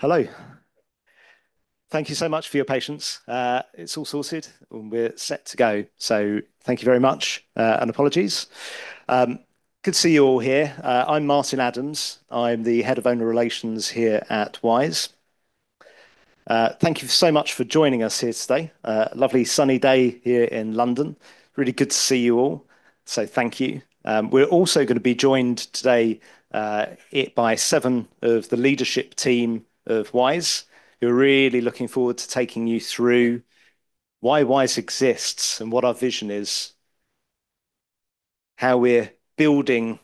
Hello. Thank you so much for your patience. It's all sorted, and we're set to go. Thank you very much, and apologies. Good to see you all here. I'm Martin Adams. I'm the Head of Invester Relations here at Wise. Thank you so much for joining us here today. Lovely sunny day here in London. Really good to see you all. Thank you. We're also going to be joined today by seven of the leadership team of Wise. We're really looking forward to taking you through why Wise exists and what our vision is, how we're building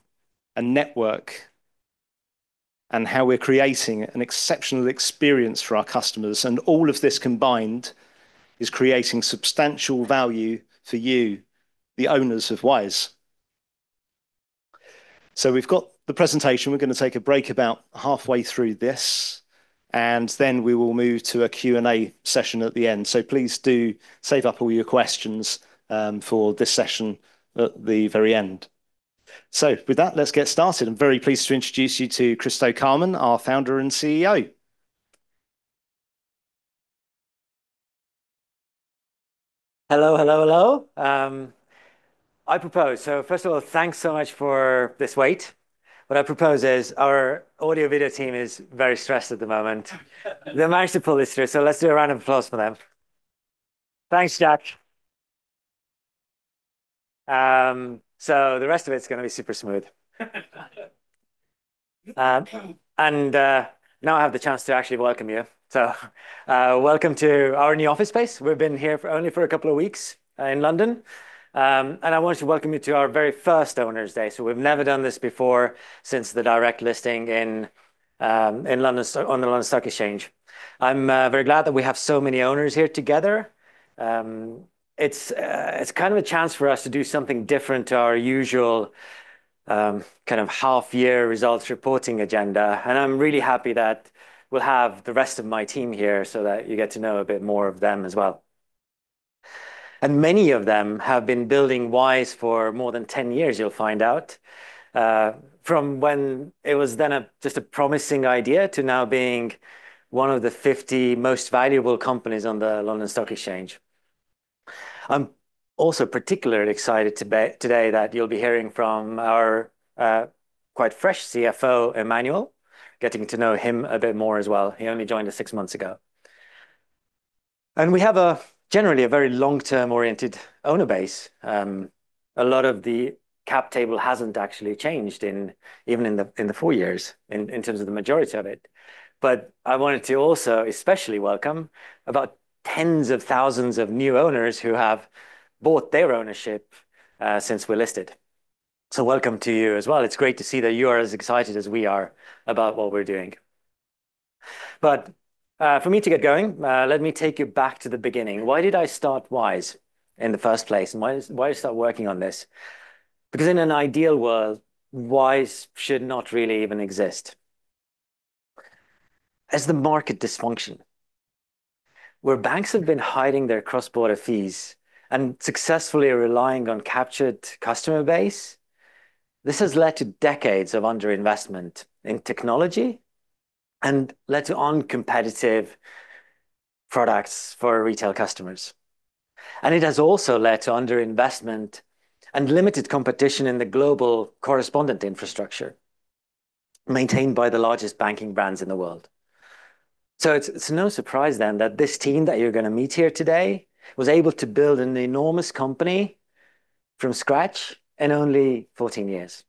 a network, and how we're creating an exceptional experience for our customers. All of this combined is creating substantial value for you, the owners of Wise. We've got the presentation. We're going to take a break about halfway through this, and then we will move to a Q&A session at the end. Please do save up all your questions for this session at the very end. With that, let's get started. I'm very pleased to introduce you to Kristo Käärmann, our founder and CEO. Hello, hello, hello. I propose, so first of all, thanks so much for this wait. What I propose is our audio video team is very stressed at the moment. They managed to pull this through, so let's do a round of applause for them. Thanks, Jack. The rest of it's going to be super smooth. Now I have the chance to actually welcome you. Welcome to our new office space. We've been here for only a couple of weeks in London. I wanted to welcome you to our very first Owners' Day. We've never done this before since the direct listing in London on the London Stock Exchange. I'm very glad that we have so many owners here together. It's kind of a chance for us to do something different to our usual, kind of half-year results reporting agenda. I'm really happy that we'll have the rest of my team here so that you get to know a bit more of them as well. Many of them have been building Wise for more than 10 years, you'll find out, from when it was then just a promising idea to now being one of the 50 most valuable companies on the London Stock Exchange. I'm also particularly excited today that you'll be hearing from our, quite fresh CFO, Emmanuel, getting to know him a bit more as well. He only joined us six months ago. We have generally a very long-term oriented owner base. A lot of the cap table hasn't actually changed even in the four years in terms of the majority of it. I wanted to also especially welcome about tens of thousands of new owners who have bought their ownership since we were listed. Welcome to you as well. It is great to see that you are as excited as we are about what we are doing. For me to get going, let me take you back to the beginning. Why did I start Wise in the first place? Why did I start working on this? In an ideal world, Wise should not really even exist. As the market dysfunction, where banks have been hiding their cross-border fees and successfully relying on captured customer base, this has led to decades of underinvestment in technology and led to uncompetitive products for retail customers. It has also led to underinvestment and limited competition in the global correspondent infrastructure maintained by the largest banking brands in the world. It is no surprise then that this team that you're going to meet here today was able to build an enormous company from scratch in only 14 years.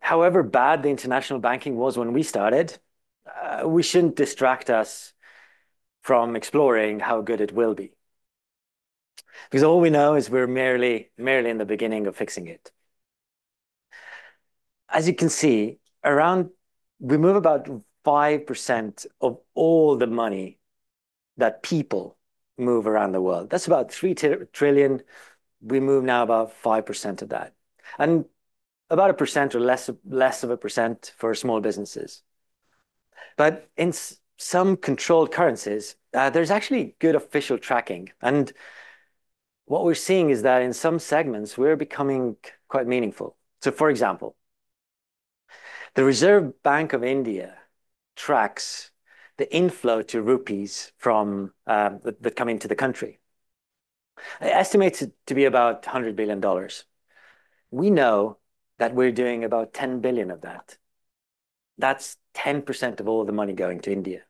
However bad the international banking was when we started, we shouldn't distract ourselves from exploring how good it will be. All we know is we're merely, merely in the beginning of fixing it. As you can see, we move about 5% of all the money that people move around the world. That is about 3 trillion. We move now about 5% of that and about a percent or less, less of a percent for small businesses. In some controlled currencies, there is actually good official tracking. What we're seeing is that in some segments, we're becoming quite meaningful. For example, the Reserve Bank of India tracks the inflow to rupees that come into the country. It estimates it to be about $100 billion. We know that we're doing about $10 billion of that. That's 10% of all the money going to India.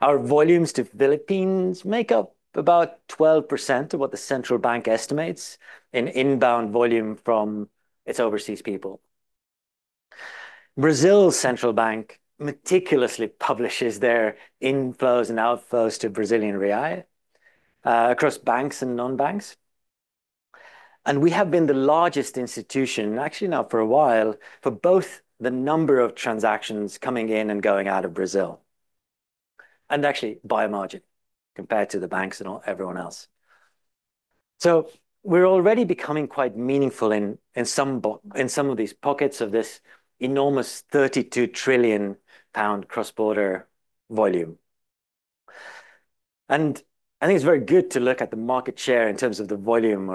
Our volumes to the Philippines make up about 12% of what the central bank estimates in inbound volume from its overseas people. Brazil's central bank meticulously publishes their inflows and outflows to Brazilian real, across banks and non-banks. We have been the largest institution, actually now for a while, for both the number of transactions coming in and going out of Brazil and actually by a margin compared to the banks and everyone else. We're already becoming quite meaningful in, in some, in some of these pockets of this enormous 32 trillion pound cross-border volume. I think it's very good to look at the market share in terms of the volume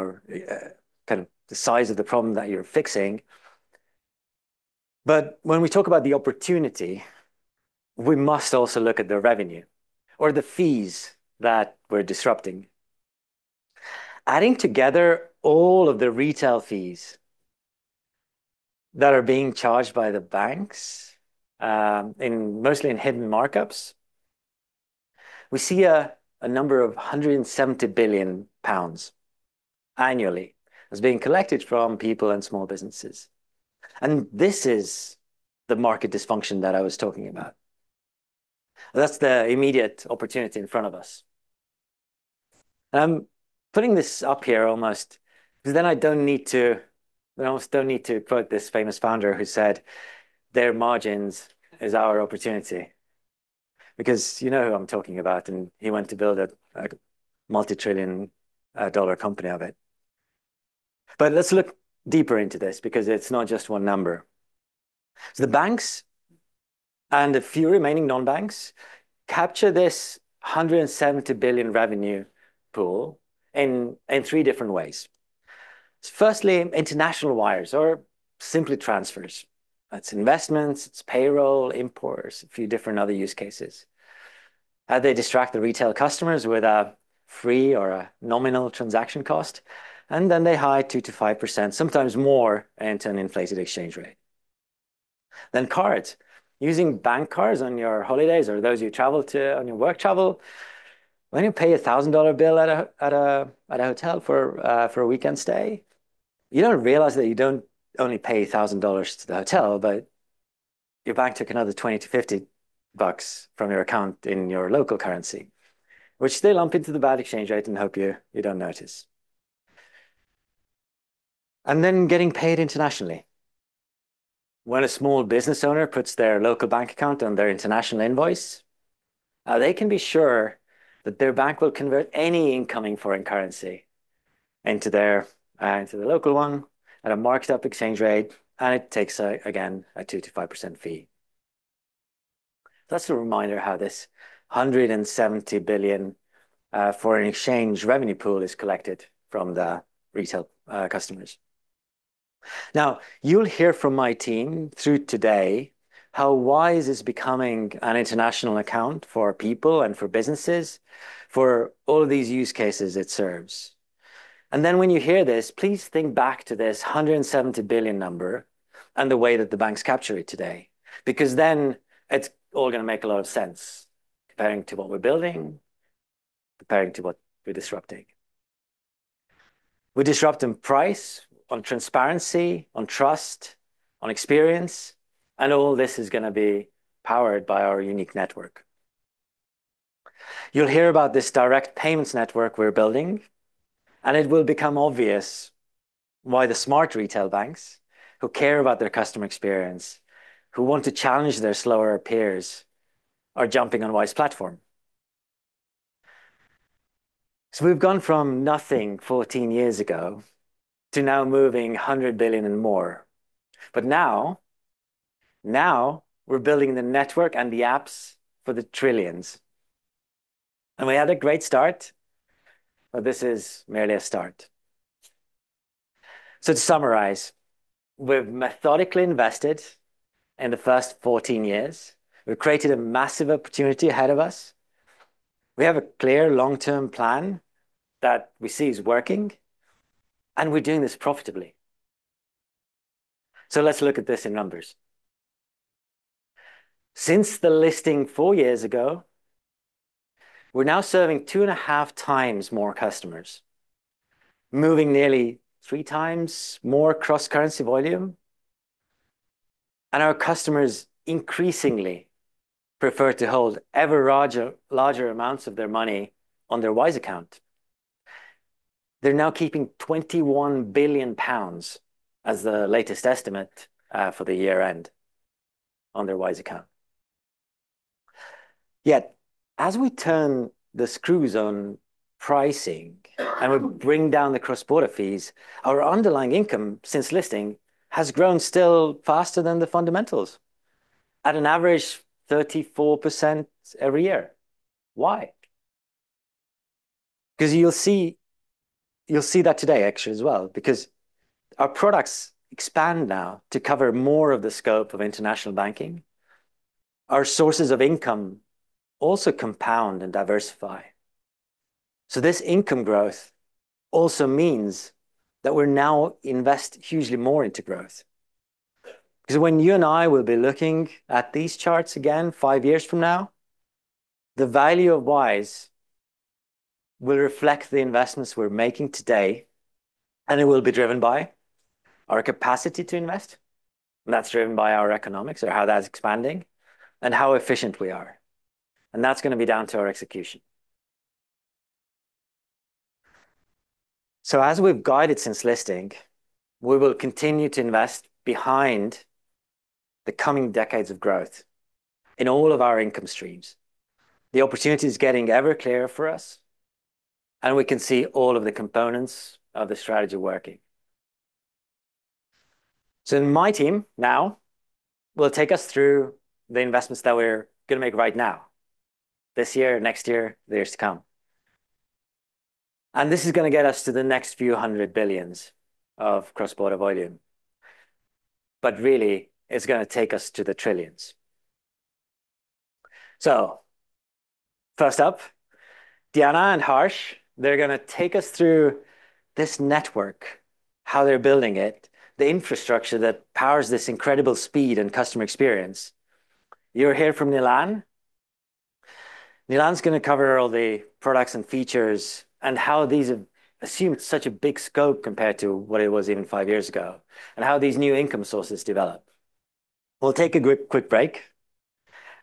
or, kind of the size of the problem that you're fixing. When we talk about the opportunity, we must also look at the revenue or the fees that we're disrupting. Adding together all of the retail fees that are being charged by the banks, mostly in hidden markups, we see a number of 170 billion pounds annually that's being collected from people and small businesses. This is the market dysfunction that I was talking about. That's the immediate opportunity in front of us. I'm putting this up here almost because then I don't need to, I almost don't need to quote this famous founder who said, "Their margins is our opportunity." You know who I'm talking about, and he went to build a multi-trillion dollar company of it. Let's look deeper into this because it's not just one number. The banks and a few remaining non-banks capture this $170 billion revenue pool in three different ways. Firstly, international wires or simply transfers. That's investments, it's payroll, imports, a few different other use cases. They distract the retail customers with a free or a nominal transaction cost, and then they hide 2-5%, sometimes more, into an inflated exchange rate. Cards, using bank cards on your holidays or those you travel to on your work travel, when you pay a $1,000 bill at a hotel for a weekend stay, you don't realize that you don't only pay $1,000 to the hotel, but your bank took another $20-$50 from your account in your local currency, which they lump into the bad exchange rate and hope you don't notice. Getting paid internationally, when a small business owner puts their local bank account on their international invoice, they can be sure that their bank will convert any incoming foreign currency into the local one at a marked up exchange rate, and it takes again a 2%-5% fee. That's a reminder of how this $170 billion foreign exchange revenue pool is collected from the retail customers. Now, you'll hear from my team through today how Wise is becoming an international account for people and for businesses for all of these use cases it serves. When you hear this, please think back to this 170 billion number and the way that the banks capture it today, because it is all going to make a lot of sense comparing to what we're building, comparing to what we're disrupting. We disrupt in price, on transparency, on trust, on experience, and all this is going to be powered by our unique network. You'll hear about this direct payments network we're building, and it will become obvious why the smart retail banks who care about their customer experience, who want to challenge their slower peers, are jumping on Wise's platform. We have gone from nothing 14 years ago to now moving 100 billion and more. Now we're building the network and the apps for the trillions. We had a great start, but this is merely a start. To summarize, we've methodically invested in the first 14 years. We've created a massive opportunity ahead of us. We have a clear long-term plan that we see is working, and we're doing this profitably. Let's look at this in numbers. Since the listing four years ago, we're now serving two and a half times more customers, moving nearly three times more cross-currency volume. Our customers increasingly prefer to hold ever larger, larger amounts of their money on their Wise Account. They're now keeping 21 billion pounds as the latest estimate, for the year end on their Wise Account. Yet, as we turn the screws on pricing and we bring down the cross-border fees, our underlying income since listing has grown still faster than the fundamentals at an average 34% every year. Why? Because you'll see, you'll see that today, actually, as well, because our products expand now to cover more of the scope of international banking. Our sources of income also compound and diversify. This income growth also means that we're now investing hugely more into growth. Because when you and I will be looking at these charts again five years from now, the value of Wise will reflect the investments we're making today, and it will be driven by our capacity to invest. That is driven by our economics or how that's expanding and how efficient we are. That is going to be down to our execution. As we've guided since listing, we will continue to invest behind the coming decades of growth in all of our income streams. The opportunity is getting ever clearer for us, and we can see all of the components of the strategy working. My team now will take us through the investments that we're going to make right now, this year, next year, years to come. This is going to get us to the next few hundred billions of cross-border volume. Really, it's going to take us to the trillions. First up, Diana and Harsh, they're going to take us through this network, how they're building it, the infrastructure that powers this incredible speed and customer experience. You'll hear from Nilan. Nilan's going to cover all the products and features and how these have assumed such a big scope compared to what it was even five years ago and how these new income sources develop. We'll take a quick break,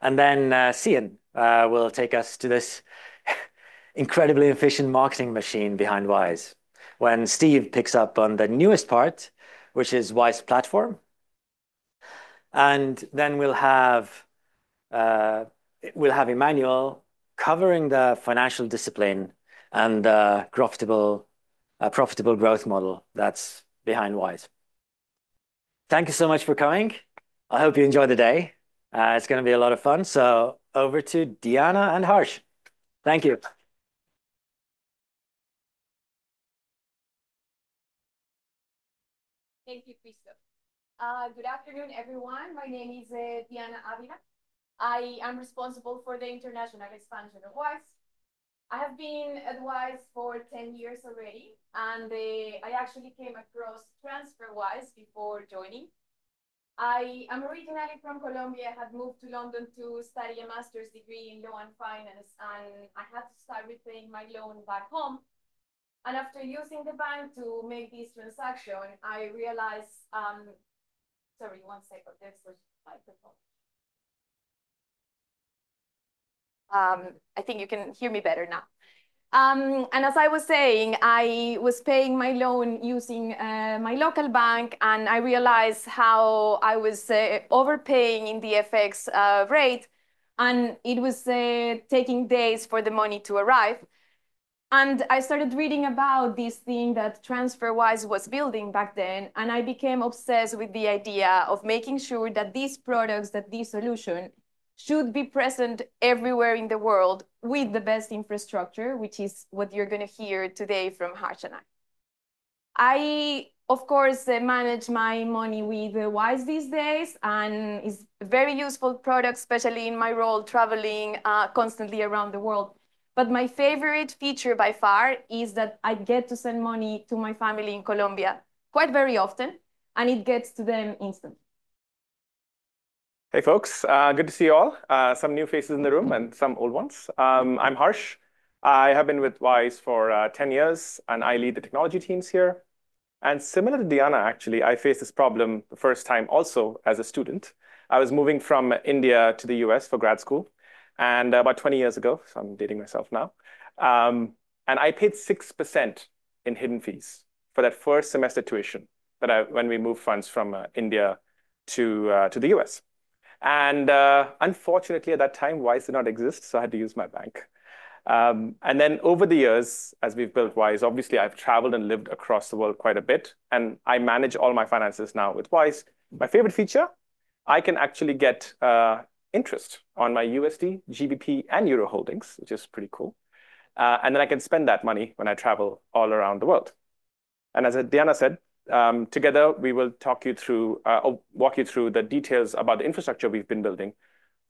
and then Cian will take us to this incredibly efficient marketing machine behind Wise when Steve picks up on the newest part, which is Wise's platform. We'll have Emmanuel covering the financial discipline and the profitable, profitable growth model that's behind Wise. Thank you so much for coming. I hope you enjoy the day. It's going to be a lot of fun. Over toDiana and Harsh. Thank you. Thank you, Kristo. Good afternoon, everyone.My name is Diana Avila. I am responsible for the international expansion of Wise. I have been at Wise for 10 years already, and I actually came across TransferWise before joining. I am originally from Colombia. I had moved to London to study a master's degree in loan finance, and I had to start repaying my loan back home. After using the bank to make this transaction, I realized, sorry, one second, this was my phone. I think you can hear me better now. As I was saying, I was paying my loan using my local bank, and I realized how I was overpaying in the FX rate, and it was taking days for the money to arrive. I started reading about this thing that TransferWise was building back then, and I became obsessed with the idea of making sure that these products, that this solution should be present everywhere in the world with the best infrastructure, which is what you're going to hear today from Harsh and I. I, of course, manage my money with Wise these days, and it's a very useful product, especially in my role traveling, constantly around the world. My favorite feature by far is that I get to send money to my family in Colombia quite very often, and it gets to them instantly. Hey folks, good to see you all. Some new faces in the room and some old ones. I'm Harsh. I have been with Wise for 10 years, and I lead the technology teams here. Similar toDiana, actually, I faced this problem the first time also as a student. I was moving from India to the US for grad school, and about 20 years ago, so I'm dating myself now. I paid 6% in hidden fees for that first semester tuition that I, when we moved funds from India to the US. Unfortunately, at that time, Wise did not exist, so I had to use my bank. Over the years, as we've built Wise, obviously, I've traveled and lived across the world quite a bit, and I manage all my finances now with Wise. My favorite feature, I can actually get interest on my USD, GBP, and EUR holdings, which is pretty cool. I can spend that money when I travel all around the world. As Diana said, together we will talk you through, or walk you through the details about the infrastructure we've been building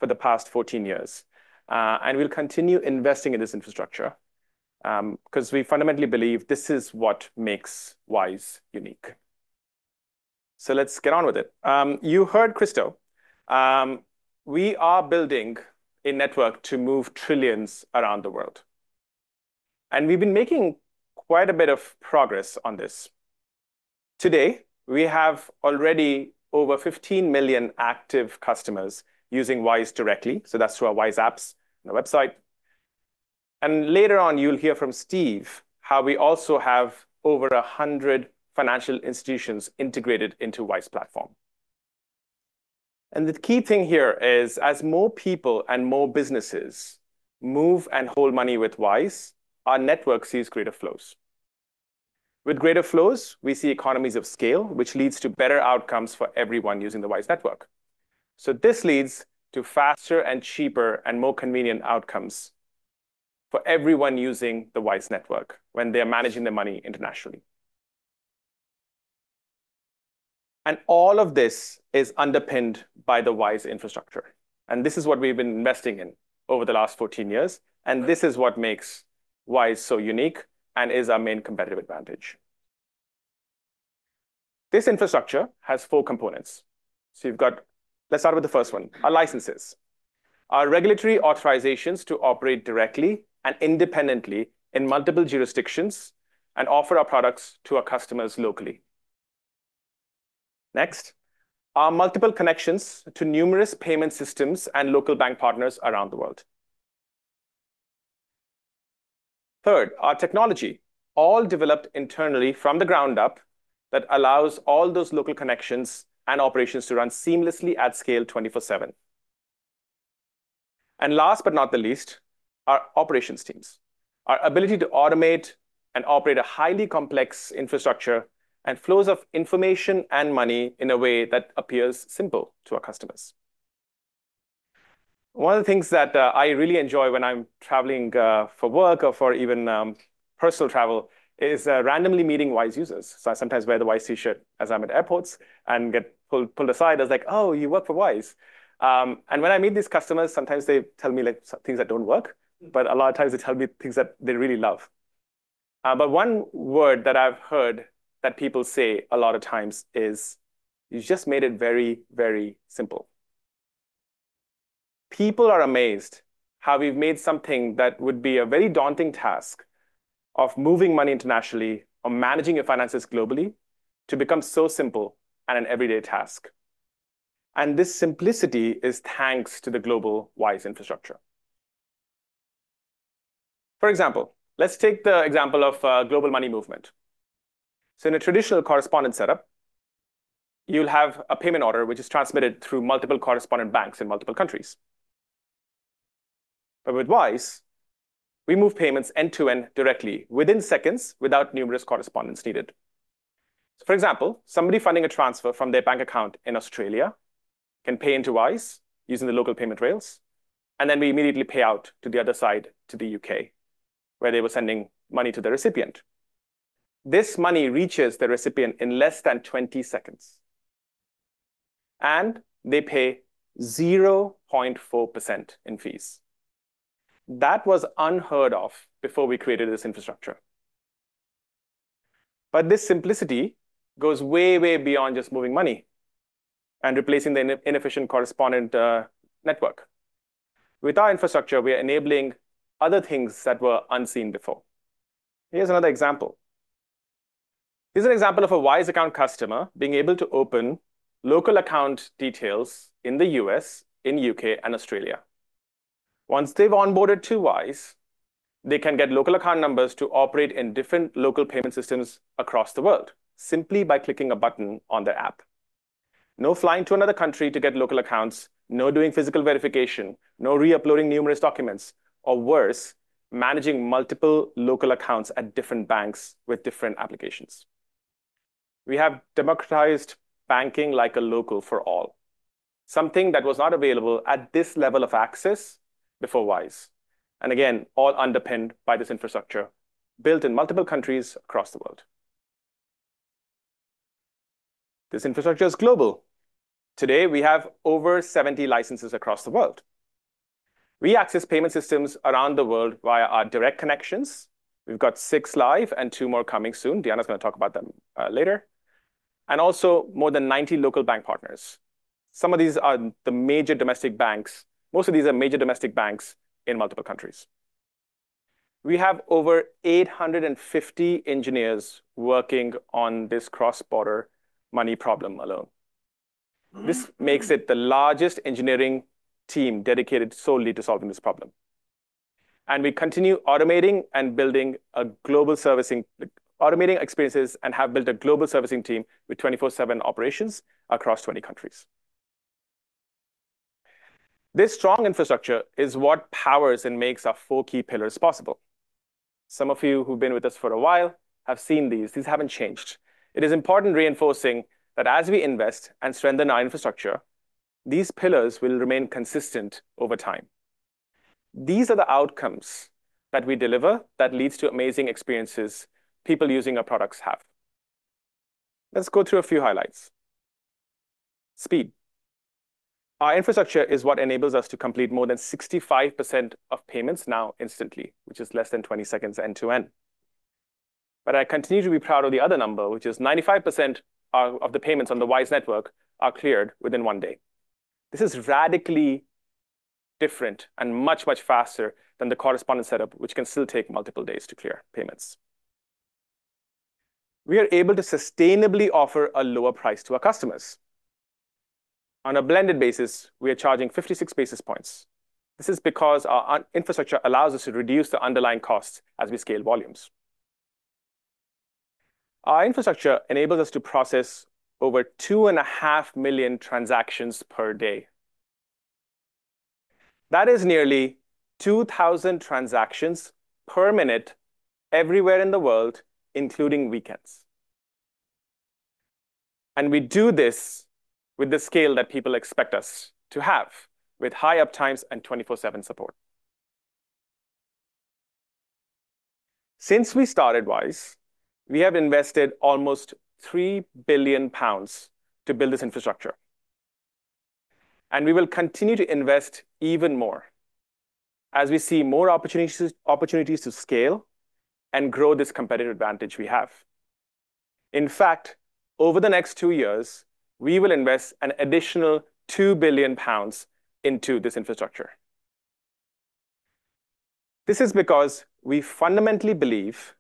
for the past 14 years. We will continue investing in this infrastructure, because we fundamentally believe this is what makes Wise unique. Let's get on with it. You heard Kristo. We are building a network to move trillions around the world, and we've been making quite a bit of progress on this. Today, we have already over 15 million active customers using Wise directly. That's through our Wise apps and our website. Later on, you'll hear from Steve how we also have over 100 financial institutions integrated into Wise Platform. The key thing here is, as more people and more businesses move and hold money with Wise, our network sees greater flows. With greater flows, we see economies of scale, which leads to better outcomes for everyone using the Wise network. This leads to faster and cheaper and more convenient outcomes for everyone using the Wise network when they're managing their money internationally. All of this is underpinned by the Wise infrastructure. This is what we've been investing in over the last 14 years. This is what makes Wise so unique and is our main competitive advantage. This infrastructure has four components. You have, let's start with the first one, our licenses, our regulatory authorizations to operate directly and independently in multiple jurisdictions and offer our products to our customers locally. Next, our multiple connections to numerous payment systems and local bank partners around the world. Third, our technology, all developed internally from the ground up, that allows all those local connections and operations to run seamlessly at scale 24/7. Last but not the least, our operations teams, our ability to automate and operate a highly complex infrastructure and flows of information and money in a way that appears simple to our customers. One of the things that I really enjoy when I'm traveling, for work or for even personal travel, is randomly meeting Wise users. I sometimes wear the Wise t-shirt as I'm at airports and get pulled, pulled aside as like, oh, you work for Wise. When I meet these customers, sometimes they tell me things that don't work, but a lot of times they tell me things that they really love. One word that I've heard that people say a lot of times is, you just made it very, very simple. People are amazed how we've made something that would be a very daunting task of moving money internationally or managing your finances globally to become so simple and an everyday task. This simplicity is thanks to the global Wise infrastructure. For example, let's take the example of a global money movement. In a traditional correspondent setup, you'll have a payment order which is transmitted through multiple correspondent banks in multiple countries. With Wise, we move payments end to end directly within seconds without numerous correspondence needed. For example, somebody funding a transfer from their bank account in Australia can pay into Wise using the local payment rails, and then we immediately pay out to the other side to the U.K., where they were sending money to the recipient. This money reaches the recipient in less than 20 seconds, and they pay 0.4% in fees. That was unheard of before we created this infrastructure. This simplicity goes way, way beyond just moving money and replacing the inefficient correspondent network. With our infrastructure, we are enabling other things that were unseen before. Here's another example. Here's an example of a Wise Account customer being able to open local account details in the U.S., in U.K., and Australia. Once they've onboarded to Wise, they can get local account numbers to operate in different local payment systems across the world simply by clicking a button on their app. No flying to another country to get local accounts, no doing physical verification, no re-uploading numerous documents, or worse, managing multiple local accounts at different banks with different applications. We have democratized banking like a local for all, something that was not available at this level of access before Wise. All underpinned by this infrastructure built in multiple countries across the world. This infrastructure is global. Today, we have over 70 licenses across the world. We access payment systems around the world via our direct connections. We've got six live and two more coming soon. Diana's going to talk about them later. Also more than 90 local bank partners. Some of these are the major domestic banks. Most of these are major domestic banks in multiple countries. We have over 850 engineers working on this cross-border money problem alone. This makes it the largest engineering team dedicated solely to solving this problem. We continue automating and building a global servicing, like automating experiences and have built a global servicing team with 24/7 operations across 20 countries. This strong infrastructure is what powers and makes our four key pillars possible. Some of you who've been with us for a while have seen these. These haven't changed. It is important reinforcing that as we invest and strengthen our infrastructure, these pillars will remain consistent over time. These are the outcomes that we deliver that lead to amazing experiences people using our products have. Let's go through a few highlights. Speed. Our infrastructure is what enables us to complete more than 65% of payments now instantly, which is less than 20 seconds end to end. I continue to be proud of the other number, which is 95% of the payments on the Wise network are cleared within one day. This is radically different and much, much faster than the correspondent setup, which can still take multiple days to clear payments. We are able to sustainably offer a lower price to our customers. On a blended basis, we are charging 56 basis points. This is because our infrastructure allows us to reduce the underlying costs as we scale volumes. Our infrastructure enables us to process over 2.5 million transactions per day. That is nearly 2,000 transactions per minute everywhere in the world, including weekends. We do this with the scale that people expect us to have, with high uptimes and 24/7 support. Since we started Wise, we have invested almost 3 billion pounds to build this infrastructure, and we will continue to invest even more as we see more opportunities, opportunities to scale and grow this competitive advantage we have. In fact, over the next two years, we will invest an additional 2 billion pounds into this infrastructure. This is because we fundamentally believe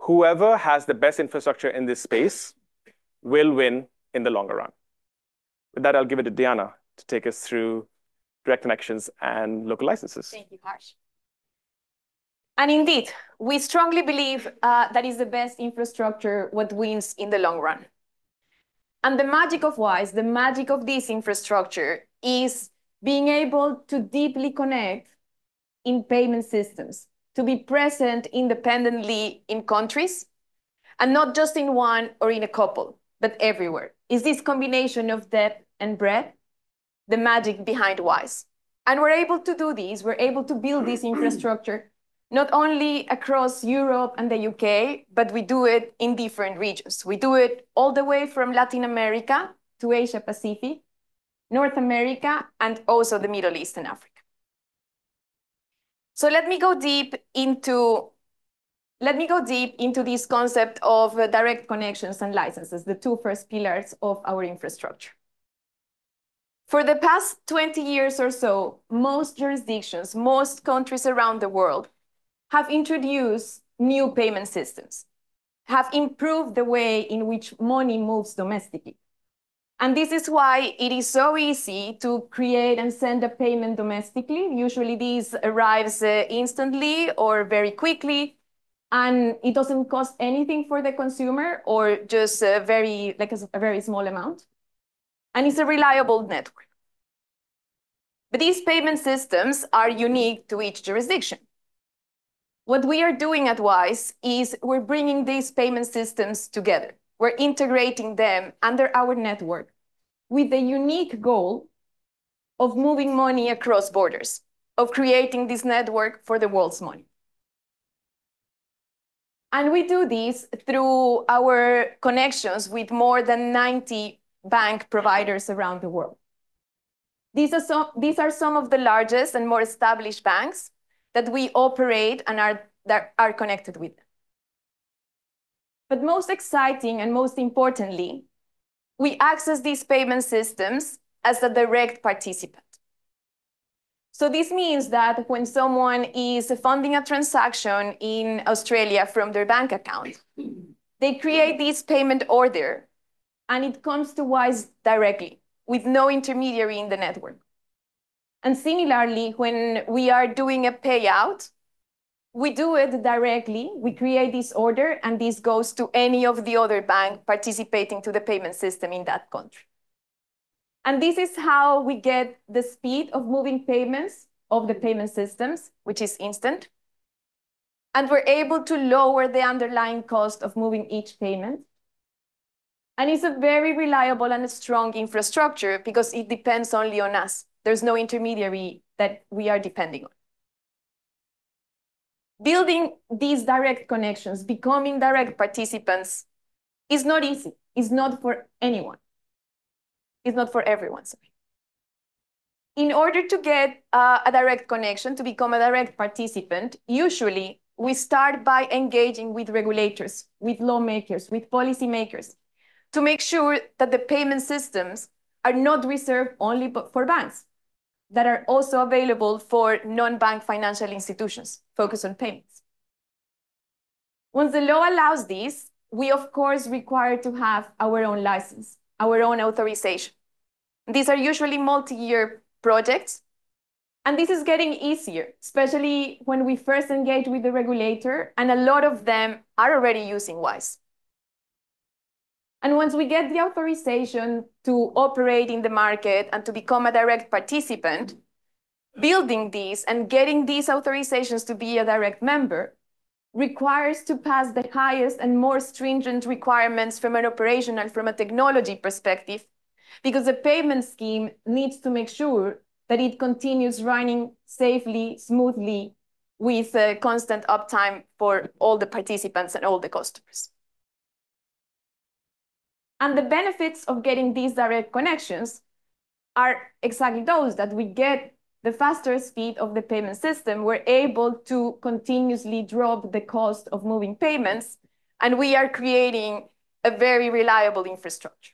whoever has the best infrastructure in this space will win in the longer run. With that, I'll give it toDiana to take us through direct connections and local licenses. Thank you, Harsh. Indeed, we strongly believe that it is the best infrastructure what wins in the long run. The magic of Wise, the magic of this infrastructure is being able to deeply connect in payment systems, to be present independently in countries, and not just in one or in a couple, but everywhere. It's this combination of depth and breadth, the magic behind Wise. We're able to do this. We're able to build this infrastructure not only across Europe and the U.K., but we do it in different regions. We do it all the way from Latin America to Asia Pacific, North America, and also the Middle East and Africa. Let me go deep into, let me go deep into this concept of direct connections and licenses, the two first pillars of our infrastructure. For the past 20 years or so, most jurisdictions, most countries around the world have introduced new payment systems, have improved the way in which money moves domestically. This is why it is so easy to create and send a payment domestically. Usually, this arrives instantly or very quickly, and it does not cost anything for the consumer or just a very, like a very small amount. It is a reliable network. These payment systems are unique to each jurisdiction. What we are doing at Wise is we are bringing these payment systems together. We are integrating them under our network with the unique goal of moving money across borders, of creating this network for the world's money. We do this through our connections with more than 90 bank providers around the world. These are some of the largest and more established banks that we operate and are connected with. Most exciting and most importantly, we access these payment systems as a direct participant. This means that when someone is funding a transaction in Australia from their bank account, they create this payment order and it comes to Wise directly with no intermediary in the network. Similarly, when we are doing a payout, we do it directly. We create this order and this goes to any of the other banks participating in the payment system in that country. This is how we get the speed of moving payments of the payment systems, which is instant. We are able to lower the underlying cost of moving each payment. It is a very reliable and strong infrastructure because it depends only on us. There is no intermediary that we are depending on. Building these direct connections, becoming direct participants is not easy. It is not for anyone. It is not for everyone. In order to get a direct connection, to become a direct participant, usually we start by engaging with regulators, with lawmakers, with policymakers to make sure that the payment systems are not reserved only for banks, that are also available for non-bank financial institutions focused on payments. Once the law allows this, we are of course required to have our own license, our own authorization. These are usually multi-year projects, and this is getting easier, especially when we first engage with the regulator and a lot of them are already using Wise. Once we get the authorization to operate in the market and to become a direct participant, building these and getting these authorizations to be a direct member requires us to pass the highest and more stringent requirements from an operational, from a technology perspective, because the payment scheme needs to make sure that it continues running safely, smoothly, with a constant uptime for all the participants and all the customers. The benefits of getting these direct connections are exactly those that we get the faster speed of the payment system. We're able to continuously drop the cost of moving payments, and we are creating a very reliable infrastructure.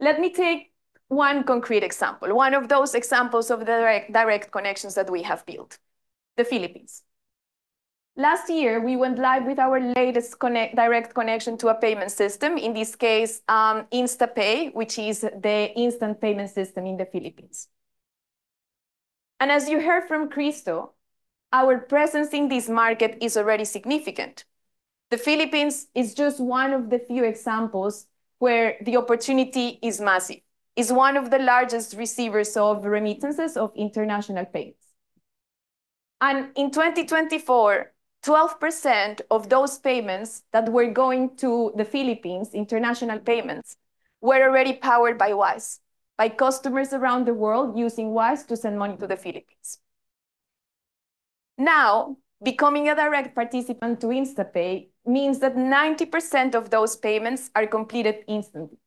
Let me take one concrete example, one of those examples of the direct connections that we have built, the Philippines. Last year, we went live with our latest direct connection to a payment system, in this case, InstaPay, which is the instant payment system in the Philippines. As you heard from Kristo, our presence in this market is already significant. The Philippines is just one of the few examples where the opportunity is massive. It is one of the largest receivers of remittances of international payments. In 2024, 12% of those payments that were going to the Philippines, international payments, were already powered by Wise, by customers around the world using Wise to send money to the Philippines. Now, becoming a direct participant to InstaPay means that 90% of those payments are completed instantly.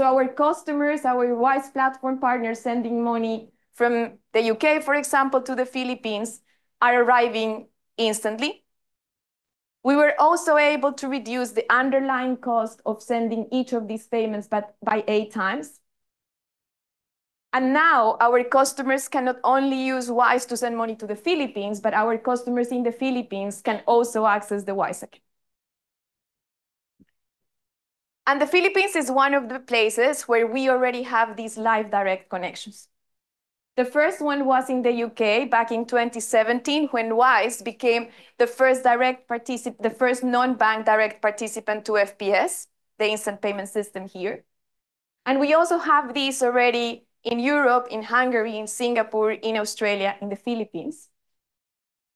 Our customers, our Wise Platform partners sending money from the U.K., for example, to the Philippines are arriving instantly. We were also able to reduce the underlying cost of sending each of these payments by eight times. Now our customers can not only use Wise to send money to the Philippines, but our customers in the Philippines can also access the Wise Account. The Philippines is one of the places where we already have these live direct connections. The first one was in the U.K. back in 2017 when Wise became the first direct participant, the first non-bank direct participant to FPS, the instant payment system here. We also have these already in Europe, in Hungary, in Singapore, in Australia, in the Philippines.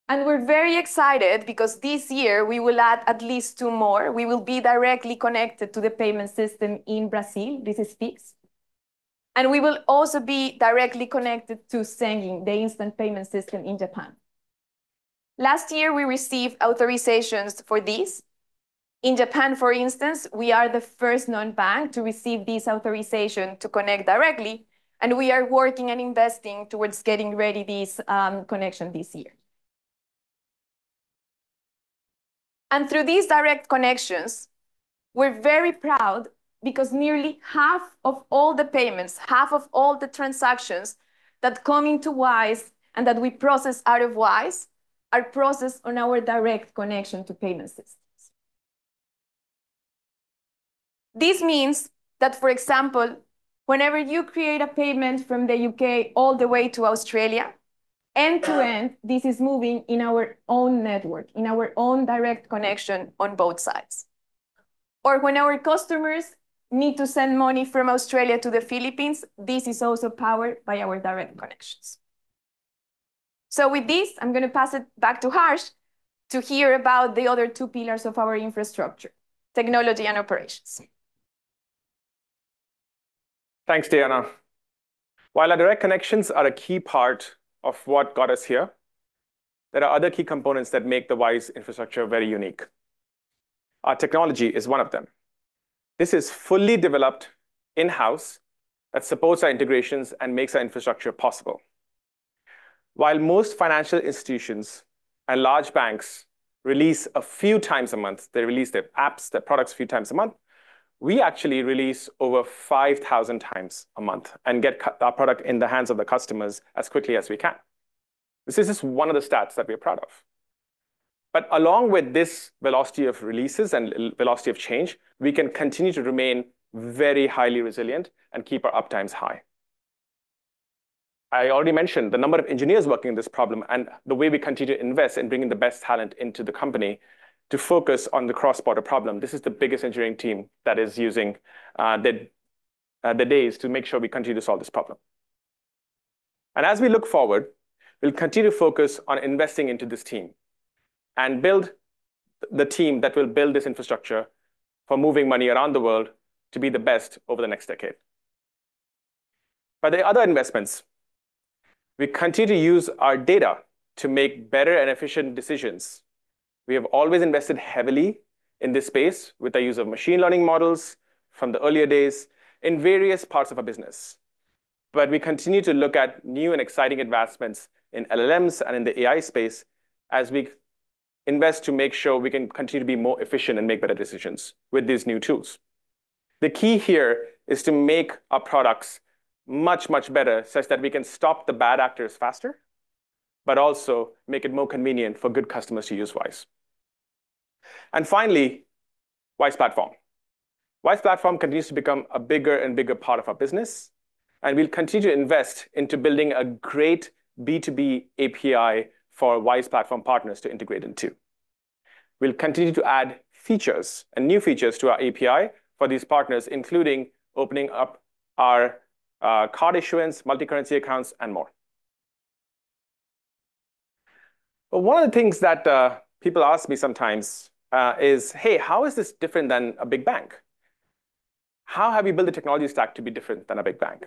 We are very excited because this year we will add at least two more. We will be directly connected to the payment system in Brazil. This is FIX. We will also be directly connected to Sengin, the instant payment system in Japan. Last year, we received authorizations for this. In Japan, for instance, we are the first non-bank to receive this authorization to connect directly, and we are working and investing towards getting ready this connection this year. Through these direct connections, we're very proud because nearly half of all the payments, half of all the transactions that come into Wise and that we process out of Wise are processed on our direct connection to payment systems. This means that, for example, whenever you create a payment from the U.K. all the way to Australia, end to end, this is moving in our own network, in our own direct connection on both sides. Or when our customers need to send money from Australia to the Philippines, this is also powered by our direct connections. With this, I'm going to pass it back to Harsh to hear about the other two pillars of our infrastructure, technology and operations. Thanks, Diana. While our direct connections are a key part of what got us here, there are other key components that make the Wise infrastructure very unique. Our technology is one of them. This is fully developed in-house that supports our integrations and makes our infrastructure possible. While most financial institutions and large banks release a few times a month, they release their apps, their products a few times a month, we actually release over 5,000 times a month and get our product in the hands of the customers as quickly as we can. This is just one of the stats that we are proud of. Along with this velocity of releases and velocity of change, we can continue to remain very highly resilient and keep our uptimes high. I already mentioned the number of engineers working on this problem and the way we continue to invest in bringing the best talent into the company to focus on the cross-border problem. This is the biggest engineering team that is using their days to make sure we continue to solve this problem. As we look forward, we'll continue to focus on investing into this team and build the team that will build this infrastructure for moving money around the world to be the best over the next decade. The other investments, we continue to use our data to make better and efficient decisions. We have always invested heavily in this space with the use of machine learning models from the earlier days in various parts of our business. We continue to look at new and exciting advancements in LLMs and in the AI space as we invest to make sure we can continue to be more efficient and make better decisions with these new tools. The key here is to make our products much, much better such that we can stop the bad actors faster, but also make it more convenient for good customers to use Wise. Finally, Wise Platform continues to become a bigger and bigger part of our business, and we'll continue to invest into building a great B2B API for Wise Platform partners to integrate into. We'll continue to add features and new features to our API for these partners, including opening up our card issuance, multicurrency accounts, and more. One of the things that people ask me sometimes is, "Hey, how is this different than a big bank? How have you built the technology stack to be different than a big bank?"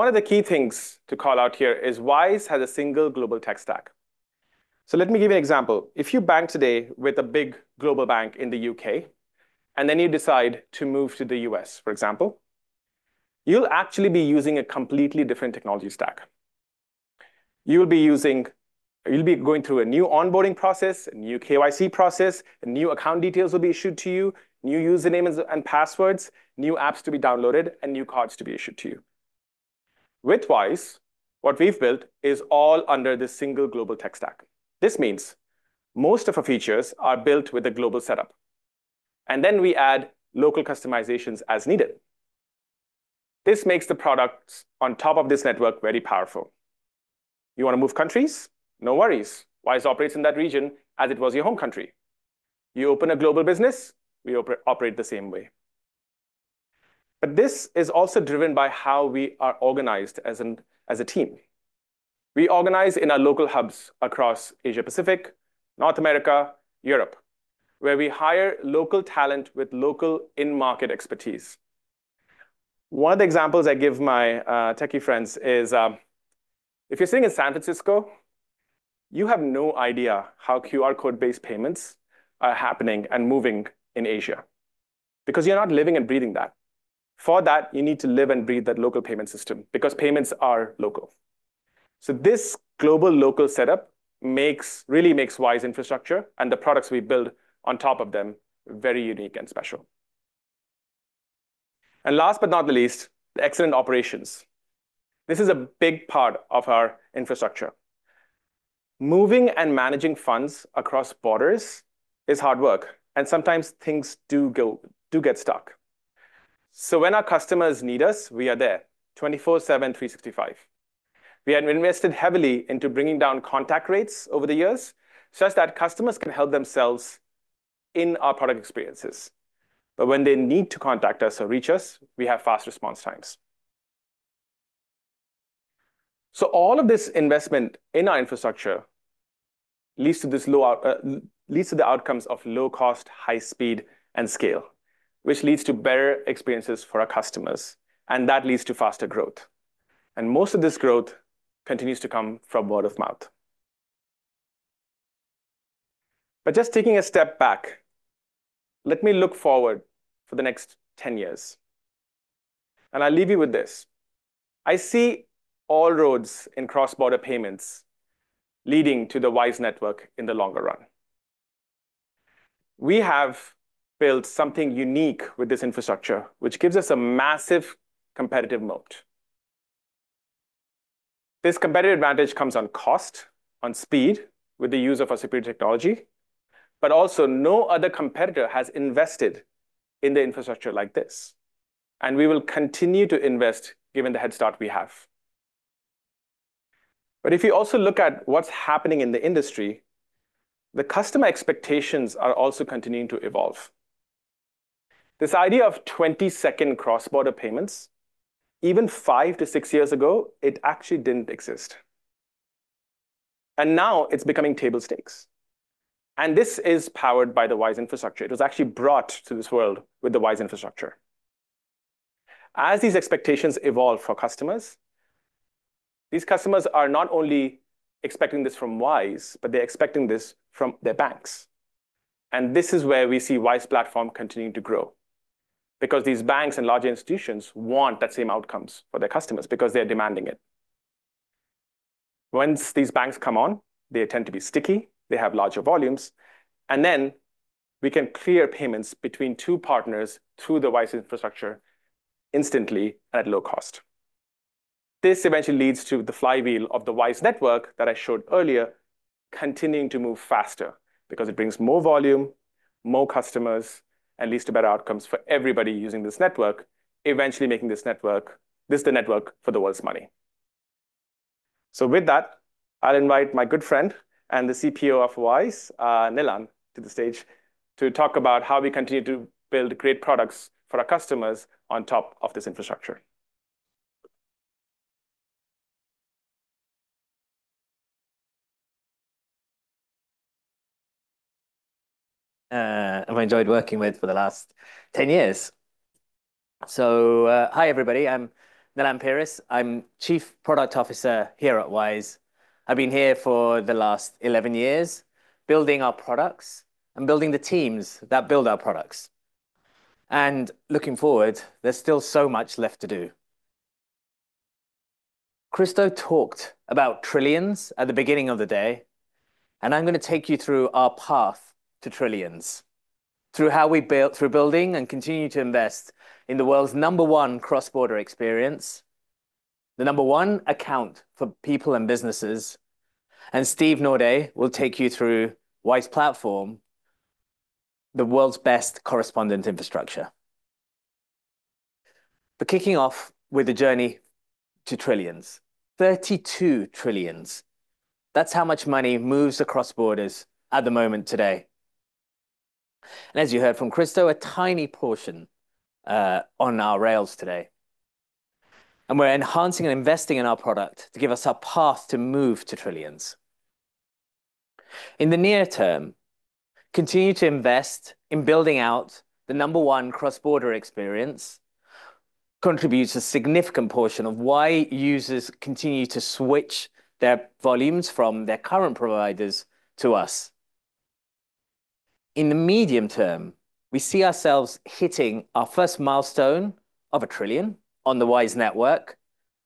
One of the key things to call out here is Wise has a single global tech stack. Let me give you an example. If you bank today with a big global bank in the U.K. and then you decide to move to the U.S., for example, you'll actually be using a completely different technology stack. You'll be using, you'll be going through a new onboarding process, a new KYC process, new account details will be issued to you, new usernames and passwords, new apps to be downloaded, and new cards to be issued to you. With Wise, what we've built is all under this single global tech stack. This means most of our features are built with a global setup, and then we add local customizations as needed. This makes the products on top of this network very powerful. You want to move countries? No worries. Wise operates in that region as if it was your home country. You open a global business, we operate the same way. This is also driven by how we are organized as a team. We organize in our local hubs across Asia Pacific, North America, Europe, where we hire local talent with local in-market expertise. One of the examples I give my techie friends is, if you're sitting in San Francisco, you have no idea how QR code-based payments are happening and moving in Asia because you're not living and breathing that. For that, you need to live and breathe that local payment system because payments are local. This global local setup really makes Wise infrastructure and the products we build on top of them very unique and special. Last but not the least, the excellent operations. This is a big part of our infrastructure. Moving and managing funds across borders is hard work, and sometimes things do get stuck. When our customers need us, we are there 24/7, 365. We have invested heavily into bringing down contact rates over the years such that customers can help themselves in our product experiences. When they need to contact us or reach us, we have fast response times. All of this investment in our infrastructure leads to the outcomes of low cost, high speed, and scale, which leads to better experiences for our customers, and that leads to faster growth. Most of this growth continues to come from word of mouth. Just taking a step back, let me look forward for the next 10 years, and I'll leave you with this. I see all roads in cross-border payments leading to the Wise network in the longer run. We have built something unique with this infrastructure, which gives us a massive competitive moat. This competitive advantage comes on cost, on speed with the use of our superior technology, but also no other competitor has invested in the infrastructure like this, and we will continue to invest given the headstart we have. If you also look at what's happening in the industry, the customer expectations are also continuing to evolve. This idea of 20-second cross-border payments, even five to six years ago, it actually didn't exist. Now it's becoming table stakes, and this is powered by the Wise infrastructure. It was actually brought to this world with the Wise infrastructure. As these expectations evolve for customers, these customers are not only expecting this from Wise, but they're expecting this from their banks. This is where we see Wise Platform continuing to grow because these banks and larger institutions want that same outcomes for their customers because they're demanding it. Once these banks come on, they tend to be sticky, they have larger volumes, and then we can clear payments between two partners through the Wise infrastructure instantly at low cost. This eventually leads to the flywheel of the Wise network that I showed earlier, continuing to move faster because it brings more volume, more customers, and leads to better outcomes for everybody using this network, eventually making this network, this is the network for the world's money. With that, I'll invite my good friend and the CPO of Wise, Nilan, to the stage to talk about how we continue to build great products for our customers on top of this infrastructure. I've enjoyed working with for the last 10 years. Hi everybody, I'm Nilan Peiris, I'm Chief Product Officer here at Wise. I've been here for the last 11 years building our products and building the teams that build our products. Looking forward, there's still so much left to do. Kristo talked about trillions at the beginning of the day, and I'm going to take you through our path to trillions, through how we build, through building and continue to invest in the world's number one cross-border experience, the number one account for people and businesses. Steve Norde will take you through Wise Platform, the world's best correspondent infrastructure. Kicking off with the journey to trillions, 32 trillion, that's how much money moves across borders at the moment today. As you heard from Kristo, a tiny portion on our rails today. We are enhancing and investing in our product to give us a path to move to trillions. In the near term, continue to invest in building out the number one cross-border experience contributes a significant portion of why users continue to switch their volumes from their current providers to us. In the medium term, we see ourselves hitting our first milestone of a trillion on the Wise network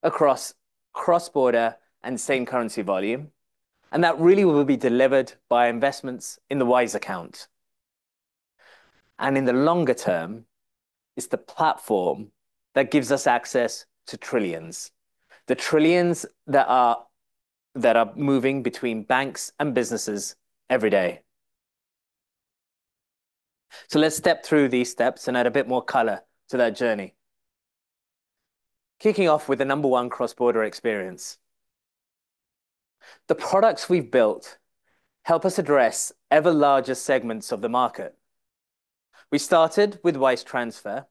across cross-border and same currency volume, and that really will be delivered by investments in the Wise account. In the longer term, it's the platform that gives us access to trillions, the trillions that are moving between banks and businesses every day. Let's step through these steps and add a bit more color to that journey. Kicking off with the number one cross-border experience. The products we've built help us address ever larger segments of the market. We started with Wise Transfer,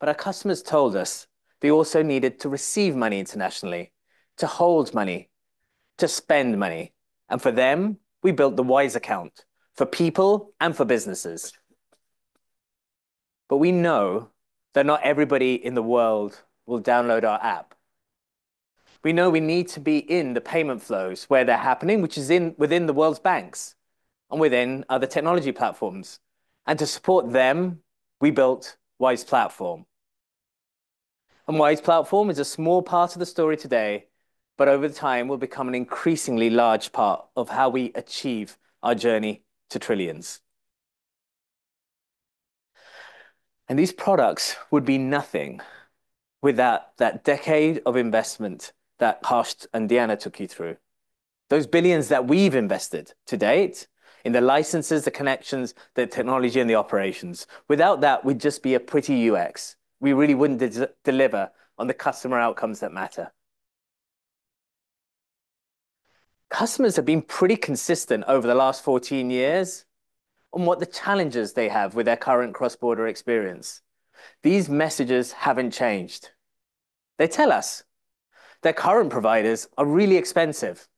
but our customers told us they also needed to receive money internationally, to hold money, to spend money. For them, we built the Wise account for people and for businesses. We know that not everybody in the world will download our app. We know we need to be in the payment flows where they're happening, which is within the world's banks and within other technology platforms. To support them, we built Wise Platform. Wise Platform is a small part of the story today, but over time, will become an increasingly large part of how we achieve our journey to trillions. These products would be nothing without that decade of investment that Harsh and Diana took you through. Those billions that we've invested to date in the licenses, the connections, the technology, and the operations. Without that, we'd just be a pretty UX. We really wouldn't deliver on the customer outcomes that matter. Customers have been pretty consistent over the last 14 years on what the challenges they have with their current cross-border experience. These messages haven't changed. They tell us their current providers are really expensive.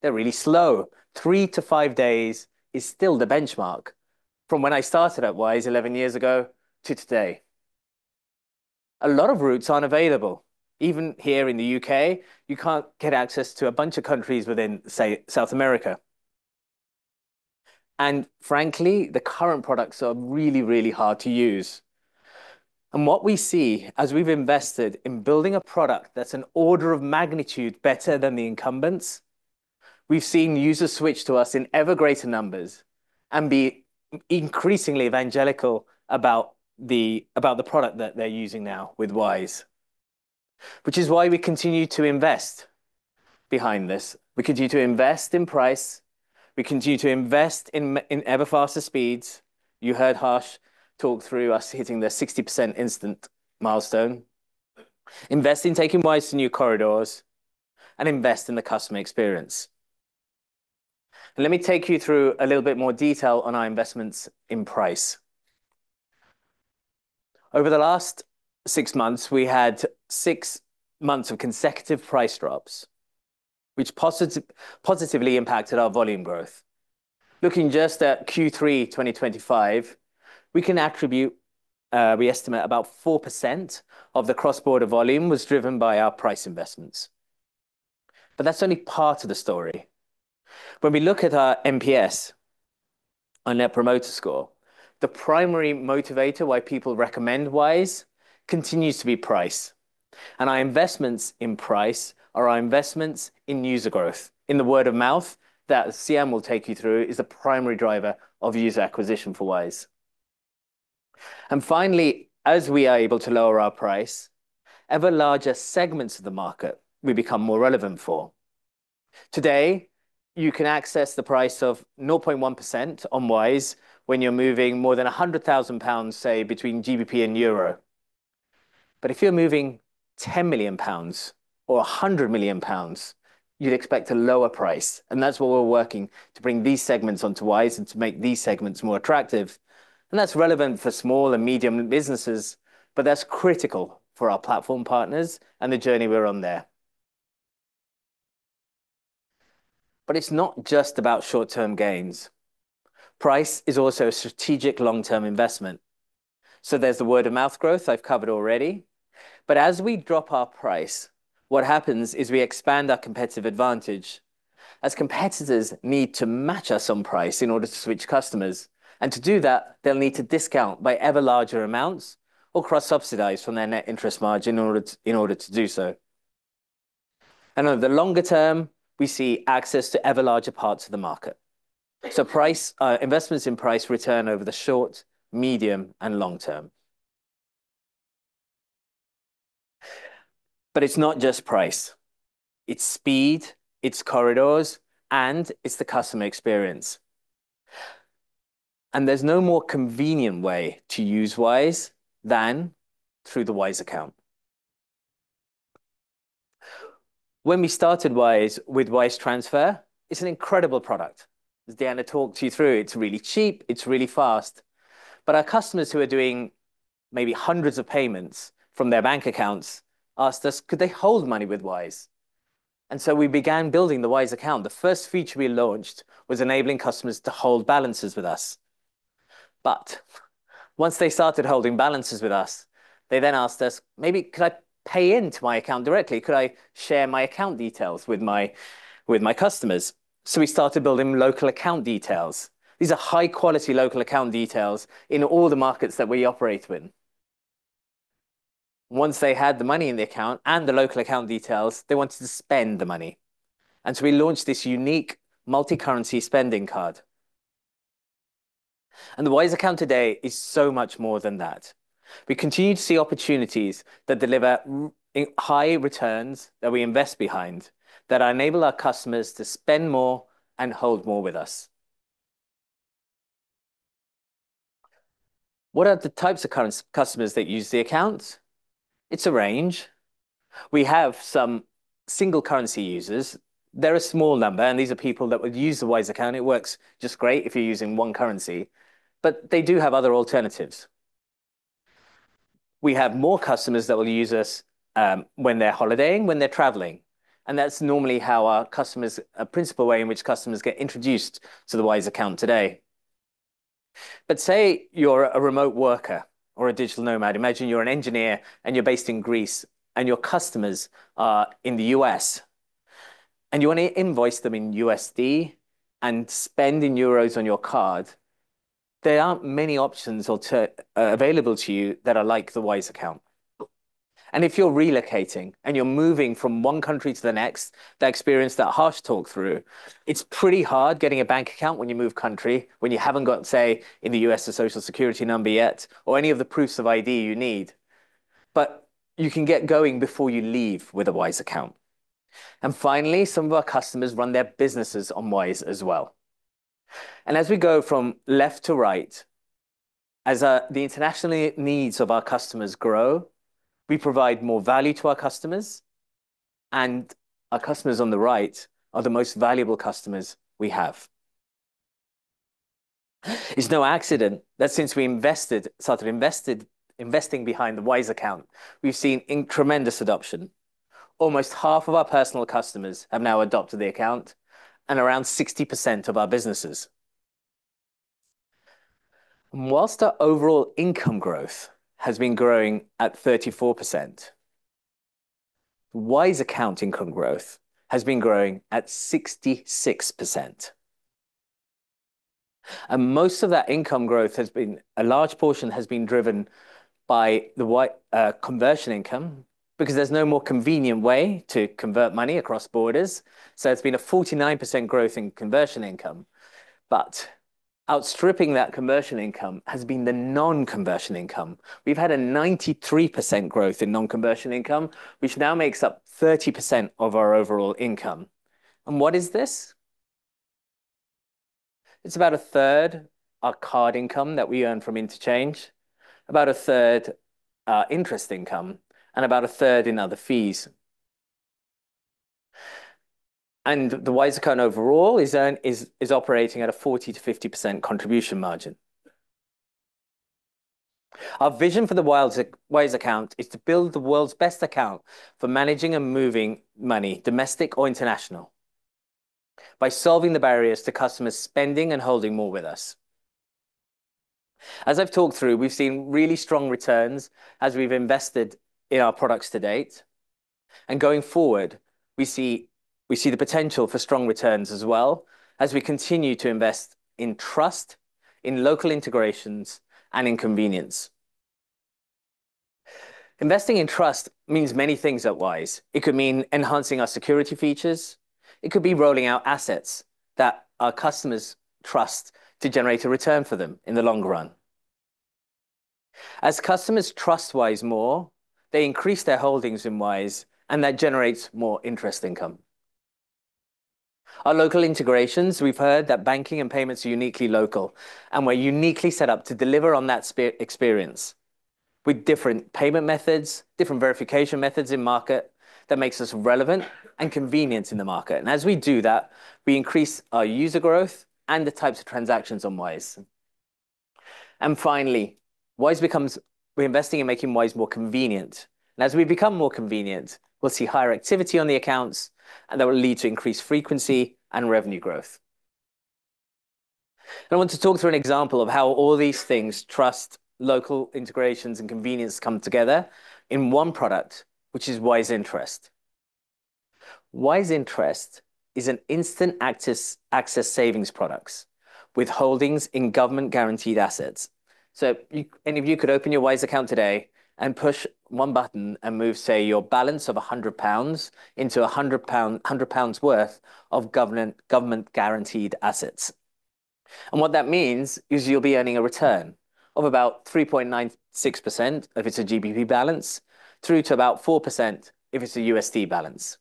They're really slow. Three to five days is still the benchmark from when I started at Wise 11 years ago to today. A lot of routes aren't available. Even here in the U.K., you can't get access to a bunch of countries within, say, South America. Frankly, the current products are really, really hard to use. What we see as we've invested in building a product that's an order of magnitude better than the incumbents, we've seen users switch to us in ever greater numbers and be increasingly evangelical about the product that they're using now with Wise, which is why we continue to invest behind this. We continue to invest in price. We continue to invest in ever faster speeds. You heard Harsh talk through us hitting the 60% instant milestone, invest in taking Wise to new corridors, and invest in the customer experience. Let me take you through a little bit more detail on our investments in price. Over the last six months, we had six months of consecutive price drops, which positively impacted our volume growth. Looking just at Q3 2025, we can attribute, we estimate about 4% of the cross-border volume was driven by our price investments. That is only part of the story. When we look at our NPS, our Net Promoter Score, the primary motivator why people recommend Wise continues to be price. Our investments in price are our investments in user growth. In the word of mouth that Cian will take you through is a primary driver of user acquisition for Wise. Finally, as we are able to lower our price, ever larger segments of the market we become more relevant for. Today, you can access the price of 0.1% on Wise when you're moving more than 100,000 pounds, say, between GBP and euro. If you're moving 10 million pounds or 100 million pounds, you'd expect a lower price. That's what we're working to bring these segments onto Wise and to make these segments more attractive. That's relevant for small and medium businesses, but that's critical for our platform partners and the journey we're on there. It's not just about short-term gains. Price is also a strategic long-term investment. There's the word of mouth growth I've covered already. As we drop our price, what happens is we expand our competitive advantage as competitors need to match us on price in order to switch customers. To do that, they'll need to discount by ever larger amounts or cross-subsidize from their net interest margin in order to do so. Over the longer term, we see access to ever larger parts of the market. Investments in price return over the short, medium, and long term. It is not just price. It is speed, it is corridors, and it is the customer experience. There is no more convenient way to use Wise than through the Wise account. When we started Wise with Wise Transfer, it is an incredible product. As Diana talked you through, it is really cheap, it is really fast. Our customers who are doing maybe hundreds of payments from their bank accounts asked us, could they hold money with Wise? We began building the Wise account. The first feature we launched was enabling customers to hold balances with us. Once they started holding balances with us, they then asked us, maybe could I pay into my account directly? Could I share my account details with my customers? We started building local account details. These are high-quality local account details in all the markets that we operate with. Once they had the money in the account and the local account details, they wanted to spend the money. We launched this unique multi-currency spending card. The Wise account today is so much more than that. We continue to see opportunities that deliver high returns that we invest behind that enable our customers to spend more and hold more with us. What are the types of current customers that use the account? It's a range. We have some single currency users. They're a small number, and these are people that would use the Wise account. It works just great if you're using one currency, but they do have other alternatives. We have more customers that will use us when they're holidaying, when they're traveling. That's normally how our customers, a principal way in which customers get introduced to the Wise account today. Say you're a remote worker or a digital nomad. Imagine you're an engineer and you're based in Greece and your customers are in the US and you want to invoice them in USD and spend in euros on your card. There aren't many options available to you that are like the Wise account. If you're relocating and you're moving from one country to the next, that experience that Harsh talked through, it's pretty hard getting a bank account when you move country, when you haven't got, say, in the US, a Social Security number yet or any of the proofs of ID you need. You can get going before you leave with a Wise account. Finally, some of our customers run their businesses on Wise as well. As we go from left to right, as the international needs of our customers grow, we provide more value to our customers. Our customers on the right are the most valuable customers we have. It is no accident that since we started investing behind the Wise Account, we have seen tremendous adoption. Almost half of our personal customers have now adopted the account and around 60% of our businesses. Whilst our overall income growth has been growing at 34%, Wise Account income growth has been growing at 66%. Most of that income growth has been, a large portion has been driven by the conversion income because there is no more convenient way to convert money across borders. It has been a 49% growth in conversion income. Outstripping that conversion income has been the non-conversion income. We've had a 93% growth in non-conversion income, which now makes up 30% of our overall income. What is this? It's about a third our card income that we earn from interchange, about a third our interest income, and about a third in other fees. The Wise account overall is operating at a 40%-50% contribution margin. Our vision for the Wise account is to build the world's best account for managing and moving money, domestic or international, by solving the barriers to customers spending and holding more with us. As I've talked through, we've seen really strong returns as we've invested in our products to date. Going forward, we see the potential for strong returns as well as we continue to invest in trust, in local integrations, and in convenience. Investing in trust means many things at Wise. It could mean enhancing our security features. It could be rolling out assets that our customers trust to generate a return for them in the long run. As customers trust Wise more, they increase their holdings in Wise, and that generates more interest income. Our local integrations, we've heard that banking and payments are uniquely local and we're uniquely set up to deliver on that experience with different payment methods, different verification methods in market that makes us relevant and convenient in the market. As we do that, we increase our user growth and the types of transactions on Wise. Finally, Wise becomes, we're investing in making Wise more convenient. As we become more convenient, we'll see higher activity on the accounts, and that will lead to increased frequency and revenue growth. I want to talk through an example of how all these things, trust, local integrations, and convenience come together in one product, which is Wise Interest. Wise Interest is an instant access savings product with holdings in government-guaranteed assets. Any of you could open your Wise Account today and push one button and move, say, your balance of 100 pounds into 100 pounds worth of government-guaranteed assets. What that means is you'll be earning a return of about 3.96% if it's a GBP balance through to about 4% if it's a USD balance.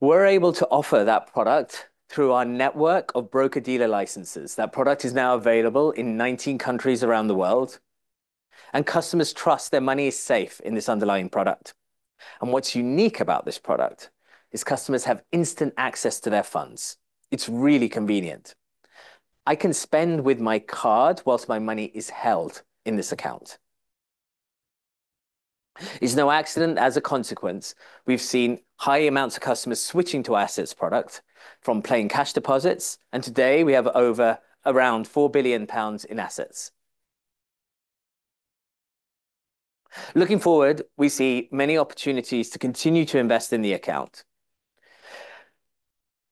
We're able to offer that product through our network of broker-dealer licenses. That product is now available in 19 countries around the world, and customers trust their money is safe in this underlying product. What's unique about this product is customers have instant access to their funds. It's really convenient. I can spend with my card whilst my money is held in this account. It's no accident. As a consequence, we've seen high amounts of customers switching to our assets product from plain cash deposits. Today, we have over around 4 billion pounds in assets. Looking forward, we see many opportunities to continue to invest in the account.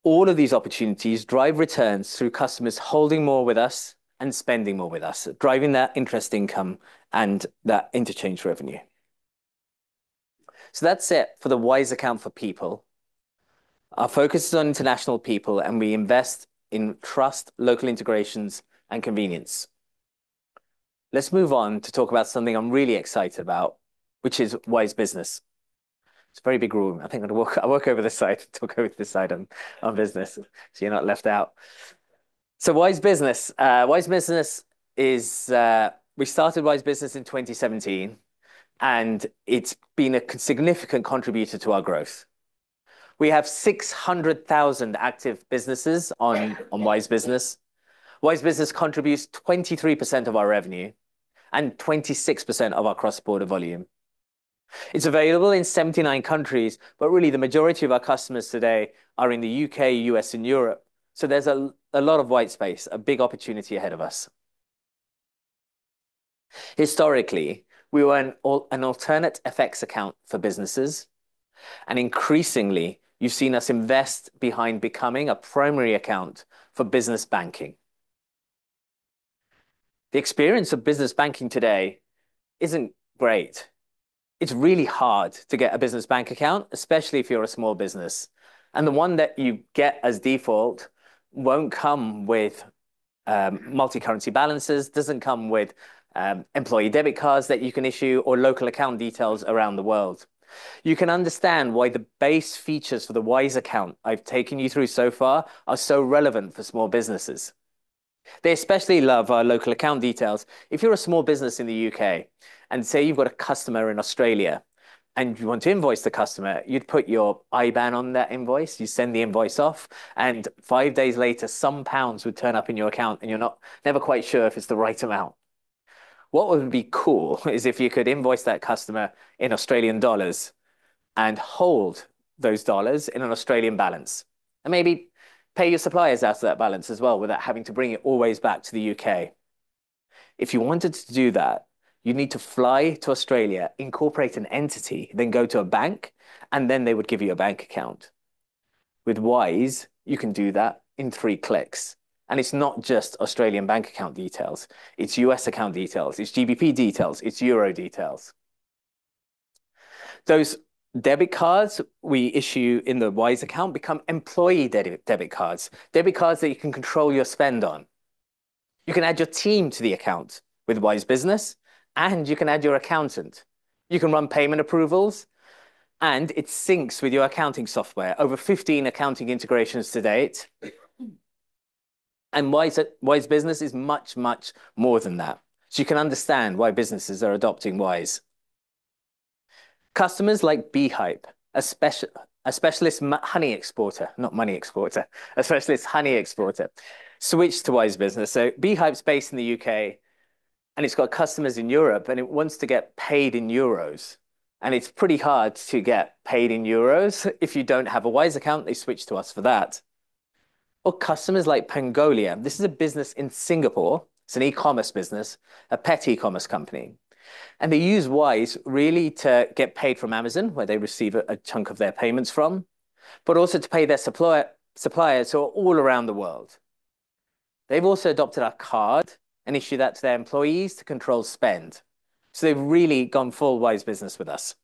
All of these opportunities drive returns through customers holding more with us and spending more with us, driving that interest income and that interchange revenue. That is it for the Wise account for people. Our focus is on international people, and we invest in trust, local integrations, and convenience. Let's move on to talk about something I'm really excited about, which is Wise Business. It's a very big room. I think I'll walk over this side and talk over this side on business so you're not left out. Wise Business, Wise Business is we started Wise Business in 2017, and it's been a significant contributor to our growth. We have 600,000 active businesses on Wise Business. Wise Business contributes 23% of our revenue and 26% of our cross-border volume. It's available in 79 countries, but really, the majority of our customers today are in the U.K., U.S., and Europe. There's a lot of white space, a big opportunity ahead of us. Historically, we were an alternate FX account for businesses, and increasingly, you've seen us invest behind becoming a primary account for business banking. The experience of business banking today isn't great. It's really hard to get a business bank account, especially if you're a small business. The one that you get as default will not come with multi-currency balances, does not come with employee debit cards that you can issue, or local account details around the world. You can understand why the base features for the Wise Account I have taken you through so far are so relevant for small businesses. They especially love our local account details. If you are a small business in the U.K. and say you have a customer in Australia and you want to invoice the customer, you would put your IBAN on that invoice, you send the invoice off, and five days later, some pounds would turn up in your account and you are never quite sure if it is the right amount. What would be cool is if you could invoice that customer in Australian dollars and hold those dollars in an Australian balance and maybe pay your suppliers out of that balance as well without having to bring it always back to the U.K. If you wanted to do that, you'd need to fly to Australia, incorporate an entity, then go to a bank, and then they would give you a bank account. With Wise, you can do that in three clicks. It's not just Australian bank account details. It's U.S. account details. It's GBP details. It's euro details. Those debit cards we issue in the Wise account become employee debit cards, debit cards that you can control your spend on. You can add your team to the account with Wise Business, and you can add your accountant. You can run payment approvals, and it syncs with your accounting software. Over 15 accounting integrations to date. Wise Business is much, much more than that. You can understand why businesses are adopting Wise. Customers like Beehive, a specialist honey exporter, not money exporter, a specialist honey exporter, switched to Wise Business. Beehive is based in the U.K., and it has customers in Europe, and it wants to get paid in euros. It is pretty hard to get paid in euros if you do not have a Wise Account. They switched to us for that. Customers like Pengolia, this is a business in Singapore. It is an e-commerce business, a pet e-commerce company. They use Wise really to get paid from Amazon, where they receive a chunk of their payments from, but also to pay their suppliers who are all around the world. They have also adopted our card and issued that to their employees to control spend. They've really gone full Wise Business with us.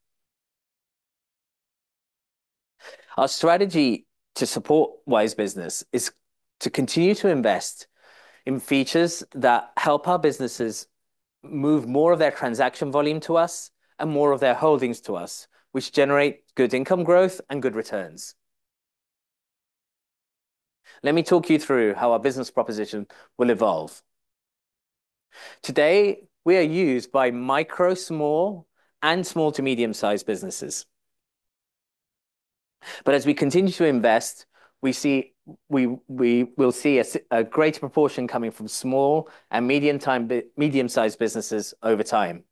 Our strategy to support Wise Business is to continue to invest in features that help our businesses move more of their transaction volume to us and more of their holdings to us, which generate good income growth and good returns. Let me talk you through how our business proposition will evolve. Today, we are used by micro to small and small to medium-sized businesses. As we continue to invest, we see we will see a greater proportion coming from small and medium-sized businesses over time.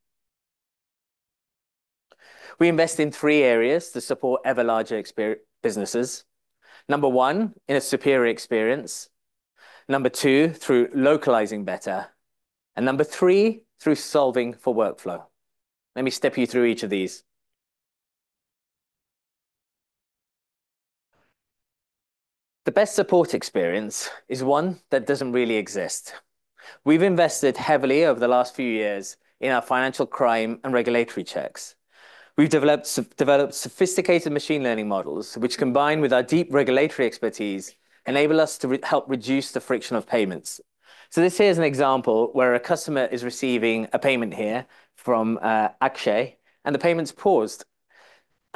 We invest in three areas to support ever-larger businesses. Number one, in a superior experience. Number two, through localizing better. Number three, through solving for workflow. Let me step you through each of these. The best support experience is one that doesn't really exist. We've invested heavily over the last few years in our financial crime and regulatory checks. We've developed sophisticated machine learning models, which, combined with our deep regulatory expertise, enable us to help reduce the friction of payments. This here is an example where a customer is receiving a payment here from Akshay, and the payment's paused.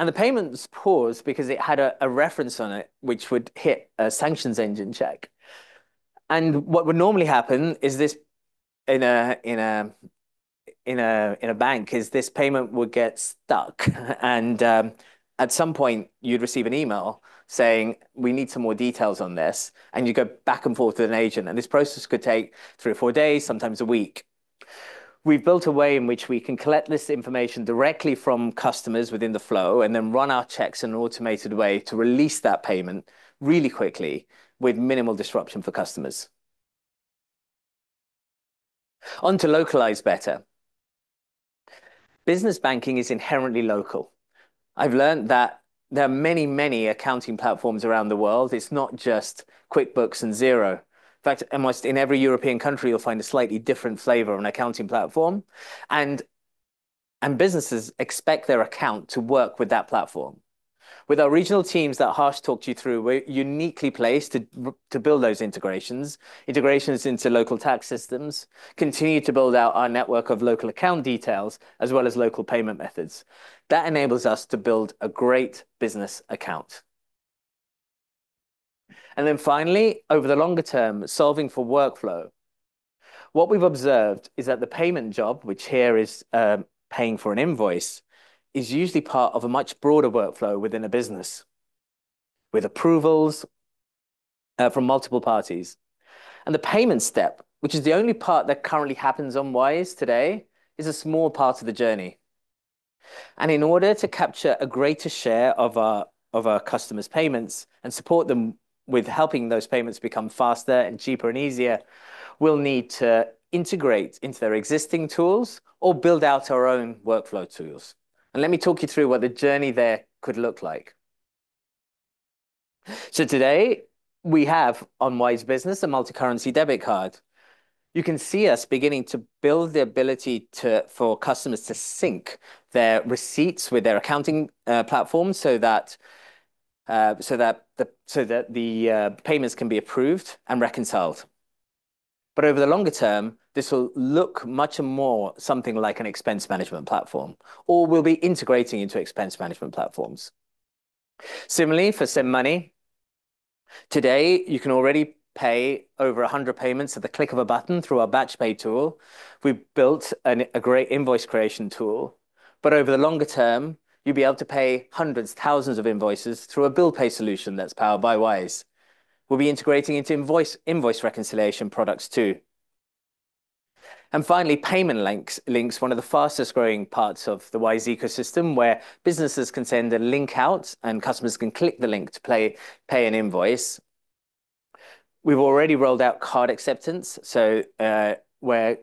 The payment's paused because it had a reference on it, which would hit a sanctions engine check. What would normally happen in a bank is this payment would get stuck. At some point, you'd receive an email saying, "We need some more details on this." You go back and forth with an agent. This process could take three or four days, sometimes a week. We've built a way in which we can collect this information directly from customers within the flow and then run our checks in an automated way to release that payment really quickly with minimal disruption for customers. On to localize better. Business banking is inherently local. I've learned that there are many, many accounting platforms around the world. It's not just QuickBooks and Zero. In fact, almost in every European country, you'll find a slightly different flavor of an accounting platform. And businesses expect their account to work with that platform. With our regional teams that Harsh talked you through, we're uniquely placed to build those integrations, integrations into local tax systems, continue to build out our network of local account details as well as local payment methods. That enables us to build a great business account. Then finally, over the longer term, solving for workflow. What we've observed is that the payment job, which here is paying for an invoice, is usually part of a much broader workflow within a business, with approvals from multiple parties. The payment step, which is the only part that currently happens on Wise today, is a small part of the journey. In order to capture a greater share of our customers' payments and support them with helping those payments become faster and cheaper and easier, we'll need to integrate into their existing tools or build out our own workflow tools. Let me talk you through what the journey there could look like. Today, we have on Wise Business a multi-currency debit card. You can see us beginning to build the ability for customers to sync their receipts with their accounting platform so that the payments can be approved and reconciled. Over the longer term, this will look much more something like an expense management platform or we'll be integrating into expense management platforms. Similarly, for SIM money, today, you can already pay over 100 payments at the click of a button through our Batch Pay Tool. We've built a great invoice creation tool. Over the longer term, you'll be able to pay hundreds, thousands of invoices through a bill pay solution that's powered by Wise. We'll be integrating into invoice reconciliation products too. Finally, payment links, one of the fastest growing parts of the Wise ecosystem, where businesses can send a link out and customers can click the link to pay an invoice. We've already rolled out card acceptance, so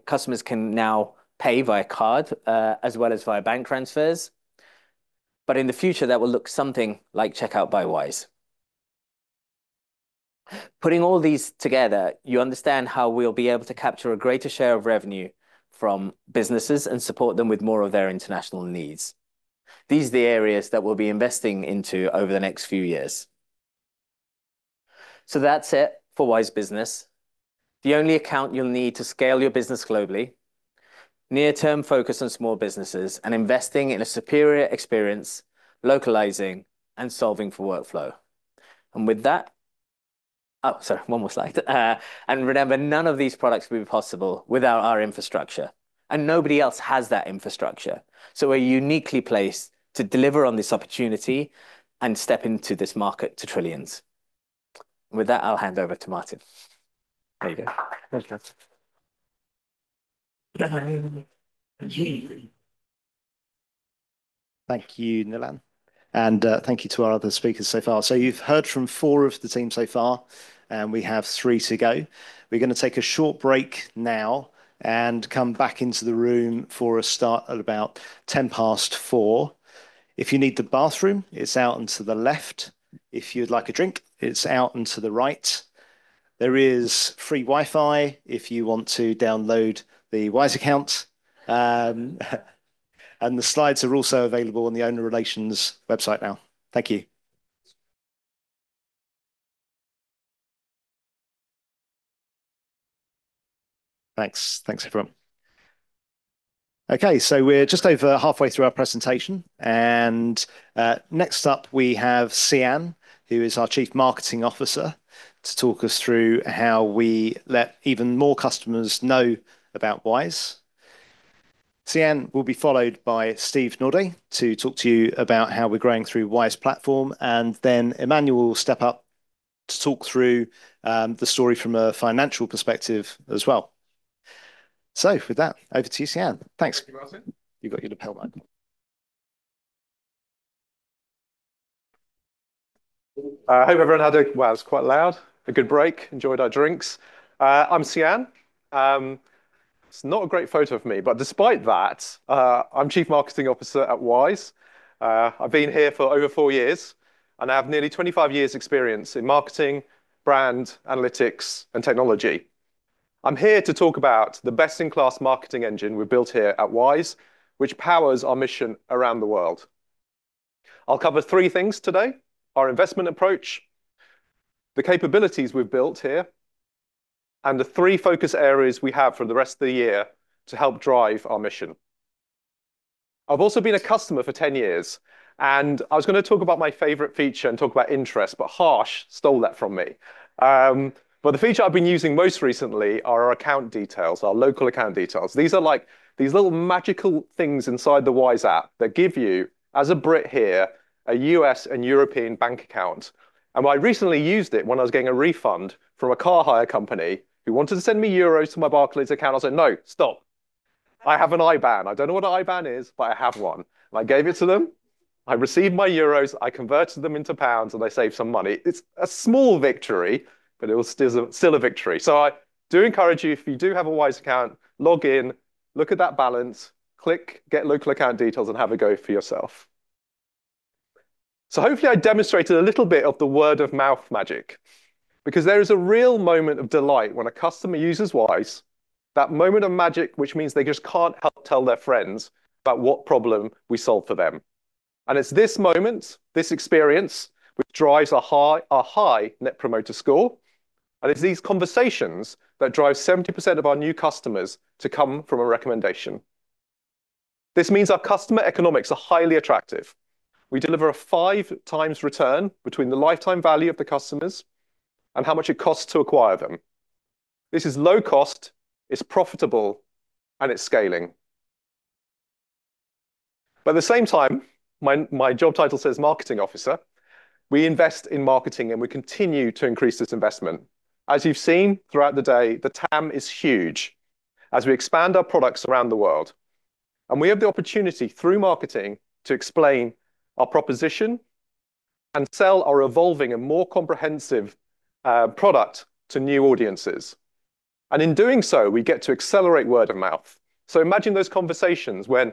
customers can now pay via card as well as via bank transfers. In the future, that will look something like checkout by Wise. Putting all these together, you understand how we'll be able to capture a greater share of revenue from businesses and support them with more of their international needs. These are the areas that we'll be investing into over the next few years. That is it for Wise Business. The only account you'll need to scale your business globally, near-term focus on small businesses and investing in a superior experience, localizing and solving for workflow. With that, oh, sorry, one more slide. Remember, none of these products would be possible without our infrastructure. Nobody else has that infrastructure. We are uniquely placed to deliver on this opportunity and step into this market to trillions. With that, I'll hand over to Martin. There you go. Thank you. Thank you, Nilan. And thank you to our other speakers so far. You have heard from four of the teams so far, and we have three to go. We are going to take a short break now and come back into the room for a start at about 4:10 P.M. If you need the bathroom, it is out into the left. If you would like a drink, it is out into the right. There is free Wi-Fi if you want to download the Wise Account. The slides are also available on the Owner Relations website now. Thank you. Thanks. Thanks, everyone. Okay, we are just over halfway through our presentation. Next up, we have Cian, who is our Chief Marketing Officer, to talk us through how we let even more customers know about Wise. Cian will be followed by Steve Noddy to talk to you about how we are growing through Wise Platform. Then Emmanuel will step up to talk through the story from a financial perspective as well. With that, over to you, Cian. Thanks. Thank you, Martin. You got your lapel mic. Hey, everyone. How's it? Wow, it's quite loud. A good break. Enjoyed our drinks. I'm Cian. It's not a great photo of me, but despite that, I'm Chief Marketing Officer at Wise. I've been here for over four years, and I have nearly 25 years' experience in marketing, brand, analytics, and technology. I'm here to talk about the best-in-class marketing engine we've built here at Wise, which powers our mission around the world. I'll cover three things today: our investment approach, the capabilities we've built here, and the three focus areas we have for the rest of the year to help drive our mission. I've also been a customer for 10 years, and I was going to talk about my favorite feature and talk about interest, but Harsh stole that from me. The feature I've been using most recently are our account details, our local account details. These are like these little magical things inside the Wise app that give you, as a Brit here, a US and European bank account. I recently used it when I was getting a refund from a car hire company who wanted to send me euros to my Barclays account. I said, "No, stop. I have an IBAN. I don't know what an IBAN is, but I have one." I gave it to them. I received my euros. I converted them into pounds, and I saved some money. It's a small victory, but it was still a victory. I do encourage you, if you do have a Wise account, log in, look at that balance, click, get local account details, and have a go for yourself. Hopefully, I demonstrated a little bit of the word-of-mouth magic because there is a real moment of delight when a customer uses Wise, that moment of magic, which means they just can't help tell their friends about what problem we solve for them. It is this moment, this experience, which drives a high Net Promoter Score. It is these conversations that drive 70% of our new customers to come from a recommendation. This means our customer economics are highly attractive. We deliver a five-times return between the lifetime value of the customers and how much it costs to acquire them. This is low cost, it's profitable, and it's scaling. At the same time, my job title says Marketing Officer. We invest in marketing, and we continue to increase this investment. As you've seen throughout the day, the TAM is huge as we expand our products around the world. We have the opportunity through marketing to explain our proposition and sell our evolving and more comprehensive product to new audiences. In doing so, we get to accelerate word-of-mouth. Imagine those conversations when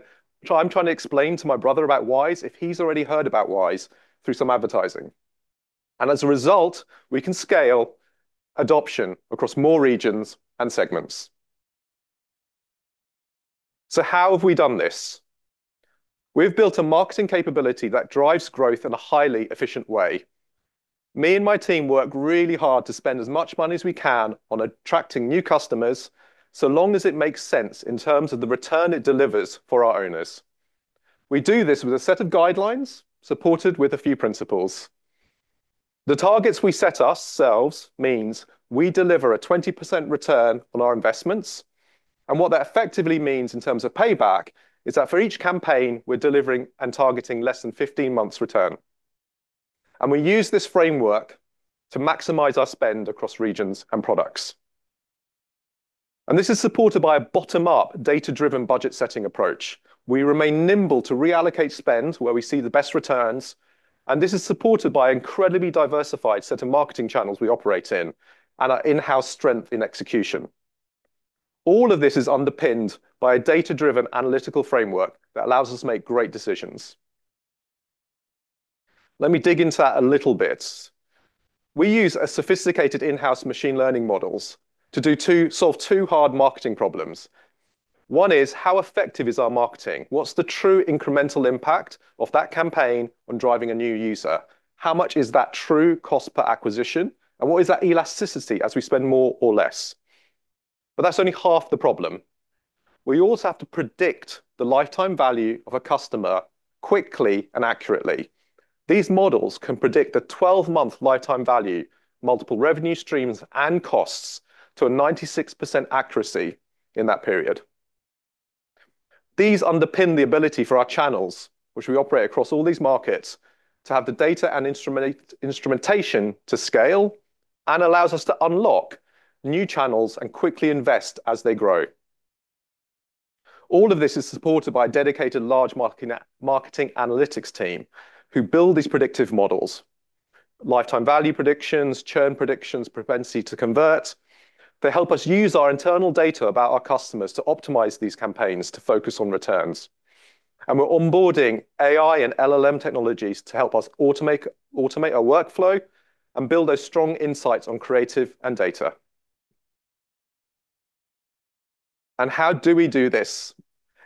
I'm trying to explain to my brother about Wise if he's already heard about Wise through some advertising. As a result, we can scale adoption across more regions and segments. How have we done this? We've built a marketing capability that drives growth in a highly efficient way. Me and my team work really hard to spend as much money as we can on attracting new customers so long as it makes sense in terms of the return it delivers for our owners. We do this with a set of guidelines supported with a few principles. The targets we set ourselves means we deliver a 20% return on our investments. What that effectively means in terms of payback is that for each campaign, we're delivering and targeting less than 15 months' return. We use this framework to maximize our spend across regions and products. This is supported by a bottom-up data-driven budget setting approach. We remain nimble to reallocate spend where we see the best returns. This is supported by an incredibly diversified set of marketing channels we operate in and our in-house strength in execution. All of this is underpinned by a data-driven analytical framework that allows us to make great decisions. Let me dig into that a little bit. We use sophisticated in-house machine learning models to solve two hard marketing problems. One is how effective is our marketing? What's the true incremental impact of that campaign on driving a new user? How much is that true cost per acquisition? What is that elasticity as we spend more or less? That's only half the problem. We also have to predict the lifetime value of a customer quickly and accurately. These models can predict a 12-month lifetime value, multiple revenue streams, and costs to a 96% accuracy in that period. These underpin the ability for our channels, which we operate across all these markets, to have the data and instrumentation to scale and allows us to unlock new channels and quickly invest as they grow. All of this is supported by a dedicated large marketing analytics team who build these predictive models: lifetime value predictions, churn predictions, propensity to convert. They help us use our internal data about our customers to optimize these campaigns to focus on returns. We're onboarding AI and LLM technologies to help us automate our workflow and build those strong insights on creative and data. How do we do this?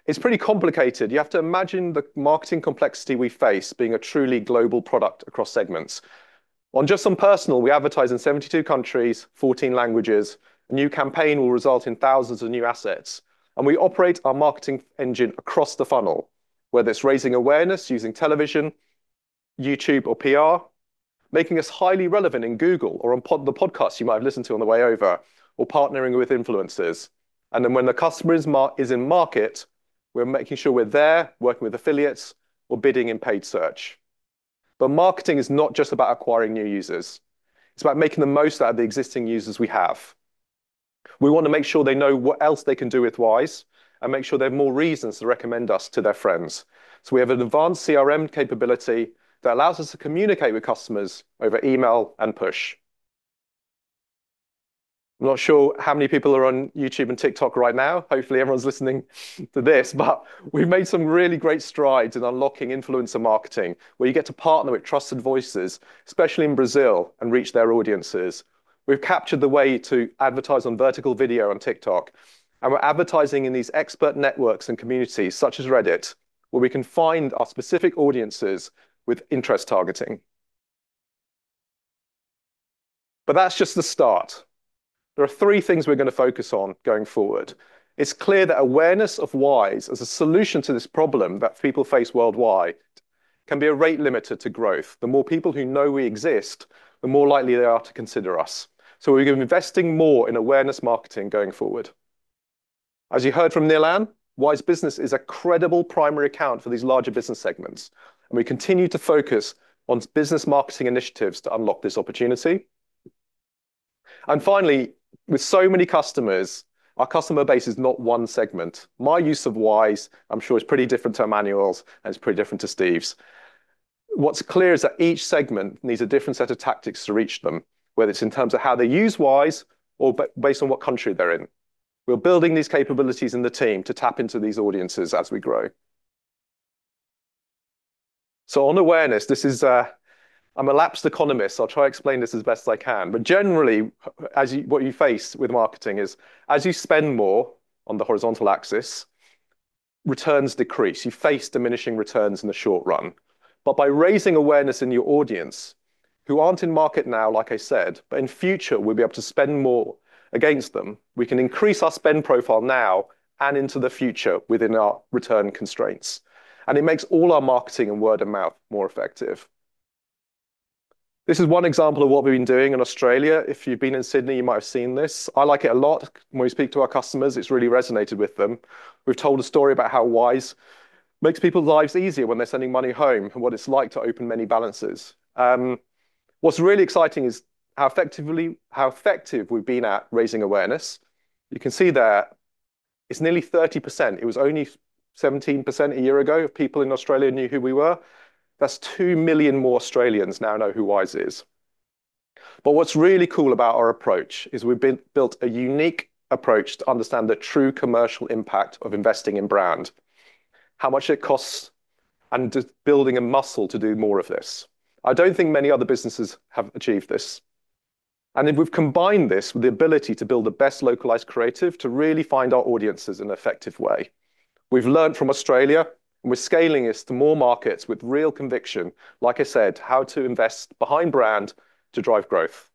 It's pretty complicated. You have to imagine the marketing complexity we face being a truly global product across segments. On just some personal, we advertise in 72 countries, 14 languages. A new campaign will result in thousands of new assets. We operate our marketing engine across the funnel, whether it's raising awareness using television, YouTube, or PR, making us highly relevant in Google or on the podcasts you might have listened to on the way over, or partnering with influencers. When the customer is in market, we're making sure we're there working with affiliates or bidding in paid search. Marketing is not just about acquiring new users. It's about making the most out of the existing users we have. We want to make sure they know what else they can do with Wise and make sure they have more reasons to recommend us to their friends. We have an advanced CRM capability that allows us to communicate with customers over email and push. I'm not sure how many people are on YouTube and TikTok right now. Hopefully, everyone's listening to this, but we've made some really great strides in unlocking influencer marketing, where you get to partner with trusted voices, especially in Brazil, and reach their audiences. We've captured the way to advertise on vertical video on TikTok, and we're advertising in these expert networks and communities such as Reddit, where we can find our specific audiences with interest targeting. That's just the start. There are three things we're going to focus on going forward. It's clear that awareness of Wise as a solution to this problem that people face worldwide can be a rate limiter to growth. The more people who know we exist, the more likely they are to consider us. We're investing more in awareness marketing going forward. As you heard from Nilan, Wise Business is a credible primary account for these larger business segments, and we continue to focus on business marketing initiatives to unlock this opportunity. Finally, with so many customers, our customer base is not one segment. My use of Wise, I'm sure, is pretty different to Emmanuel's, and it's pretty different to Steve's. What's clear is that each segment needs a different set of tactics to reach them, whether it's in terms of how they use Wise or based on what country they're in. We're building these capabilities in the team to tap into these audiences as we grow. On awareness, this is a—I'm a lapsed economist. I'll try to explain this as best I can. Generally, what you face with marketing is, as you spend more on the horizontal axis, returns decrease. You face diminishing returns in the short run. By raising awareness in your audience, who aren't in market now, like I said, but in future, we'll be able to spend more against them, we can increase our spend profile now and into the future within our return constraints. It makes all our marketing and word-of-mouth more effective. This is one example of what we've been doing in Australia. If you've been in Sydney, you might have seen this. I like it a lot when we speak to our customers. It's really resonated with them. We've told a story about how Wise makes people's lives easier when they're sending money home and what it's like to open many balances. What's really exciting is how effective we've been at raising awareness. You can see there it's nearly 30%. It was only 17% a year ago of people in Australia knew who we were. That's 2 million more Australians now know who Wise is. What's really cool about our approach is we've built a unique approach to understand the true commercial impact of investing in brand, how much it costs, and building a muscle to do more of this. I don't think many other businesses have achieved this. If we've combined this with the ability to build the best localized creative to really find our audiences in an effective way, we've learned from Australia, and we're scaling this to more markets with real conviction, like I said, how to invest behind brand to drive growth.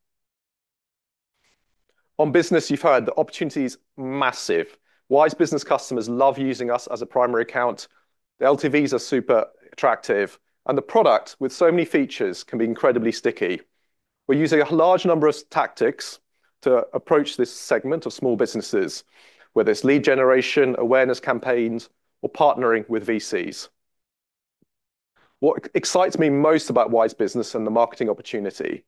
On business, you've heard the opportunity is massive. Wise Business customers love using us as a primary account. The LTVs are super attractive, and the product, with so many features, can be incredibly sticky. We're using a large number of tactics to approach this segment of small businesses, whether it's lead generation, awareness campaigns, or partnering with VCs. What excites me most about Wise Business and the marketing opportunity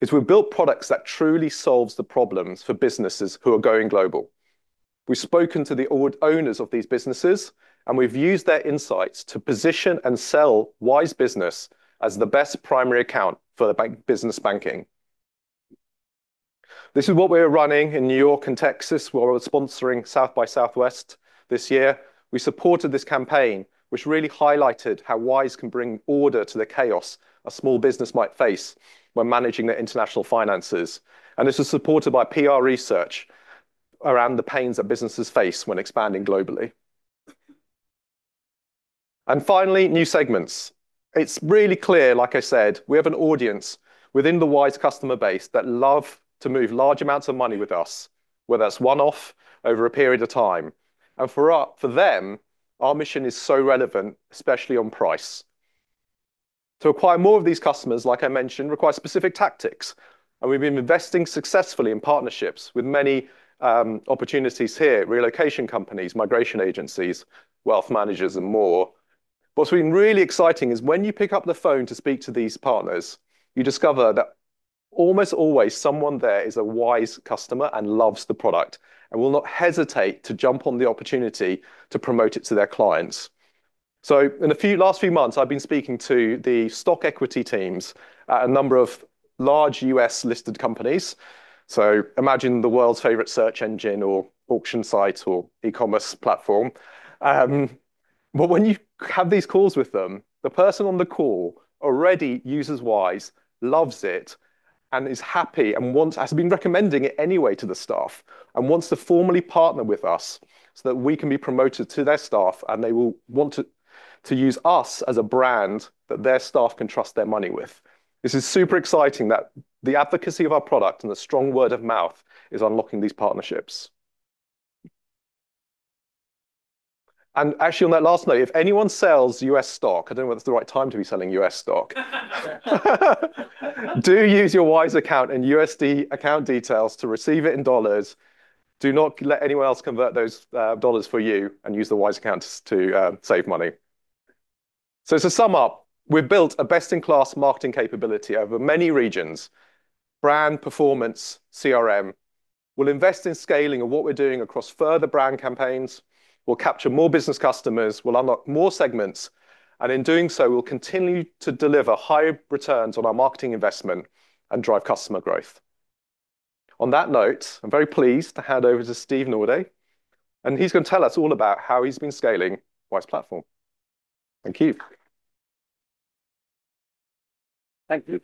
is we've built products that truly solve the problems for businesses who are going global. We've spoken to the owners of these businesses, and we've used their insights to position and sell Wise Business as the best primary account for the business banking. This is what we were running in New York and Texas, where we were sponsoring South by Southwest this year. We supported this campaign, which really highlighted how Wise can bring order to the chaos a small business might face when managing their international finances. This was supported by PR research around the pains that businesses face when expanding globally. Finally, new segments. It's really clear, like I said, we have an audience within the Wise customer base that love to move large amounts of money with us, whether that's one-off or over a period of time. For them, our mission is so relevant, especially on price. To acquire more of these customers, like I mentioned, requires specific tactics. We have been investing successfully in partnerships with many opportunities here: relocation companies, migration agencies, wealth managers, and more. What has been really exciting is when you pick up the phone to speak to these partners, you discover that almost always someone there is a Wise customer and loves the product and will not hesitate to jump on the opportunity to promote it to their clients. In the last few months, I have been speaking to the stock equity teams at a number of large US-listed companies. Imagine the world's favorite search engine or auction site or e-commerce platform. When you have these calls with them, the person on the call already uses Wise, loves it, and is happy and has been recommending it anyway to the staff and wants to formally partner with us so that we can be promoted to their staff, and they will want to use us as a brand that their staff can trust their money with. This is super exciting that the advocacy of our product and the strong word-of-mouth is unlocking these partnerships. Actually, on that last note, if anyone sells US stock, I do not know whether it is the right time to be selling US stock. Do use your Wise account and USD account details to receive it in dollars. Do not let anyone else convert those dollars for you and use the Wise account to save money. To sum up, we've built a best-in-class marketing capability over many regions: brand, performance, CRM. We'll invest in scaling of what we're doing across further brand campaigns. We'll capture more business customers. We'll unlock more segments. In doing so, we'll continue to deliver higher returns on our marketing investment and drive customer growth. On that note, I'm very pleased to hand over to Steve Forest. He's going to tell us all about how he's been scaling Wise Platform. Thank you. Thank you.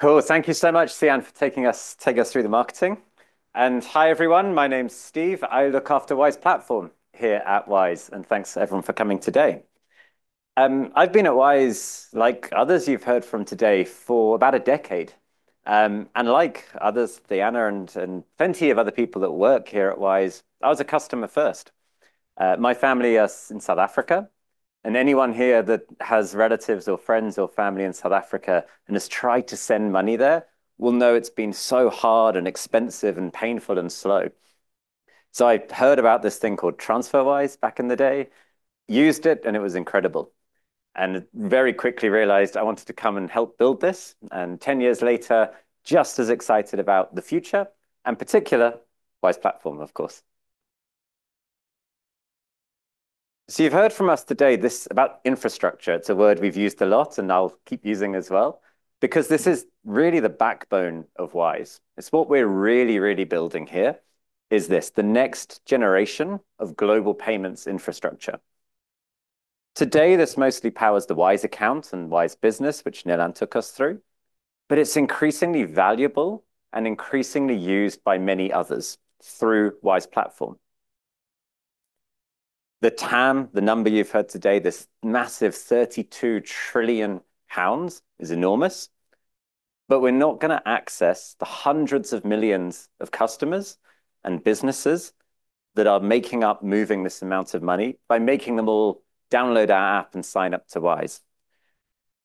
Cool. Thank you so much, Cian, for taking us through the marketing. Hi, everyone. My name's Steve. I look after Wise Platform here at Wise. Thanks to everyone for coming today. I've been at Wise, like others you've heard from today, for about a decade. Like others, Diana and plenty of other people that work here at Wise, I was a customer first. My family is in South Africa. Anyone here that has relatives or friends or family in South Africa and has tried to send money there will know it's been so hard and expensive and painful and slow. I heard about this thing called TransferWise back in the day, used it, and it was incredible. Very quickly realized I wanted to come and help build this. Ten years later, just as excited about the future and particular Wise Platform, of course. You have heard from us today about infrastructure. It's a word we've used a lot and I'll keep using as well because this is really the backbone of Wise. What we're really, really building here is this, the next generation of global payments infrastructure. Today, this mostly powers the Wise Account and Wise Business, which Nilan took us through, but it's increasingly valuable and increasingly used by many others through Wise Platform. The TAM, the number you've heard today, this massive 32 trillion pounds is enormous. We're not going to access the hundreds of millions of customers and businesses that are making up moving this amount of money by making them all download our app and sign up to Wise.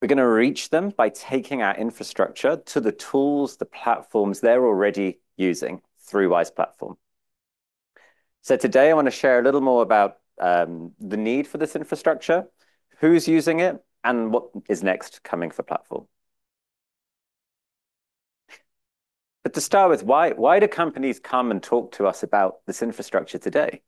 We're going to reach them by taking our infrastructure to the tools, the platforms they're already using through Wise Platform. Today, I want to share a little more about the need for this infrastructure, who's using it, and what is next coming for Platform. To start with, why do companies come and talk to us about this infrastructure today?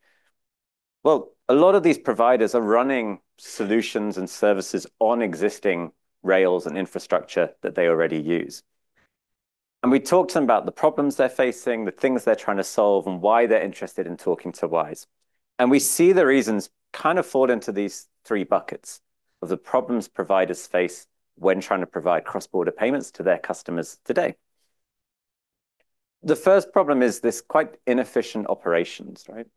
A lot of these providers are running solutions and services on existing rails and infrastructure that they already use. We talk to them about the problems they're facing, the things they're trying to solve, and why they're interested in talking to Wise. We see the reasons kind of fall into these three buckets of the problems providers face when trying to provide cross-border payments to their customers today. The first problem is this quite inefficient operations, right?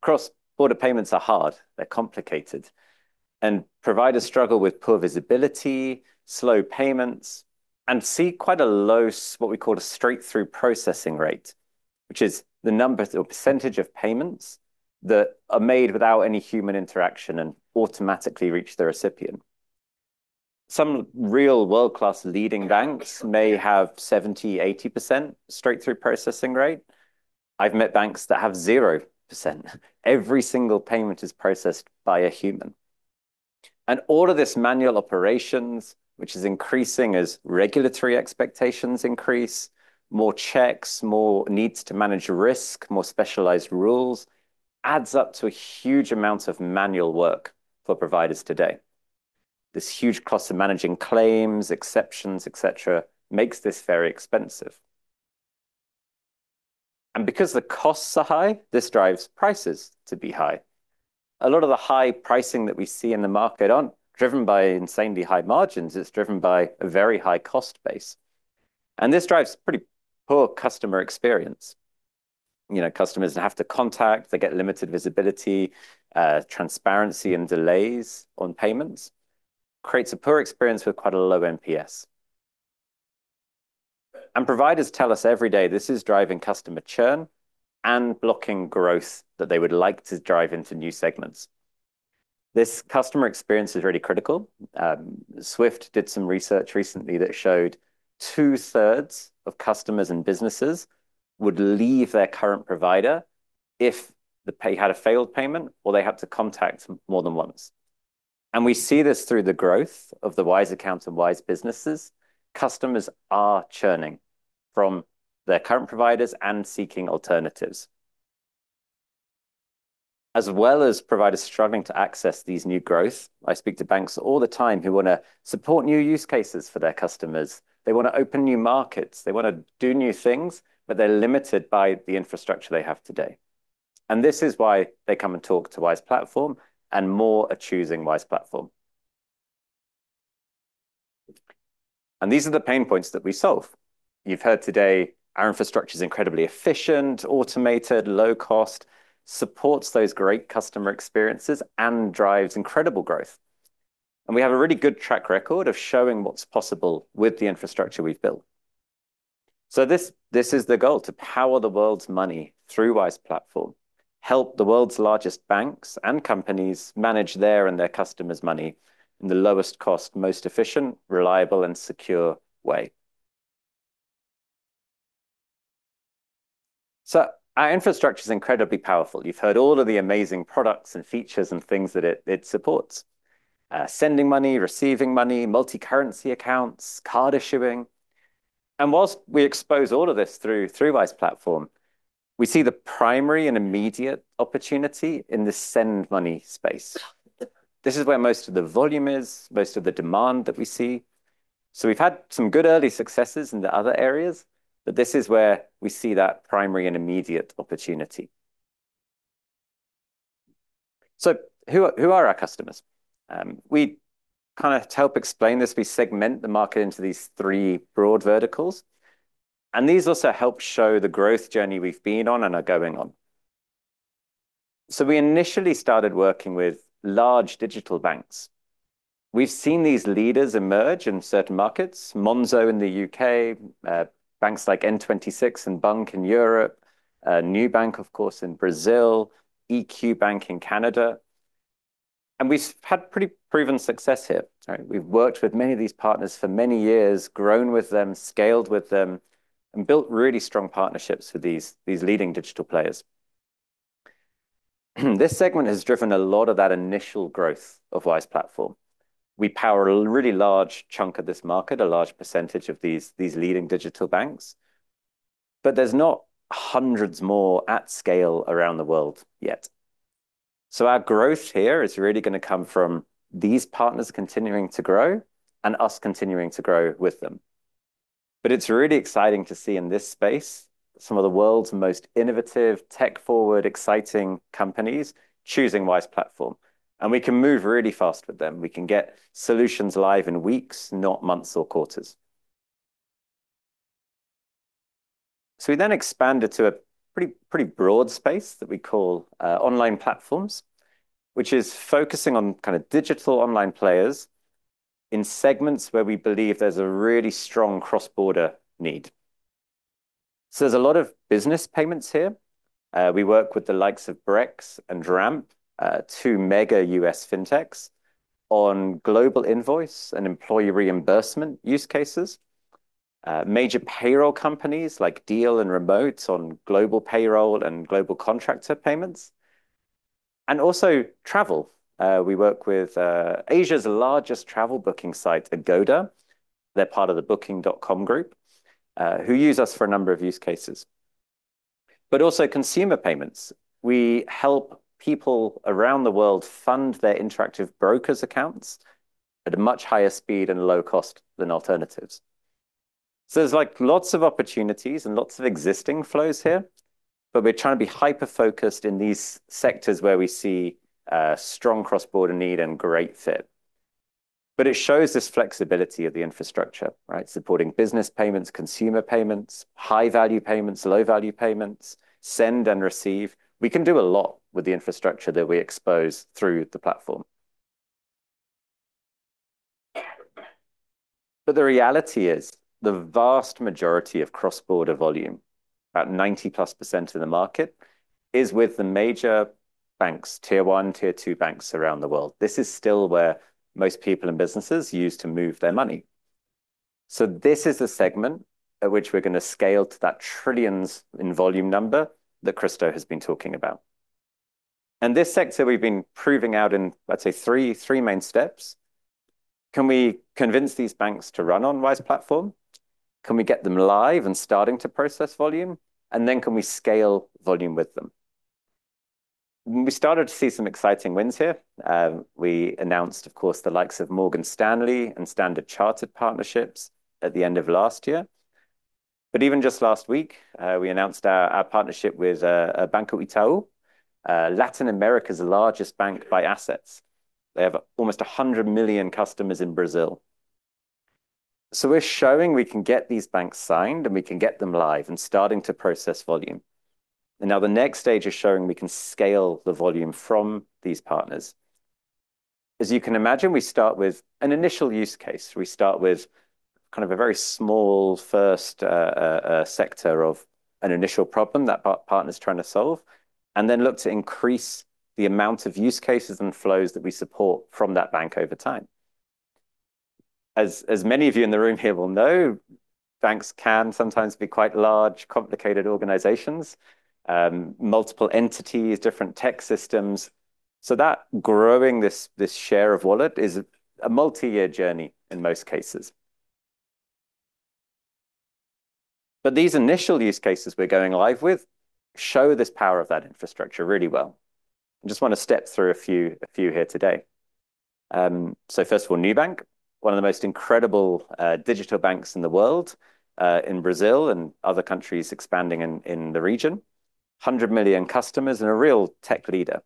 Cross-border payments are hard. They're complicated. Providers struggle with poor visibility, slow payments, and see quite a low, what we call a straight-through processing rate, which is the number or percentage of payments that are made without any human interaction and automatically reach the recipient. Some real world-class leading banks may have 70%-80% straight-through processing rate. I've met banks that have 0%. Every single payment is processed by a human. All of this manual operations, which is increasing as regulatory expectations increase, more checks, more needs to manage risk, more specialized rules, adds up to a huge amount of manual work for providers today. This huge cost of managing claims, exceptions, et cetera, makes this very expensive. Because the costs are high, this drives prices to be high. A lot of the high pricing that we see in the market aren't driven by insanely high margins. It's driven by a very high cost base. This drives pretty poor customer experience. You know, customers have to contact, they get limited visibility, transparency, and delays on payments, creates a poor experience with quite a low NPS. Providers tell us every day this is driving customer churn and blocking growth that they would like to drive into new segments. This customer experience is really critical. Swift did some research recently that showed two-thirds of customers and businesses would leave their current provider if they had a failed payment or they had to contact more than once. We see this through the growth of the Wise accounts and Wise businesses. Customers are churning from their current providers and seeking alternatives, as well as providers struggling to access these new growth. I speak to banks all the time who want to support new use cases for their customers. They want to open new markets. They want to do new things, but they're limited by the infrastructure they have today. This is why they come and talk to Wise Platform and more are choosing Wise Platform. These are the pain points that we solve. You've heard today our infrastructure is incredibly efficient, automated, low-cost, supports those great customer experiences, and drives incredible growth. We have a really good track record of showing what's possible with the infrastructure we've built. This is the goal: to power the world's money through Wise Platform, help the world's largest banks and companies manage their and their customers' money in the lowest cost, most efficient, reliable, and secure way. Our infrastructure is incredibly powerful. You've heard all of the amazing products and features and things that it supports: sending money, receiving money, multi-currency accounts, card issuing. Whilst we expose all of this through Wise Platform, we see the primary and immediate opportunity in the send money space. This is where most of the volume is, most of the demand that we see. We have had some good early successes in the other areas, but this is where we see that primary and immediate opportunity. Who are our customers? We kind of help explain this. We segment the market into these three broad verticals. These also help show the growth journey we have been on and are going on. We initially started working with large digital banks. We have seen these leaders emerge in certain markets: Monzo in the U.K., banks like N26 and Bank[ Mandiri] in Europe, Nubank, of course, in Brazil, EQ Bank in Canada. We have had pretty proven success here. We have worked with many of these partners for many years, grown with them, scaled with them, and built really strong partnerships with these leading digital players. This segment has driven a lot of that initial growth of Wise Platform. We power a really large chunk of this market, a large percentage of these leading digital banks. There are not hundreds more at scale around the world yet. Our growth here is really going to come from these partners continuing to grow and us continuing to grow with them. It is really exciting to see in this space some of the world's most innovative, tech-forward, exciting companies choosing Wise Platform. We can move really fast with them. We can get solutions live in weeks, not months or quarters. We then expanded to a pretty broad space that we call online platforms, which is focusing on kind of digital online players in segments where we believe there is a really strong cross-border need. There is a lot of business payments here. We work with the likes of Brex and Ramp, two mega US fintechs, on global invoice and employee reimbursement use cases, major payroll companies like Deel and Remote on global payroll and global contractor payments, and also travel. We work with Asia's largest travel booking site, Agoda. They're part of the Booking.com group, who use us for a number of use cases. We also help people around the world fund their Interactive Brokers accounts at a much higher speed and low cost than alternatives. There are lots of opportunities and lots of existing flows here, but we're trying to be hyper-focused in these sectors where we see strong cross-border need and great fit. It shows this flexibility of the infrastructure, right? Supporting business payments, consumer payments, high-value payments, low-value payments, send and receive. We can do a lot with the infrastructure that we expose through the platform. The reality is the vast majority of cross-border volume, about 90% plus in the market, is with the major banks, tier one, tier two banks around the world. This is still where most people and businesses use to move their money. This is the segment at which we're going to scale to that trillions in volume number that Kristo has been talking about. This sector we've been proving out in, let's say, three main steps. Can we convince these banks to run on Wise Platform? Can we get them live and starting to process volume? Can we scale volume with them? We started to see some exciting wins here. We announced, of course, the likes of Morgan Stanley and Standard Chartered partnerships at the end of last year. Even just last week, we announced our partnership with Banco Itaú, Latin America's largest bank by assets. They have almost 100 million customers in Brazil. We are showing we can get these banks signed and we can get them live and starting to process volume. Now the next stage is showing we can scale the volume from these partners. As you can imagine, we start with an initial use case. We start with kind of a very small first sector of an initial problem that partner's trying to solve, and then look to increase the amount of use cases and flows that we support from that bank over time. As many of you in the room here will know, banks can sometimes be quite large, complicated organizations, multiple entities, different tech systems. Growing this share of wallet is a multi-year journey in most cases. These initial use cases we're going live with show this power of that infrastructure really well. I just want to step through a few here today. First of all, Nubank, one of the most incredible digital banks in the world, in Brazil and other countries expanding in the region, 100 million customers and a real tech leader.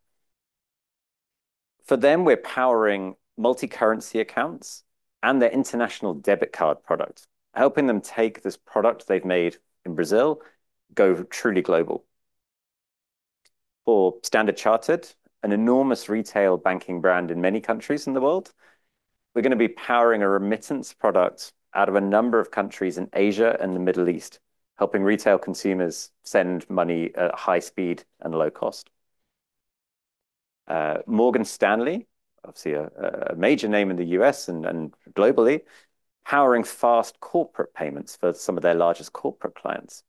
For them, we're powering multi-currency accounts and their international debit card product, helping them take this product they've made in Brazil go truly global. For Standard Chartered, an enormous retail banking brand in many countries in the world, we're going to be powering a remittance product out of a number of countries in Asia and the Middle East, helping retail consumers send money at high speed and low cost. Morgan Stanley, obviously a major name in the US and globally, powering fast corporate payments for some of their largest corporate clients.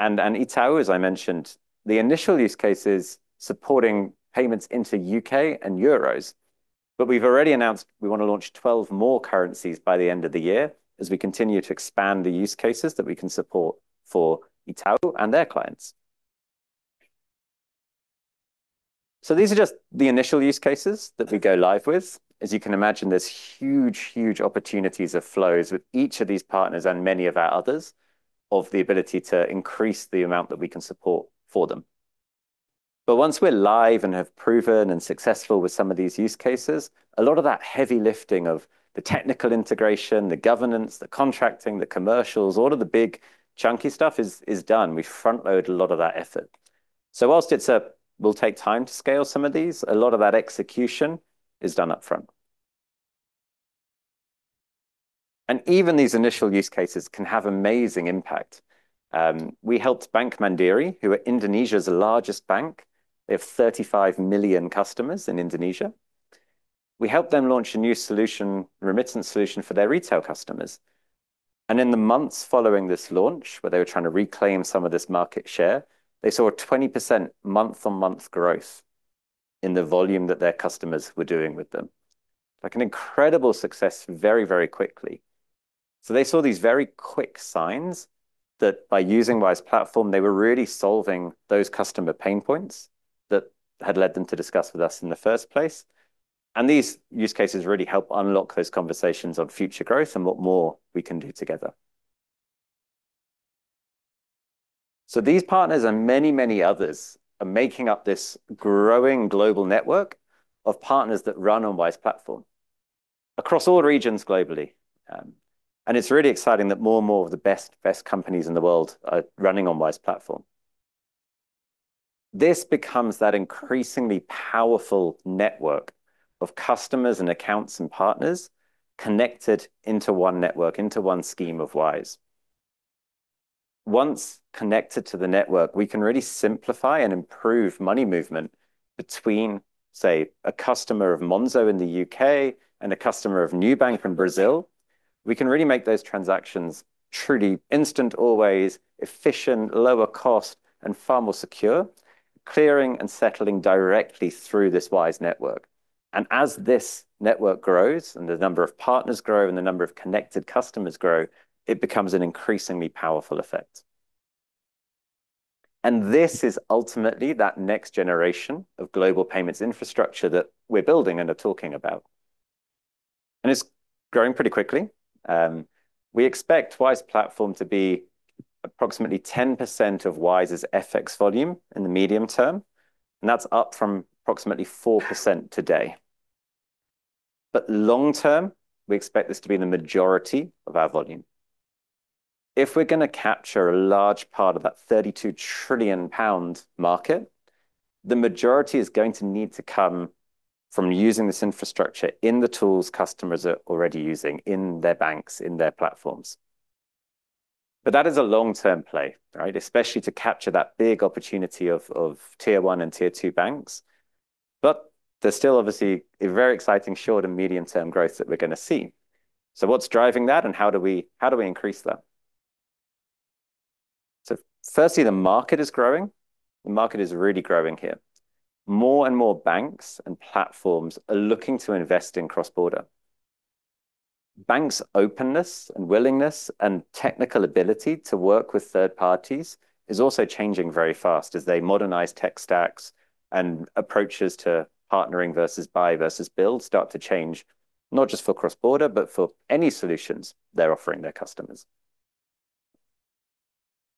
Itaú, as I mentioned, the initial use cases supporting payments into U.K. and euros. We have already announced we want to launch 12 more currencies by the end of the year as we continue to expand the use cases that we can support for Itaú and their clients. These are just the initial use cases that we go live with. As you can imagine, there are huge, huge opportunities of flows with each of these partners and many of our others of the ability to increase the amount that we can support for them. Once we are live and have proven and successful with some of these use cases, a lot of that heavy lifting of the technical integration, the governance, the contracting, the commercials, all of the big chunky stuff is done. We frontload a lot of that effort. Whilst it will take time to scale some of these, a lot of that execution is done upfront. Even these initial use cases can have amazing impact. We helped Bank Mandiri, who are Indonesia's largest bank. They have 35 million customers in Indonesia. We helped them launch a new solution, remittance solution for their retail customers. In the months following this launch, where they were trying to reclaim some of this market share, they saw a 20% month-on-month growth in the volume that their customers were doing with them. Like an incredible success very, very quickly. They saw these very quick signs that by using Wise Platform, they were really solving those customer pain points that had led them to discuss with us in the first place. These use cases really help unlock those conversations on future growth and what more we can do together. These partners and many, many others are making up this growing global network of partners that run on Wise Platform across all regions globally. It's really exciting that more and more of the best, best companies in the world are running on Wise Platform. This becomes that increasingly powerful network of customers and accounts and partners connected into one network, into one scheme of Wise. Once connected to the network, we can really simplify and improve money movement between, say, a customer of Monzo in the U.K. and a customer of Nubank in Brazil. We can really make those transactions truly instant, always efficient, lower cost, and far more secure, clearing and settling directly through this Wise network. As this network grows and the number of partners grow and the number of connected customers grow, it becomes an increasingly powerful effect. This is ultimately that next generation of global payments infrastructure that we're building and are talking about. It's growing pretty quickly. We expect Wise Platform to be approximately 10% of Wise's FX volume in the medium term. That's up from approximately 4% today. Long term, we expect this to be the majority of our volume. If we're going to capture a large part of that 32 trillion pound market, the majority is going to need to come from using this infrastructure in the tools customers are already using in their banks, in their platforms. That is a long-term play, right? Especially to capture that big opportunity of tier one and tier two banks. There's still obviously a very exciting short and medium-term growth that we're going to see. What's driving that and how do we increase that? Firstly, the market is growing. The market is really growing here. More and more banks and platforms are looking to invest in cross-border. Banks' openness and willingness and technical ability to work with third parties is also changing very fast as they modernize tech stacks and approaches to partnering versus buy versus build start to change, not just for cross-border, but for any solutions they're offering their customers.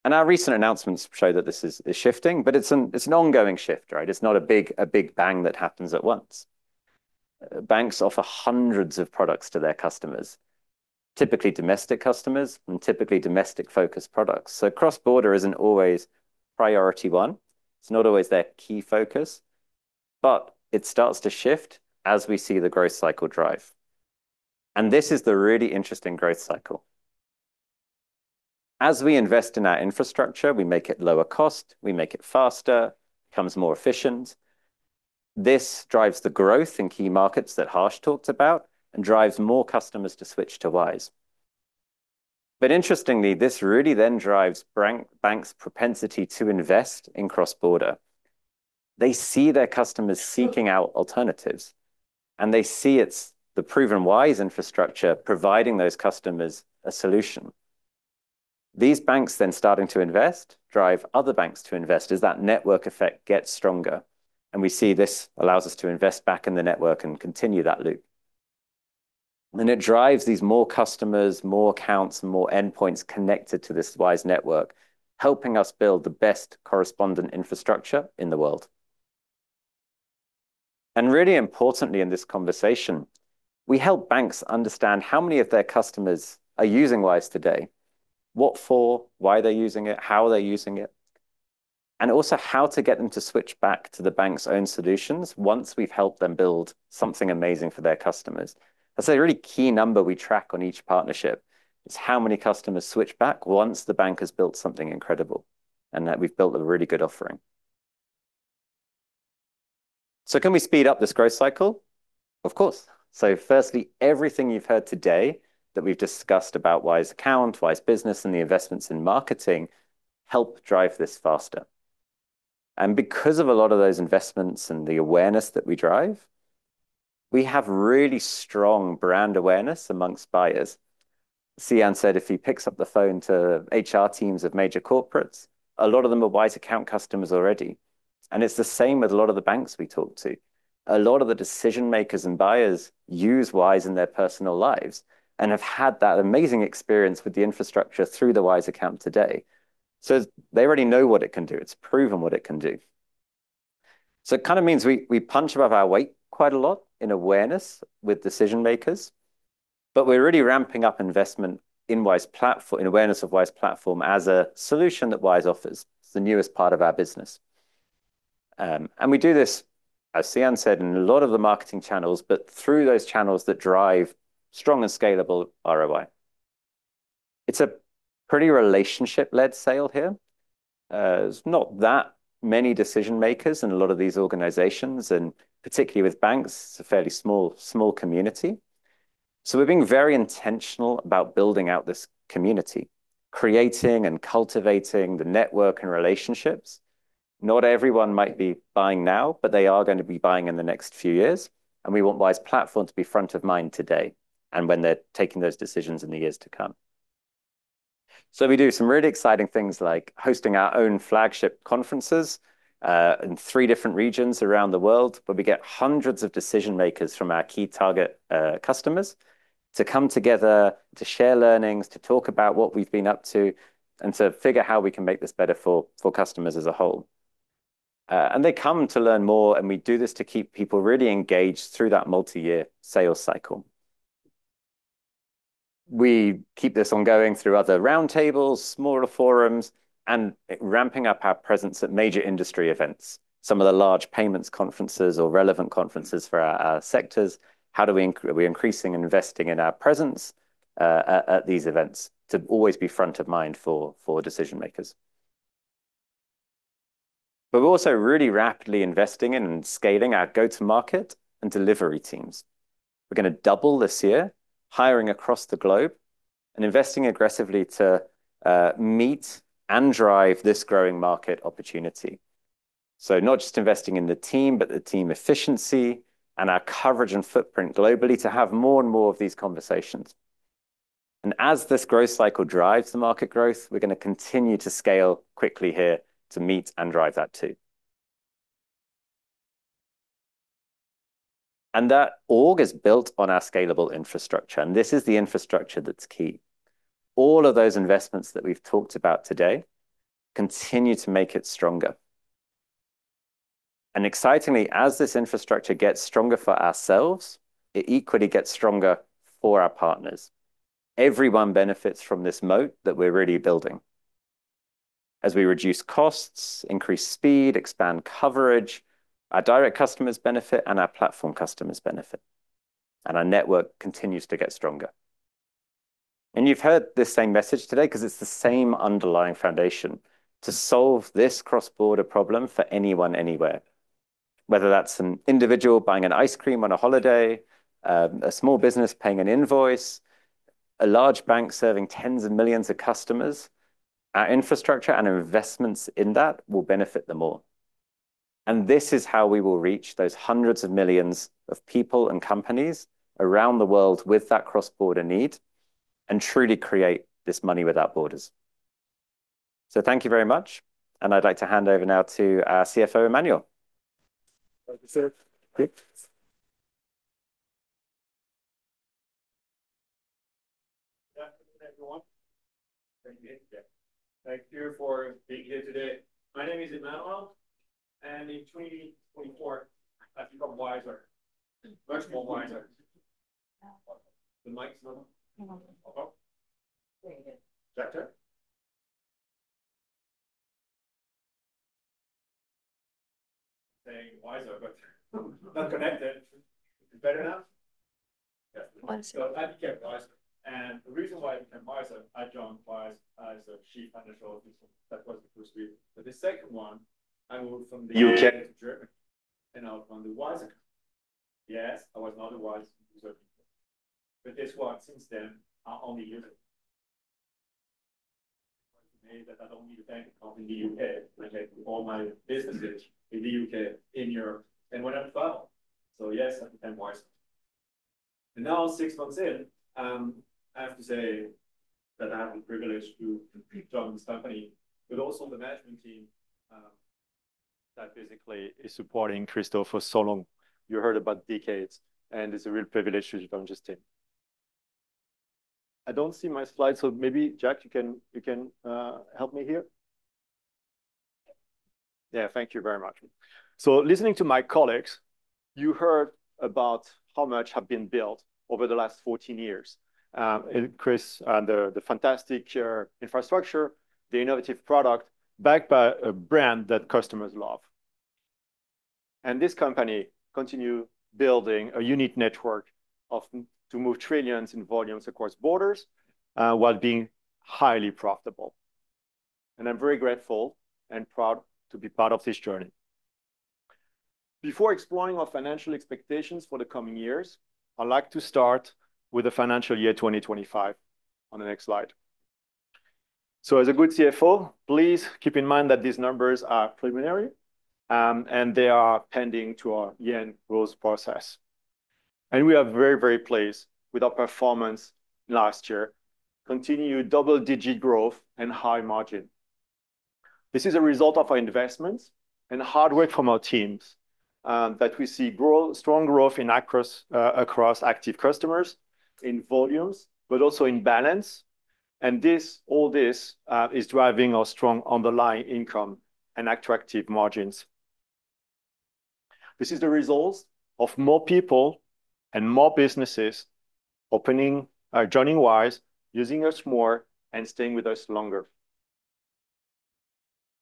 Our recent announcements show that this is shifting, but it's an ongoing shift, right? It's not a big bang that happens at once. Banks offer hundreds of products to their customers, typically domestic customers and typically domestic-focused products. Cross-border isn't always priority one. It's not always their key focus. It starts to shift as we see the growth cycle drive. This is the really interesting growth cycle. As we invest in our infrastructure, we make it lower cost, we make it faster, it becomes more efficient. This drives the growth in key markets that Harsh talked about and drives more customers to switch to Wise. Interestingly, this really then drives banks' propensity to invest in cross-border. They see their customers seeking out alternatives, and they see it's the proven Wise infrastructure providing those customers a solution. These banks then starting to invest drive other banks to invest as that network effect gets stronger. We see this allows us to invest back in the network and continue that loop. It drives these more customers, more accounts, and more endpoints connected to this Wise network, helping us build the best correspondent infrastructure in the world. Really importantly in this conversation, we help banks understand how many of their customers are using Wise today, what for, why they're using it, how they're using it, and also how to get them to switch back to the bank's own solutions once we've helped them build something amazing for their customers. That's a really key number we track on each partnership is how many customers switch back once the bank has built something incredible and that we've built a really good offering. Can we speed up this growth cycle? Of course. Firstly, everything you've heard today that we've discussed about Wise Account, Wise Business, and the investments in marketing help drive this faster. Because of a lot of those investments and the awareness that we drive, we have really strong brand awareness amongst buyers. Cian said if he picks up the phone to HR teams of major corporates, a lot of them are Wise Account customers already. It is the same with a lot of the banks we talk to. A lot of the decision makers and buyers use Wise in their personal lives and have had that amazing experience with the infrastructure through the Wise Account today. They already know what it can do. It has proven what it can do. It kind of means we punch above our weight quite a lot in awareness with decision makers. We are really ramping up investment in Wise Platform, in awareness of Wise Platform as a solution that Wise offers. It is the newest part of our business. We do this, as Cian said, in a lot of the marketing channels, but through those channels that drive strong and scalable ROI. It's a pretty relationship-led sale here. There's not that many decision makers in a lot of these organizations, and particularly with banks, it's a fairly small, small community. We are being very intentional about building out this community, creating and cultivating the network and relationships. Not everyone might be buying now, but they are going to be buying in the next few years. We want Wise Platform to be front of mind today and when they're taking those decisions in the years to come. We do some really exciting things like hosting our own flagship conferences in three different regions around the world, where we get hundreds of decision makers from our key target customers to come together, to share learnings, to talk about what we've been up to, and to figure out how we can make this better for customers as a whole. They come to learn more, and we do this to keep people really engaged through that multi-year sales cycle. We keep this ongoing through other roundtables, smaller forums, and ramping up our presence at major industry events, some of the large payments conferences or relevant conferences for our sectors. How do we increase investing in our presence at these events to always be front of mind for decision makers? We are also really rapidly investing in and scaling our go-to-market and delivery teams. We are going to double this year, hiring across the globe and investing aggressively to meet and drive this growing market opportunity. Not just investing in the team, but the team efficiency and our coverage and footprint globally to have more and more of these conversations. As this growth cycle drives the market growth, we're going to continue to scale quickly here to meet and drive that too. That org is built on our scalable infrastructure. This is the infrastructure that's key. All of those investments that we've talked about today continue to make it stronger. Excitingly, as this infrastructure gets stronger for ourselves, it equally gets stronger for our partners. Everyone benefits from this moat that we're really building. As we reduce costs, increase speed, expand coverage, our direct customers benefit and our platform customers benefit. Our network continues to get stronger. You've heard this same message today because it's the same underlying foundation to solve this cross-border problem for anyone, anywhere. Whether that's an individual buying an ice cream on a holiday, a small business paying an invoice, a large bank serving tens of millions of customers, our infrastructure and investments in that will benefit them all. This is how we will reach those hundreds of millions of people and companies around the world with that cross-border need and truly create this money without borders. Thank you very much. I'd like to hand over now to our CFO, Emmanuel. Thank you, sir. Good afternoon, everyone. Thank you. Thank you for being here today. My name is Emmanuel. In 2024, I've become wiser. Much more wiser. The mic's not on. There you go. Saying wiser, but not connected. Is it better now? Yes. I became wiser. The reason why I became wiser, I joined Wise as a Chief Financial Officer. That was the first reason. The second one, I moved from the U.K. to Germany and I was on the Wise account. Yes, I was not a Wise user. This one, since then, I only use it. It was made that I do not need a bank account in the U.K. I have all my businesses in the U.K., in Europe, and when I am traveling. Yes, I became wiser. Now, six months in, I have to say that I have the privilege to join this company, but also the management team that basically is supporting Kristo for so long. You heard about decades, and it is a real privilege to join this team. I do not see my slide, so maybe, Jack, you can help me here. Thank you very much. Listening to my colleagues, you heard about how much has been built over the last 14 years. Chris, the fantastic infrastructure, the innovative product backed by a brand that customers love. This company continues building a unique network to move trillions in volumes across borders while being highly profitable. I am very grateful and proud to be part of this journey. Before exploring our financial expectations for the coming years, I'd like to start with the financial year 2025 on the next slide. As a good CFO, please keep in mind that these numbers are preliminary, and they are pending to our year-end growth process. We are very, very pleased with our performance last year, continued double-digit growth and high margin. This is a result of our investments and hard work from our teams that we see strong growth in across active customers in volumes, but also in balance. All this is driving our strong underlying income and attractive margins. This is the result of more people and more businesses joining Wise, using us more, and staying with us longer.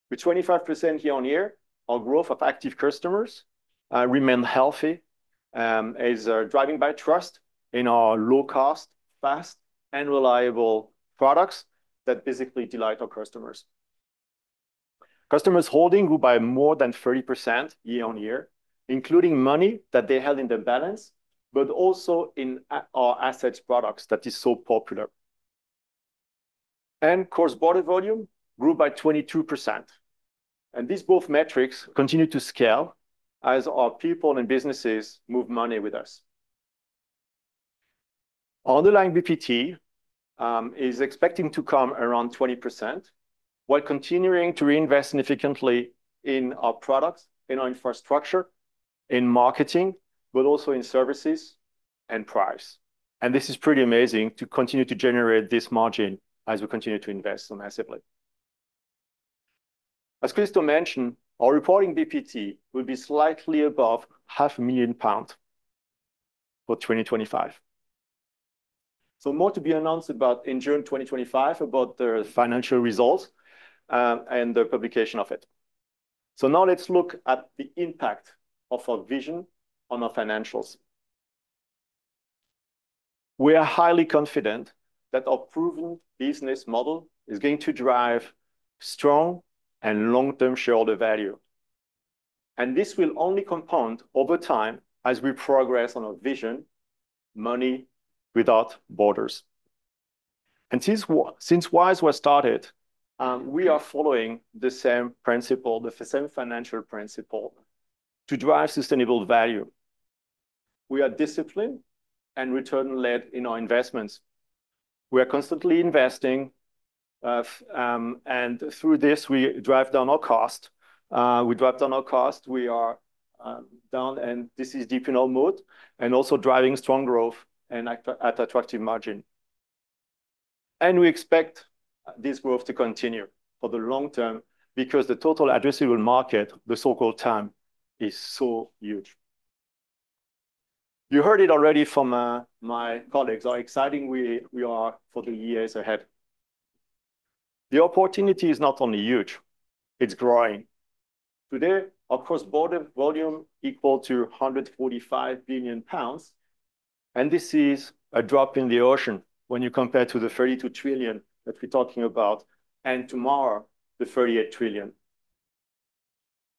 With 25% year on year, our growth of active customers remains healthy and is driven by trust in our low-cost, fast, and reliable products that basically delight our customers. Customers' holdings grew by more than 30% year on year, including money that they held in their balance, but also in our assets products that are so popular. Cross-border volume grew by 22%. These both metrics continue to scale as our people and businesses move money with us. Our underlying BPT is expecting to come around 20% while continuing to reinvest significantly in our products, in our infrastructure, in marketing, but also in services and price. This is pretty amazing to continue to generate this margin as we continue to invest so massively. As Kristo mentioned, our reporting BPT will be slightly above 500,000 pounds for 2025. More will be announced in June 2025 about the financial results and the publication of it. Now let's look at the impact of our vision on our financials. We are highly confident that our proven business model is going to drive strong and long-term shareholder value. This will only compound over time as we progress on our vision, money without borders. Since Wise was started, we are following the same principle, the same financial principle to drive sustainable value. We are disciplined and return-led in our investments. We are constantly investing, and through this, we drive down our cost. We drive down our cost. We are down, and this is deep in our moat and also driving strong growth and at attractive margin. We expect this growth to continue for the long term because the total addressable market, the so-called TAM, is so huge. You heard it already from my colleagues, how exciting we are for the years ahead. The opportunity is not only huge, it's growing. Today, our cross-border volume is equal to 145 billion pounds. This is a drop in the ocean when you compare it to the 32 trillion that we're talking about and tomorrow, the 38 trillion.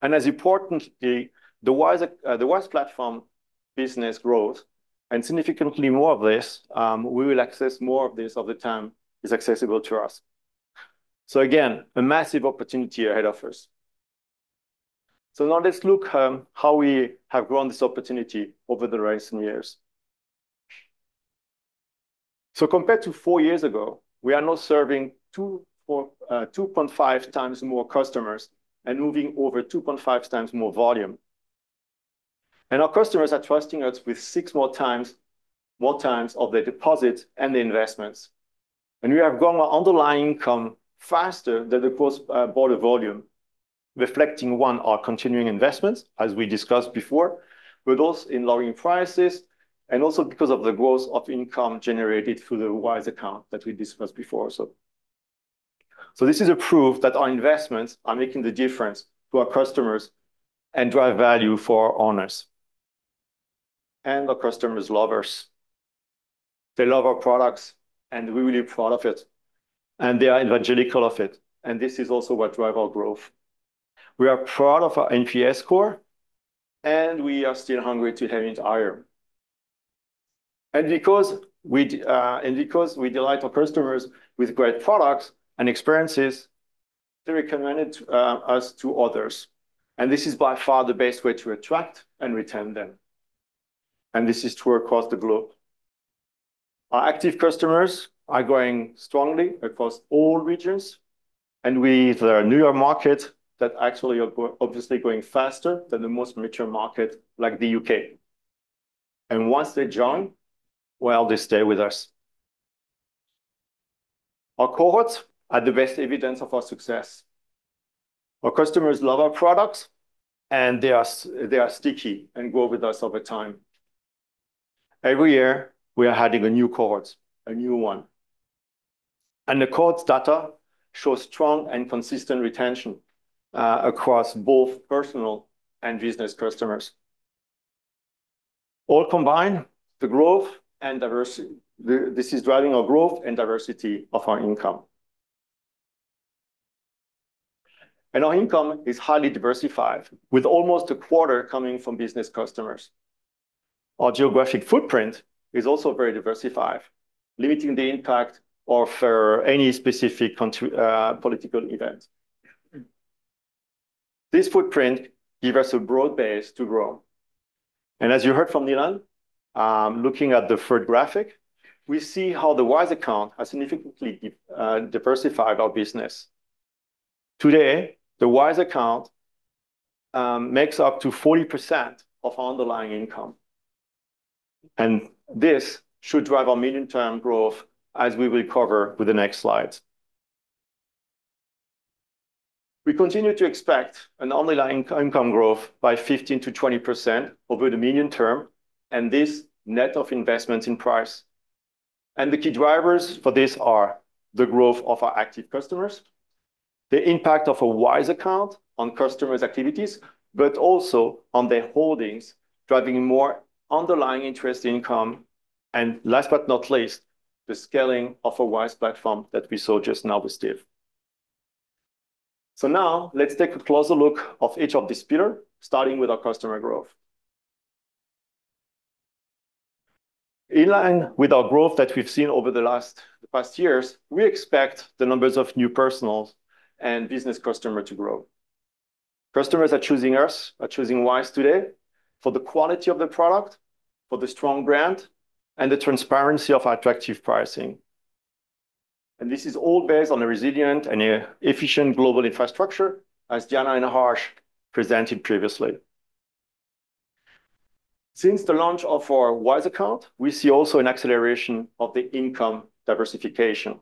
As importantly, the Wise Platform business grows and significantly more of this, we will access more of this as the TAM is accessible to us. Again, a massive opportunity ahead of us. Now let's look at how we have grown this opportunity over the recent years. Compared to four years ago, we are now serving 2.5 times more customers and moving over 2.5 times more volume. Our customers are trusting us with six more times of their deposits and their investments. We have grown our underlying income faster than the cross-border volume, reflecting, one, our continuing investments, as we discussed before, but also in lowering prices and also because of the growth of income generated through the Wise account that we discussed before. This is a proof that our investments are making the difference to our customers and drive value for our owners and our customers' lovers. They love our products, and we're really proud of it. They are evangelical of it. This is also what drives our growth. We are proud of our NPS score, and we are still hungry to have it higher. Because we delight our customers with great products and experiences, they recommend us to others. This is by far the best way to attract and retain them. This is true across the globe. Our active customers are growing strongly across all regions. We either are a newer market that actually are obviously going faster than the most mature market like the U.K. Once they join, they stay with us. Our cohorts are the best evidence of our success. Our customers love our products, and they are sticky and grow with us over time. Every year, we are adding a new cohort, a new one. The cohorts data show strong and consistent retention across both personal and business customers. All combined, the growth and diversity, this is driving our growth and diversity of our income. Our income is highly diversified, with almost a quarter coming from business customers. Our geographic footprint is also very diversified, limiting the impact of any specific political event. This footprint gives us a broad base to grow. As you heard from Nilan, looking at the first graphic, we see how the Wise account has significantly diversified our business. Today, the Wise account makes up to 40% of our underlying income. This should drive our medium-term growth, as we will cover with the next slides. We continue to expect an underlying income growth by 15%-20% over the medium term, and this net of investments in price. The key drivers for this are the growth of our active customers, the impact of a Wise account on customers' activities, but also on their holdings, driving more underlying interest income, and last but not least, the scaling of our Wise Platform that we saw just now with Steve. Now, let's take a closer look at each of these pillars, starting with our customer growth. In line with our growth that we've seen over the past years, we expect the numbers of new personal and business customers to grow. Customers are choosing us, are choosing Wise today for the quality of the product, for the strong brand, and the transparency of our attractive pricing. This is all based on a resilient and efficient global infrastructure, asDiana and Harsh presented previously. Since the launch of our Wise Account, we see also an acceleration of the income diversification.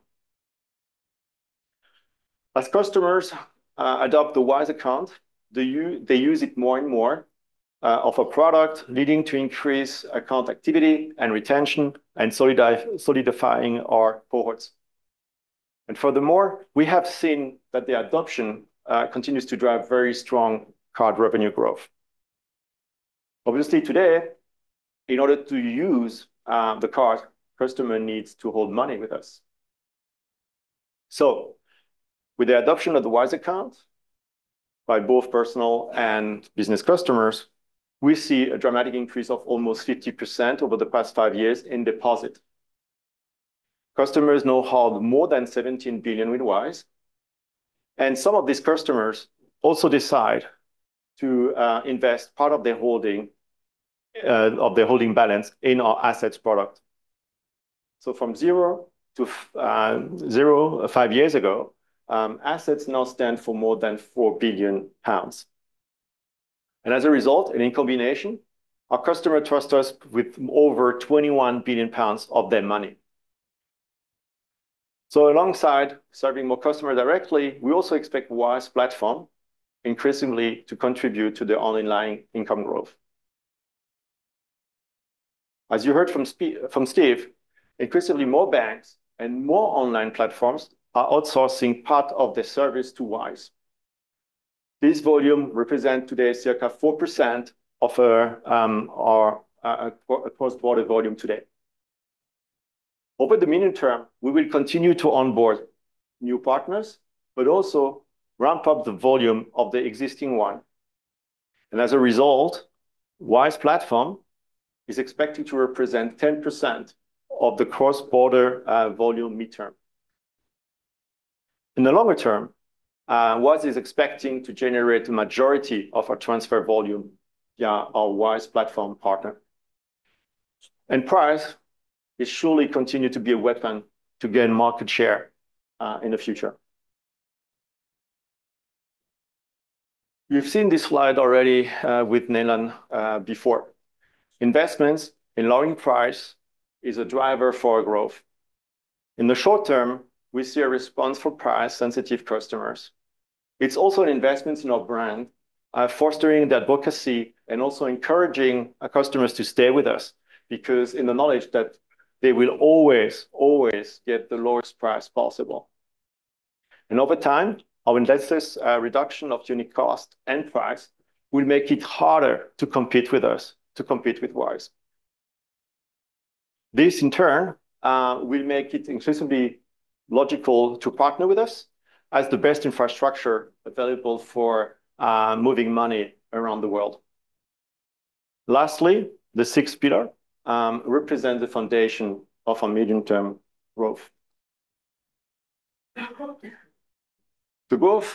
As customers adopt the Wise Account, they use it more and more, offer products leading to increased account activity and retention, and solidifying our cohorts. Furthermore, we have seen that the adoption continues to drive very strong card revenue growth. Obviously, today, in order to use the card, customers need to hold money with us. With the adoption of the Wise Account by both personal and business customers, we see a dramatic increase of almost 50% over the past five years in deposit. Customers now hold more than 17 billion with Wise. Some of these customers also decide to invest part of their holding balance in our assets product. From zero five years ago, assets now stand for more than 4 billion pounds. As a result, in combination, our customers trust us with over 21 billion pounds of their money. Alongside serving more customers directly, we also expect Wise Platform increasingly to contribute to the underlying income growth. As you heard from Steve, increasingly more banks and more online platforms are outsourcing part of their service to Wise. This volume represents today circa 4% of our cross-border volume today. Over the medium term, we will continue to onboard new partners, but also ramp up the volume of the existing one. As a result, Wise Platform is expected to represent 10% of the cross-border volume midterm. In the longer term, Wise is expecting to generate the majority of our transfer volume via our Wise Platform partner. Price is surely continuing to be a weapon to gain market share in the future. You've seen this slide already with Nilan before. Investments in lowering price are a driver for our growth. In the short term, we see a response for price-sensitive customers. It's also an investment in our brand, fostering the advocacy and also encouraging our customers to stay with us because in the knowledge that they will always, always get the lowest price possible. Over time, our investors' reduction of unit cost and price will make it harder to compete with us, to compete with Wise. This, in turn, will make it increasingly logical to partner with us as the best infrastructure available for moving money around the world. Lastly, the sixth pillar represents the foundation of our medium-term growth. The growth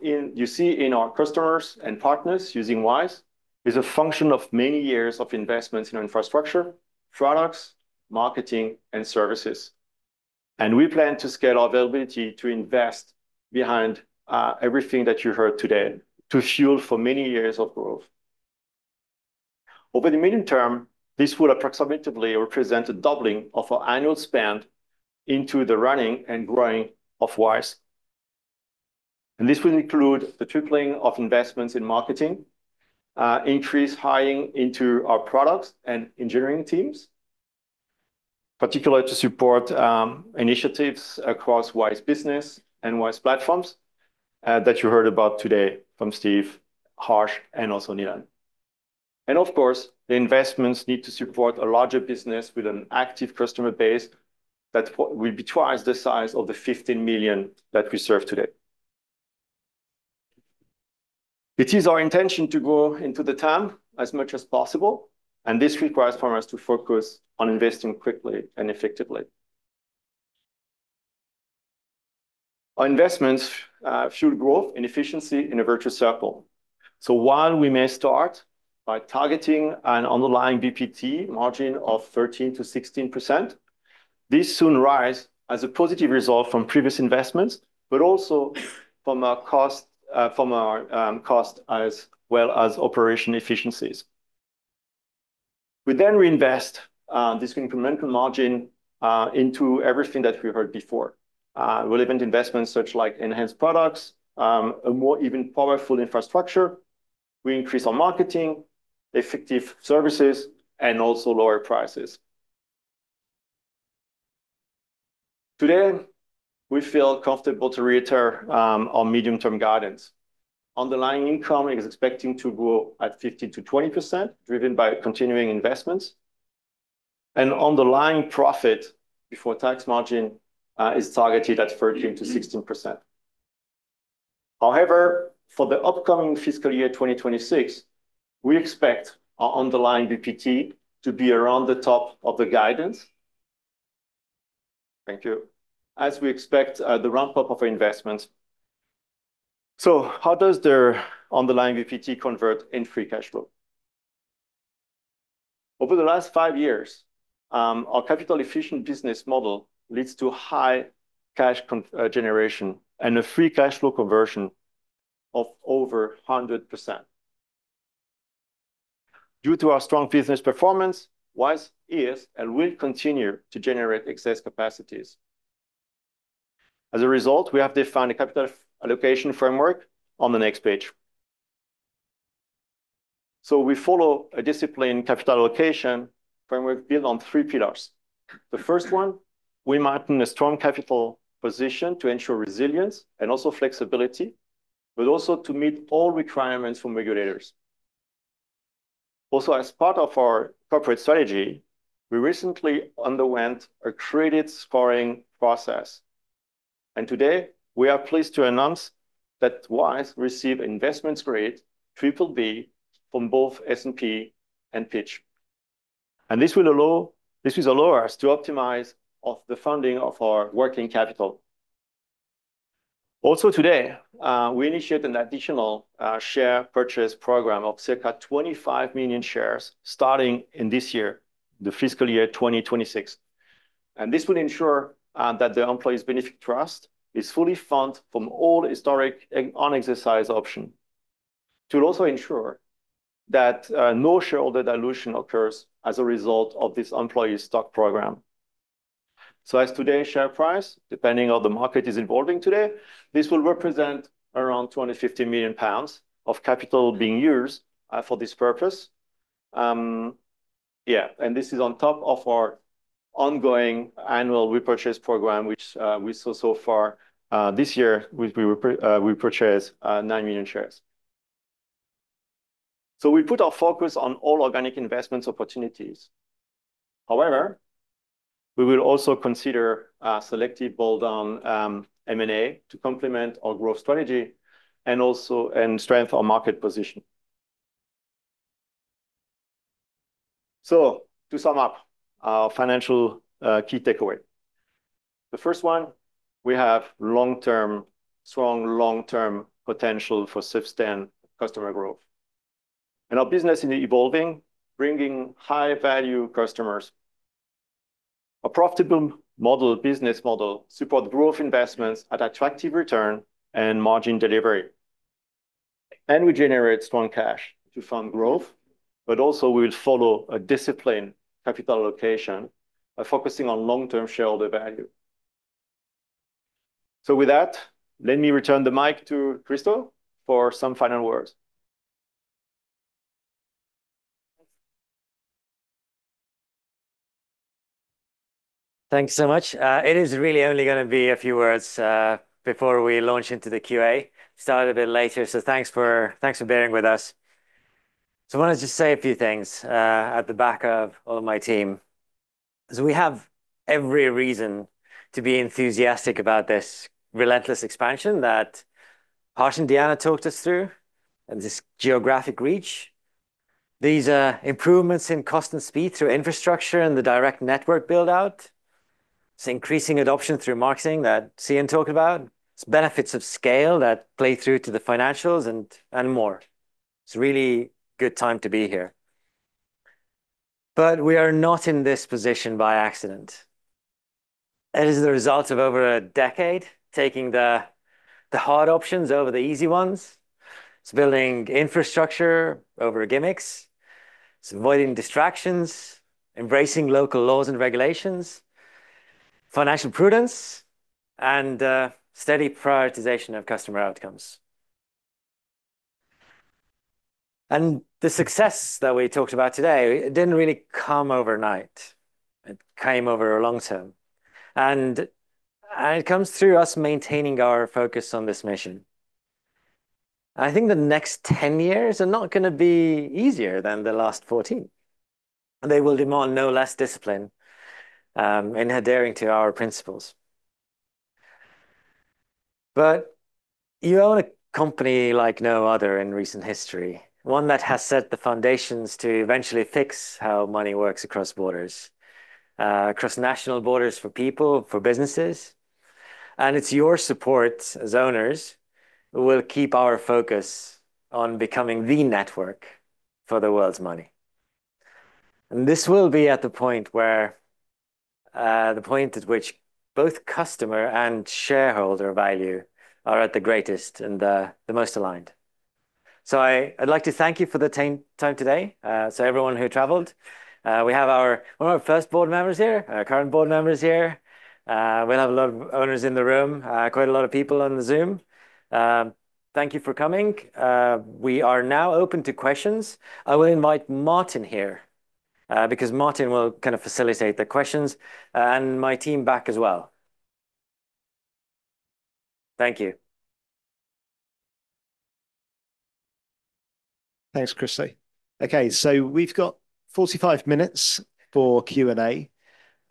you see in our customers and partners using Wise is a function of many years of investments in our infrastructure, products, marketing, and services. We plan to scale our availability to invest behind everything that you heard today to fuel for many years of growth. Over the medium term, this would approximately represent a doubling of our annual spend into the running and growing of Wise. This will include the tripling of investments in marketing, increased hiring into our products and engineering teams, particularly to support initiatives across Wise Business and Wise Platform that you heard about today from Steve, Harsh, and also Nilan. Of course, the investments need to support a larger business with an active customer base that will be twice the size of the 15 million that we serve today. It is our intention to grow into the TAM as much as possible, and this requires from us to focus on investing quickly and effectively. Our investments fuel growth and efficiency in a virtuous circle. While we may start by targeting an underlying BPT margin of 13%-16%, this soon rises as a positive result from previous investments, but also from our cost, from our cost as well as operation efficiencies. We then reinvest this incremental margin into everything that we heard before, relevant investments such like enhanced products, a more even powerful infrastructure. We increase our marketing, effective services, and also lower prices. Today, we feel comfortable to reiterate our medium-term guidance. Underlying income is expected to grow at 15%-20%, driven by continuing investments. Underlying profit before tax margin is targeted at 13%-16%. However, for the upcoming fiscal year 2026, we expect our underlying BPT to be around the top of the guidance. Thank you. As we expect the ramp-up of our investments. How does the underlying BPT convert in free cash flow? Over the last five years, our capital-efficient business model leads to high cash generation and a free cash flow conversion of over 100%. Due to our strong business performance, Wise is and will continue to generate excess capacities. As a result, we have defined a capital allocation framework on the next page. We follow a disciplined capital allocation framework built on three pillars. The first one, we maintain a strong capital position to ensure resilience and also flexibility, but also to meet all requirements from regulators. Also, as part of our corporate strategy, we recently underwent a credit scoring process. Today, we are pleased to announce that Wise received an investment grade triple B from both S&P and Fitch. This will allow us to optimize the funding of our working capital. Also, today, we initiated an additional share purchase program of circa 25 million shares starting in this year, the fiscal year 2026. This will ensure that the employees' benefit trust is fully funded from all historic unexercised options. To also ensure that no shareholder dilution occurs as a result of this employee stock program. As of today's share price, depending on how the market is evolving today, this will represent around 250 million pounds of capital being used for this purpose. Yeah, and this is on top of our ongoing annual repurchase program, which we saw so far this year, we repurchased 9 million shares. We put our focus on all organic investment opportunities. However, we will also consider selective bolt-on M&A to complement our growth strategy and also strengthen our market position. To sum up our financial key takeaway, the first one, we have strong long-term potential for sustained customer growth. Our business is evolving, bringing high-value customers. A profitable business model supports growth investments at attractive return and margin delivery. We generate strong cash to fund growth, but also we will follow a disciplined capital allocation by focusing on long-term shareholder value. With that, let me return the mic to Kristo for some final words. Thanks so much. It is really only going to be a few words before we launch into the Q&A. Started a bit later, so thanks for bearing with us. I want to just say a few things at the back of all of my team. We have every reason to be enthusiastic about this relentless expansion that Harsh andDiana talked us through, and this geographic reach, these improvements in cost and speed through infrastructure and the direct network build-out, it's increasing adoption through marketing that Cian talked about, it's benefits of scale that play through to the financials and more. It's a really good time to be here. We are not in this position by accident. It is the result of over a decade taking the hard options over the easy ones. It's building infrastructure over gimmicks. It's avoiding distractions, embracing local laws and regulations, financial prudence, and steady prioritization of customer outcomes. The success that we talked about today, it did not really come overnight. It came over a long term. It comes through us maintaining our focus on this mission. I think the next 10 years are not going to be easier than the last 14. They will demand no less discipline in adhering to our principles. You own a company like no other in recent history, one that has set the foundations to eventually fix how money works across borders, across national borders for people, for businesses. It is your support as owners who will keep our focus on becoming the network for the world's money. This will be at the point where the point at which both customer and shareholder value are at the greatest and the most aligned. I would like to thank you for the time today. Everyone who traveled, we have one of our first board members here, our current board members here. We will have a lot of owners in the room, quite a lot of people on the Zoom. Thank you for coming. We are now open to questions. I will invite Martin here because Martin will kind of facilitate the questions and my team back as well. Thank you. Thanks, Kristo. Okay, we have 45 minutes for Q&A.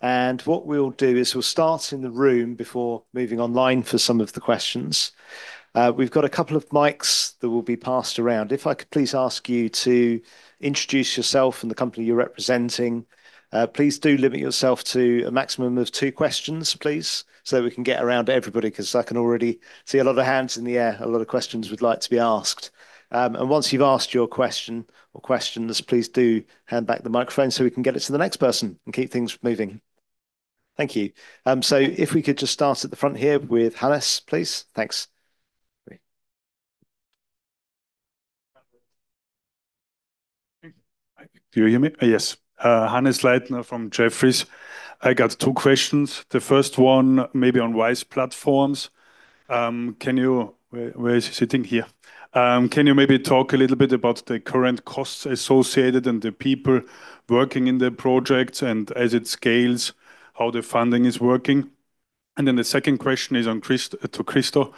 What we will do is we will start in the room before moving online for some of the questions. We've got a couple of mics that will be passed around. If I could please ask you to introduce yourself and the company you're representing, please do limit yourself to a maximum of two questions, please, so that we can get around to everybody because I can already see a lot of hands in the air, a lot of questions we'd like to be asked. Once you've asked your question or questions, please do hand back the microphone so we can get it to the next person and keep things moving. Thank you. If we could just start at the front here with Hannes, please. Thanks. Do you hear me? Yes. Hannes Leitner from Jefferies. I got two questions. The first one maybe on Wise Platform. Can you, where is he sitting here? Can you maybe talk a little bit about the current costs associated and the people working in the projects and as it scales, how the funding is working? The second question is on to Kristo.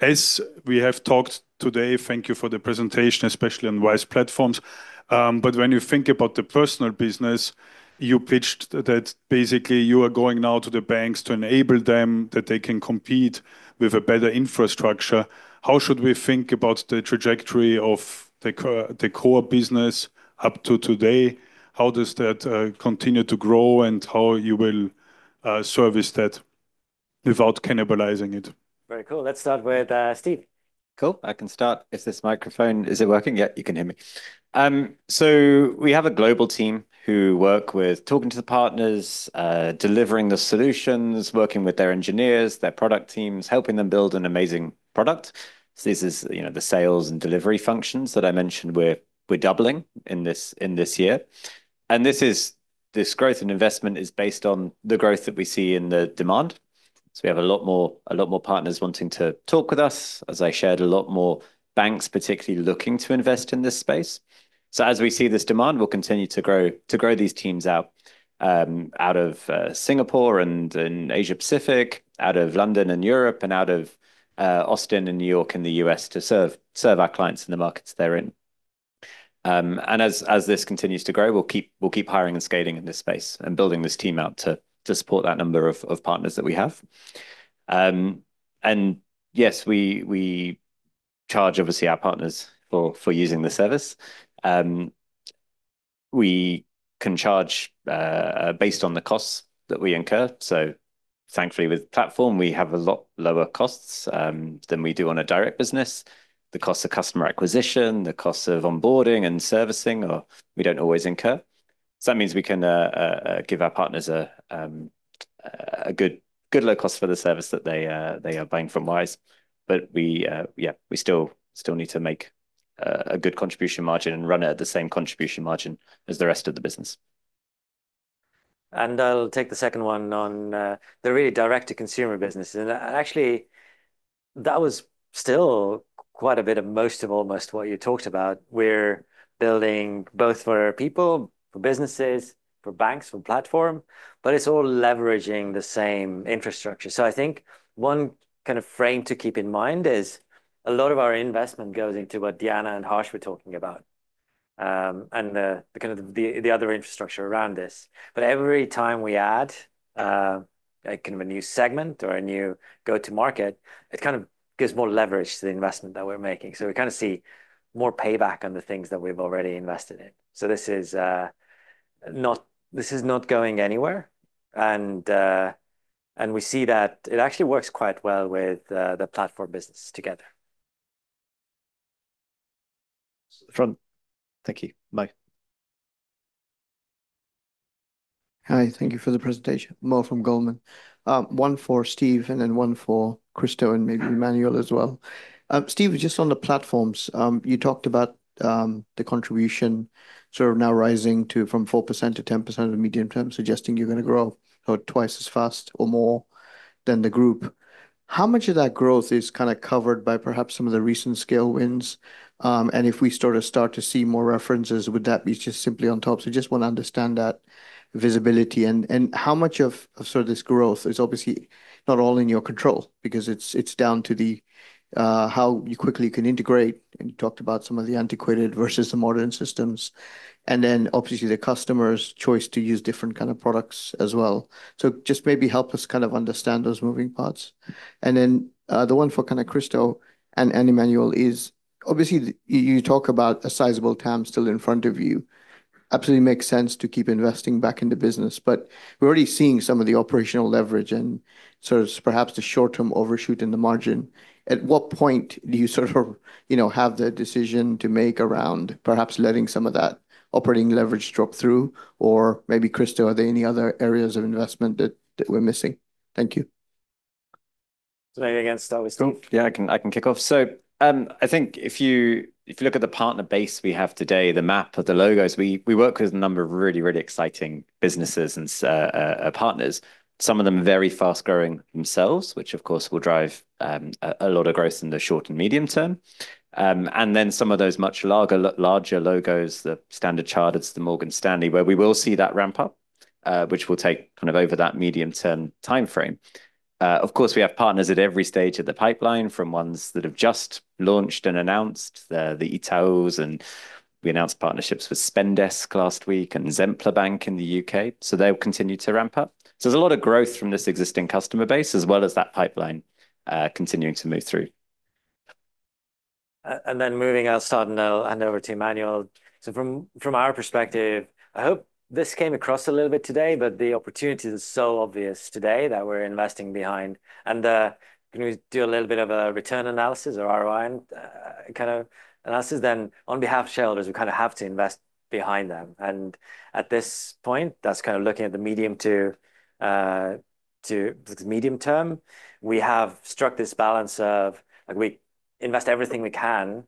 As we have talked today, thank you for the presentation, especially on Wise Platform. When you think about the personal business, you pitched that basically you are going now to the banks to enable them that they can compete with a better infrastructure. How should we think about the trajectory of the core business up to today? How does that continue to grow and how you will service that without cannibalizing it? Very cool. Let's start with Steve. Cool. I can start. Is this microphone, is it working? Yeah, you can hear me. We have a global team who work with talking to the partners, delivering the solutions, working with their engineers, their product teams, helping them build an amazing product. This is, you know, the sales and delivery functions that I mentioned we're doubling in this year. This growth and investment is based on the growth that we see in the demand. We have a lot more partners wanting to talk with us, as I shared, a lot more banks particularly looking to invest in this space. As we see this demand, we'll continue to grow these teams out of Singapore and Asia-Pacific, out of London and Europe, and out of Austin and New York in the US to serve our clients in the markets they're in. As this continues to grow, we'll keep hiring and scaling in this space and building this team out to support that number of partners that we have. Yes, we charge, obviously, our partners for using the service. We can charge based on the costs that we incur. Thankfully, with platform, we have a lot lower costs than we do on a direct business. The costs of customer acquisition, the costs of onboarding and servicing, we do not always incur. That means we can give our partners a good low cost for the service that they are buying from Wise. We still need to make a good contribution margin and run it at the same contribution margin as the rest of the business. I'll take the second one on the really direct-to-consumer businesses. Actually, that was still quite a bit of most of almost what you talked about. We're building both for people, for businesses, for banks, for platform, but it's all leveraging the same infrastructure. I think one kind of frame to keep in mind is a lot of our investment goes into whatDiana and Harsh were talking about and the kind of the other infrastructure around this. Every time we add a kind of a new segment or a new go-to-market, it kind of gives more leverage to the investment that we're making. We kind of see more payback on the things that we've already invested in. This is not going anywhere. We see that it actually works quite well with the platform business together. Thank you. Kristo. Hi. Thank you for the presentation. More from Goldman. One for Steve and then one for Kristo and maybe Emmanuel as well. Steve, just on the platforms, you talked about the contribution sort of now rising from 4% to 10% of medium term, suggesting you're going to grow twice as fast or more than the group. How much of that growth is kind of covered by perhaps some of the recent scale wins? If we sort of start to see more references, would that be just simply on top? I just want to understand that visibility and how much of sort of this growth is obviously not all in your control because it's down to how quickly you can integrate. You talked about some of the antiquated versus the modern systems. Obviously the customer's choice to use different kind of products as well. Maybe help us kind of understand those moving parts. Then the one for kind of Kristo and Emmanuel is obviously you talk about a sizable TAM still in front of you. Absolutely makes sense to keep investing back in the business, but we're already seeing some of the operational leverage and sort of perhaps the short-term overshoot in the margin. At what point do you sort of, you know, have the decision to make around perhaps letting some of that operating leverage drop through? Or maybe Kristo, are there any other areas of investment that we're missing? Thank you. Does anything else start with Steve? Yeah, I can kick off. I think if you look at the partner base we have today, the map of the logos, we work with a number of really, really exciting businesses and partners. Some of them very fast-growing themselves, which of course will drive a lot of growth in the short and medium term. Then some of those much larger logos, the Standard Chartered, the Morgan Stanley, where we will see that ramp up, which will take kind of over that medium-term time frame. Of course, we have partners at every stage of the pipeline from ones that have just launched and announced the ITOs. We announced partnerships with Spendesk last week and Zempla Bank in the U.K. They will continue to ramp up. There is a lot of growth from this existing customer base as well as that pipeline continuing to move through. Moving outside and over to Emmanuel. From our perspective, I hope this came across a little bit today, but the opportunity is so obvious today that we are investing behind. Can we do a little bit of a return analysis or ROI kind of analysis? On behalf of shareholders, we kind of have to invest behind them. At this point, that's kind of looking at the medium to medium term. We have struck this balance of like we invest everything we can,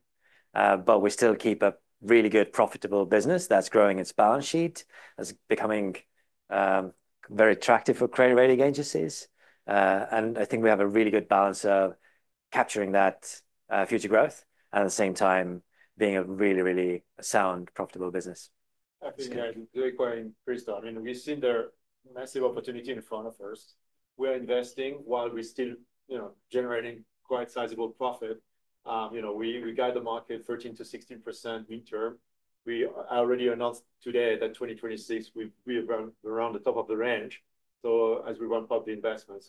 but we still keep a really good, profitable business that's growing its balance sheet, that's becoming very attractive for credit rating agencies. I think we have a really good balance of capturing that future growth and at the same time being a really, really sound, profitable business. I think the key one, Kristo, I mean, we've seen the massive opportunity in front of us. We are investing while we're still, you know, generating quite sizable profit. You know, we guide the market 13%-16% midterm. We already announced today that 2026, we are around the top of the range. As we ramp up the investment,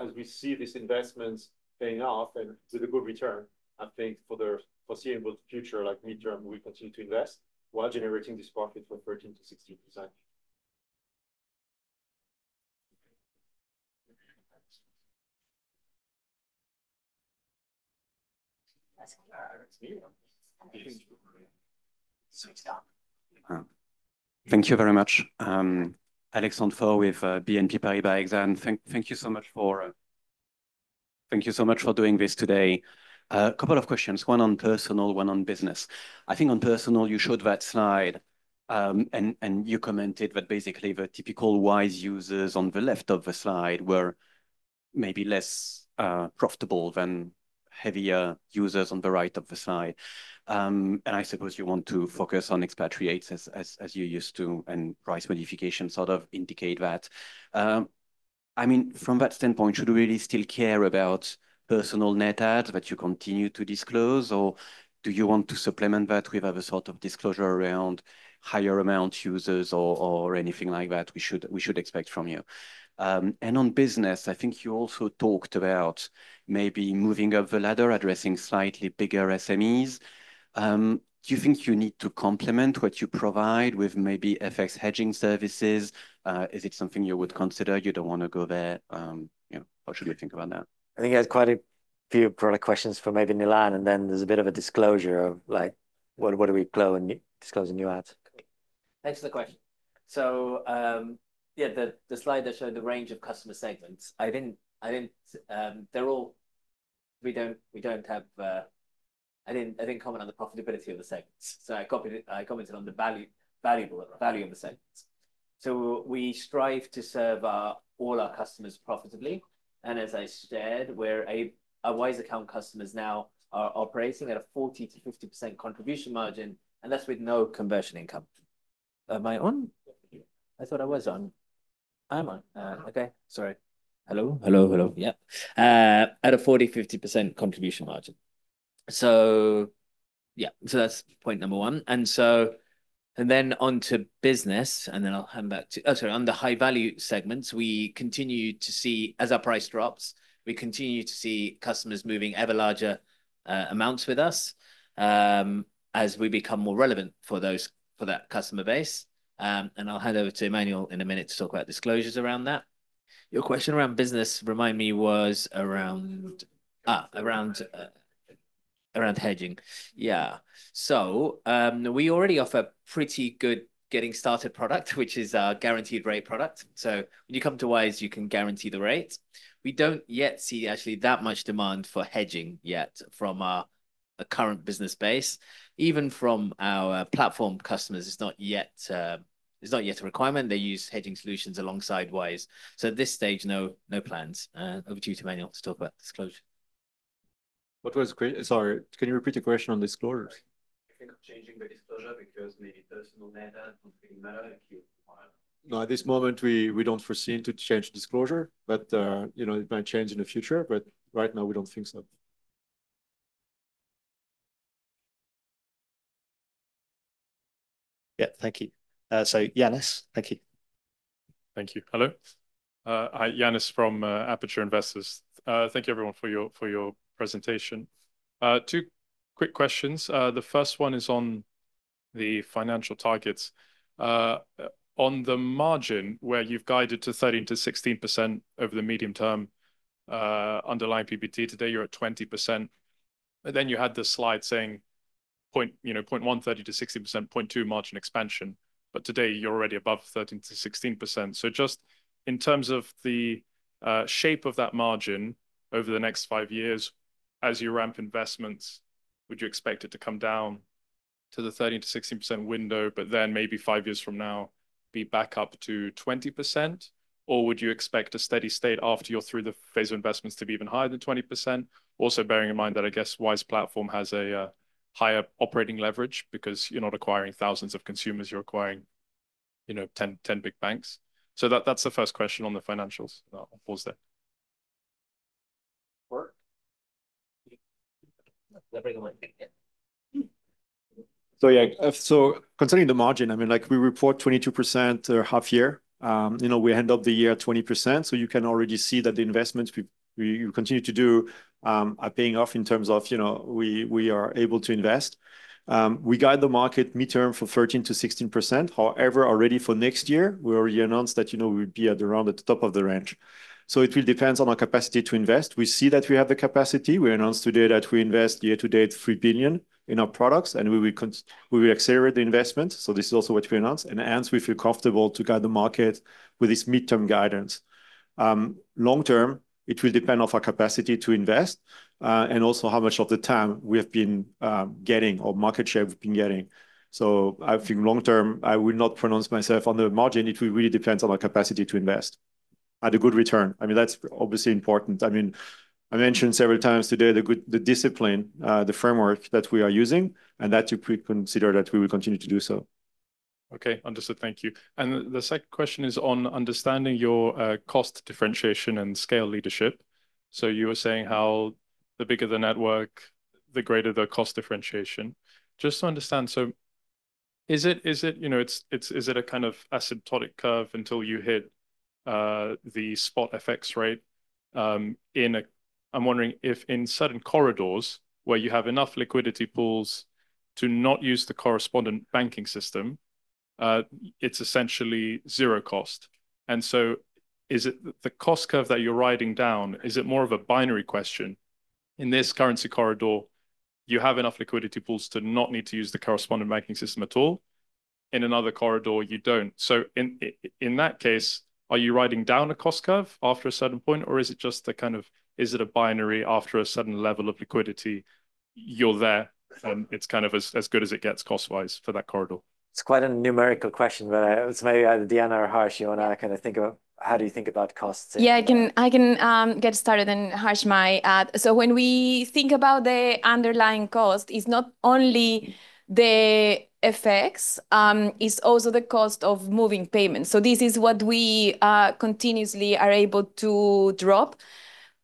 as we see these investments paying off and it's a good return, I think for the foreseeable future, like midterm, we continue to invest while generating this profit for 13%-16%. Thank you very much. Alexandre Faure with [Exane]. Thank you so much for thank you so much for doing this today. A couple of questions, one on personal, one on business. I think on personal, you showed that slide and you commented that basically the typical Wise users on the left of the slide were maybe less profitable than heavier users on the right of the slide. I suppose you want to focus on expatriates as you used to and price modification sort of indicate that. I mean, from that standpoint, should we really still care about personal net adds that you continue to disclose or do you want to supplement that with other sort of disclosure around higher amount users or anything like that we should expect from you? On business, I think you also talked about maybe moving up the ladder, addressing slightly bigger SMEs. Do you think you need to complement what you provide with maybe FX hedging services? Is it something you would consider? You do not want to go there. You know, how should we think about that? I think I had quite a few product questions for maybe Nilan, and then there is a bit of a disclosure of like, what do we close and disclose a new ad? Thanks for the question. Yeah, the slide that showed the range of customer segments, I didn't, I didn't, they're all, we don't, we don't have, I didn't, I didn't comment on the profitability of the segments. I commented on the value, valuable value of the segments. We strive to serve all our customers profitably. As I said, our Wise Account customers now are operating at a 40-50% contribution margin, and that's with no conversion income. Am I on? I thought I was on. I'm on. Okay. Sorry. Hello. Hello. Hello. Yeah. At a 40-50% contribution margin. That's point number one. And then onto business, and then I'll come back to, oh sorry, on the high value segments, we continue to see, as our price drops, we continue to see customers moving ever larger amounts with us as we become more relevant for that customer base. I'll hand over to Emmanuel in a minute to talk about disclosures around that. Your question around business remind me was around hedging. Yeah. We already offer pretty good getting started product, which is our guaranteed rate product. When you come to Wise, you can guarantee the rates. We don't yet see actually that much demand for hedging yet from our current business base. Even from our platform customers, it's not yet, it's not yet a requirement. They use hedging solutions alongside Wise. At this stage, no, no plans. Over to you, to Emmanuel, to talk about disclosure. What was the question? Sorry, can you repeat the question on disclosure? I think changing the disclosure because maybe personal data does not really matter like you. No, at this moment, we do not foresee to change disclosure, but you know, it might change in the future, but right now, we do not think so. Yeah, thank you. Yanis, thank you. Thank you. Hello. Hi, Yanis from Aperture Investors. Thank you, everyone, for your presentation. Two quick questions. The first one is on the financial targets. On the margin where you have guided to 13-16% over the medium term underlying PBT, today you are at 20%. You had the slide saying point, you know, 0.1, 30-60%, 0.2 margin expansion. Today you are already above 13-16%. Just in terms of the shape of that margin over the next five years, as you ramp investments, would you expect it to come down to the 13-16% window, but then maybe five years from now be back up to 20%? Or would you expect a steady state after you're through the phase of investments to be even higher than 20%? Also bearing in mind that I guess Wise Platform has a higher operating leverage because you're not acquiring thousands of consumers, you're acquiring, you know, 10 big banks. That's the first question on the financials. I'll pause there. Yeah, concerning the margin, I mean, like we report 22% half year, you know, we end up the year at 20%. You can already see that the investments we continue to do are paying off in terms of, you know, we are able to invest. We guide the market midterm for 13-16%. However, already for next year, we already announced that, you know, we would be at around the top of the range. It will depend on our capacity to invest. We see that we have the capacity. We announced today that we invest year to date $3 billion in our products and we will accelerate the investment. This is also what we announced. Hence, we feel comfortable to guide the market with this midterm guidance. Long term, it will depend on our capacity to invest and also how much of the time we have been getting or market share we've been getting. I think long term, I will not pronounce myself on the margin. It will really depend on our capacity to invest at a good return. I mean, that's obviously important. I mean, I mentioned several times today the good, the discipline, the framework that we are using and that you could consider that we will continue to do so. Okay. Understood. Thank you. The second question is on understanding your cost differentiation and scale leadership. You were saying how the bigger the network, the greater the cost differentiation. Just to understand, is it, you know, it's, it's, is it a kind of asymptotic curve until you hit the spot FX rate? I'm wondering if in certain corridors where you have enough liquidity pools to not use the correspondent banking system, it's essentially zero cost. Is it the cost curve that you're riding down, is it more of a binary question? In this currency corridor, you have enough liquidity pools to not need to use the correspondent banking system at all. In another corridor, you do not. In that case, are you riding down a cost curve after a certain point or is it just a kind of, is it a binary after a certain level of liquidity you're there and it's kind of as good as it gets cost-wise for that corridor? It's quite a numerical question, but it's maybe eitherDiana or Harsh, you want to kind of think about how do you think about costs? Yeah, I can get started and Harsh might add. When we think about the underlying cost, it's not only the FX, it's also the cost of moving payments. This is what we continuously are able to drop.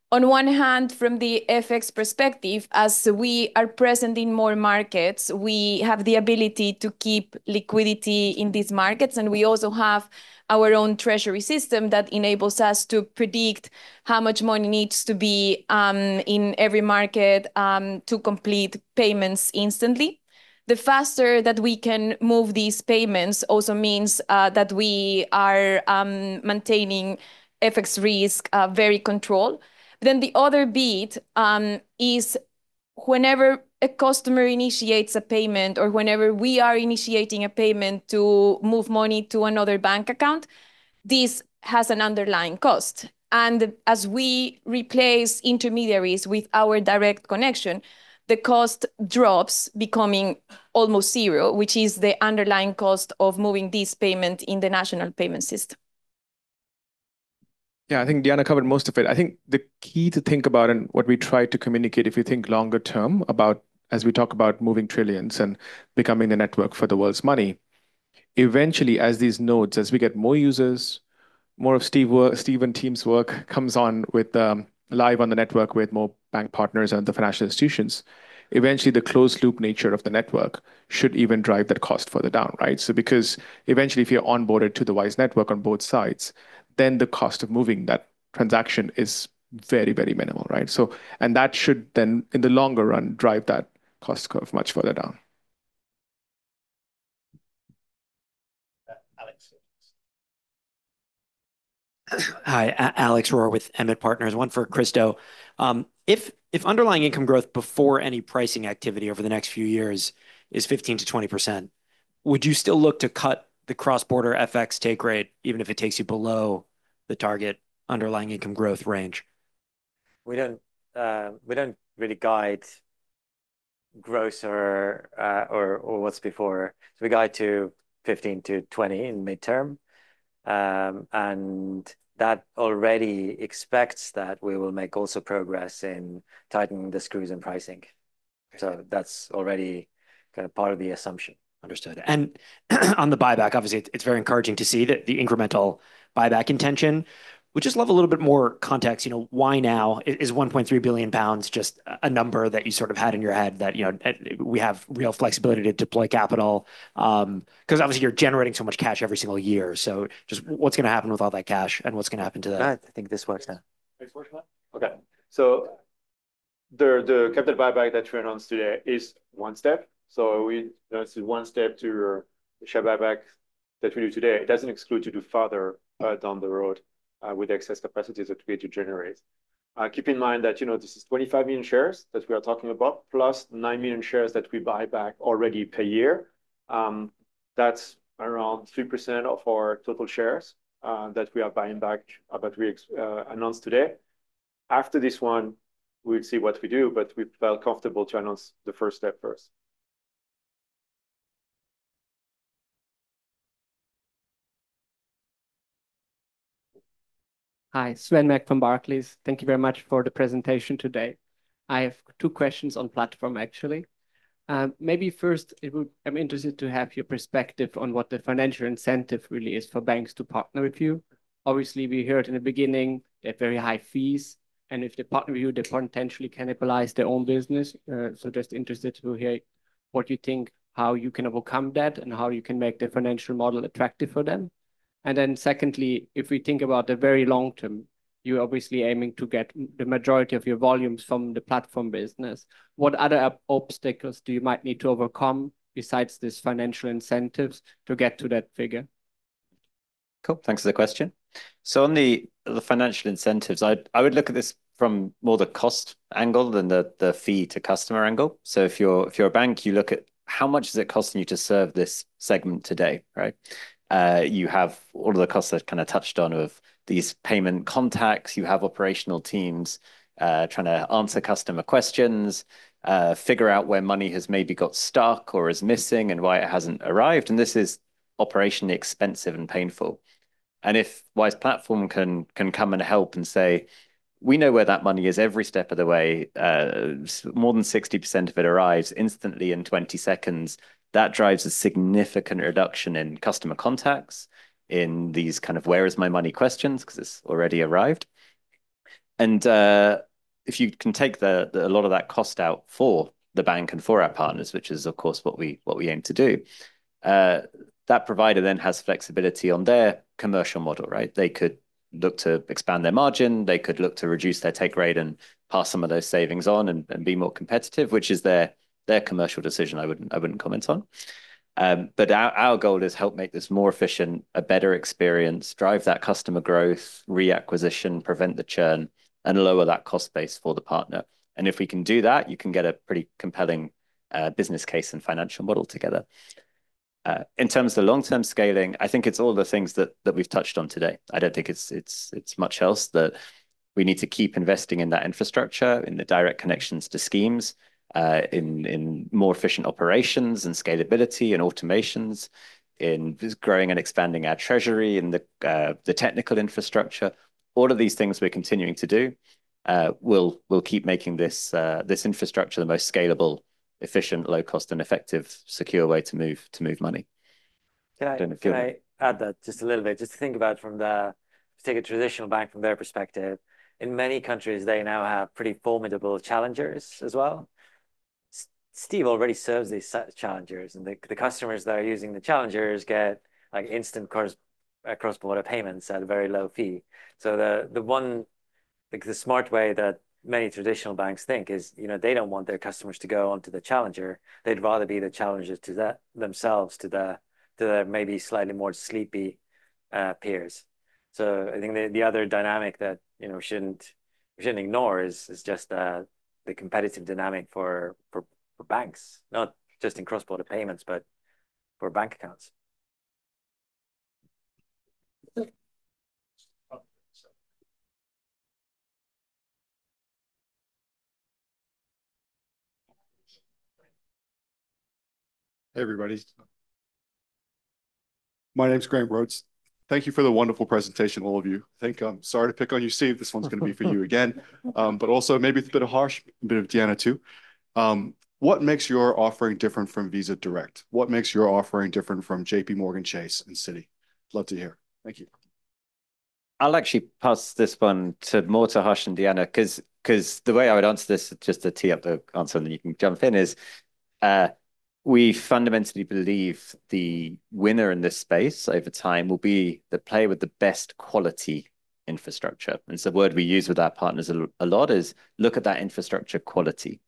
On one hand, from the FX perspective, as we are present in more markets, we have the ability to keep liquidity in these markets. We also have our own treasury system that enables us to predict how much money needs to be in every market to complete payments instantly. The faster that we can move these payments also means that we are maintaining FX risk very controlled. The other bit is whenever a customer initiates a payment or whenever we are initiating a payment to move money to another bank account, this has an underlying cost. As we replace intermediaries with our direct connection, the cost drops, becoming almost zero, which is the underlying cost of moving this payment in the national payment system. I thinkDiana covered most of it. I think the key to think about and what we try to communicate, if you think longer term about as we talk about moving trillions and becoming the network for the world's money, eventually as these nodes, as we get more users, more of Steve and team's work comes on with live on the network with more bank partners and the financial institutions, eventually the closed loop nature of the network should even drive that cost further down, right? Because eventually if you're onboarded to the Wise network on both sides, then the cost of moving that transaction is very, very minimal, right? That should then in the longer run drive that cost curve much further down. Hi, Alex Rohr with Emmett Partners, one for Kristo. If underlying income growth before any pricing activity over the next few years is 15%-20%, would you still look to cut the cross-border FX take rate even if it takes you below the target underlying income growth range? We do not, we do not really guide gross or what is before. We guide to 15%-20% in midterm. That already expects that we will make also progress in tightening the screws in pricing. That is already kind of part of the assumption. Understood. On the buyback, obviously it is very encouraging to see that the incremental buyback intention, we just love a little bit more context, you know, why now is 1.3 billion pounds just a number that you sort of had in your head that, you know, we have real flexibility to deploy capital because obviously you are generating so much cash every single year. Just what's going to happen with all that cash and what's going to happen to that? I think this works now. Okay. The capital buyback that we announced today is one step. We announced it's one step to share buyback that we do today. It doesn't exclude you to do further down the road with the excess capacities that we need to generate. Keep in mind that, you know, this is 25 million shares that we are talking about, plus 9 million shares that we buy back already per year. That's around 3% of our total shares that we are buying back that we announced today. After this one, we'll see what we do, but we felt comfortable to announce the first step first. Hi, Sven McPhom Barclays. Thank you very much for the presentation today. I have two questions on platform, actually. Maybe first, I'm interested to have your perspective on what the financial incentive really is for banks to partner with you. Obviously, we heard in the beginning they have very high fees and if they partner with you, they potentially cannibalize their own business. Just interested to hear what you think, how you can overcome that and how you can make the financial model attractive for them. Secondly, if we think about the very long term, you're obviously aiming to get the majority of your volumes from the platform business. What other obstacles do you might need to overcome besides these financial incentives to get to that figure? Cool. Thanks for the question. On the financial incentives, I would look at this from more the cost angle than the fee to customer angle. If you're a bank, you look at how much is it costing you to serve this segment today, right? You have all of the costs I've kind of touched on of these payment contacts. You have operational teams trying to answer customer questions, figure out where money has maybe got stuck or is missing and why it hasn't arrived. This is operationally expensive and painful. If Wise Platform can come and help and say, we know where that money is every step of the way, more than 60% of it arrives instantly in 20 seconds, that drives a significant reduction in customer contacts in these kind of where is my money questions because it's already arrived. If you can take a lot of that cost out for the bank and for our partners, which is of course what we aim to do, that provider then has flexibility on their commercial model, right? They could look to expand their margin, they could look to reduce their take rate and pass some of those savings on and be more competitive, which is their commercial decision I would not comment on. Our goal is to help make this more efficient, a better experience, drive that customer growth, reacquisition, prevent the churn and lower that cost base for the partner. If we can do that, you can get a pretty compelling business case and financial model together. In terms of the long-term scaling, I think it is all the things that we have touched on today. I don't think it's much else that we need to keep investing in that infrastructure, in the direct connections to schemes, in more efficient operations and scalability and automations, in growing and expanding our treasury and the technical infrastructure. All of these things we're continuing to do will keep making this infrastructure the most scalable, efficient, low-cost and effective, secure way to move money. Yeah, I don't know if you'll... Can I add that just a little bit? Just to think about it from the, let's take a traditional bank from their perspective. In many countries, they now have pretty formidable challengers as well. Steve already serves these challengers and the customers that are using the challengers get like instant cross-border payments at a very low fee. The one, the smart way that many traditional banks think is, you know, they do not want their customers to go onto the challenger. They would rather be the challengers to themselves, to their maybe slightly more sleepy peers. I think the other dynamic that, you know, we should not ignore is just the competitive dynamic for banks, not just in cross-border payments, but for bank accounts. Hey everybody. My name is Grant Rhodes. Thank you for the wonderful presentation, all of you. I think I am sorry to pick on you, Steve. This one is going to be for you again, but also maybe it is a bit of Harsh, a bit of Diana too. What makes your offering different from Visa Direct? What makes your offering different from JP Morgan Chase and Citi? Love to hear. Thank you. I'll actually pass this one more to Harsh and Diana because the way I would answer this is just a tee-up answer and then you can jump in. We fundamentally believe the winner in this space over time will be the player with the best quality infrastructure. The word we use with our partners a lot is look at that infrastructure quality,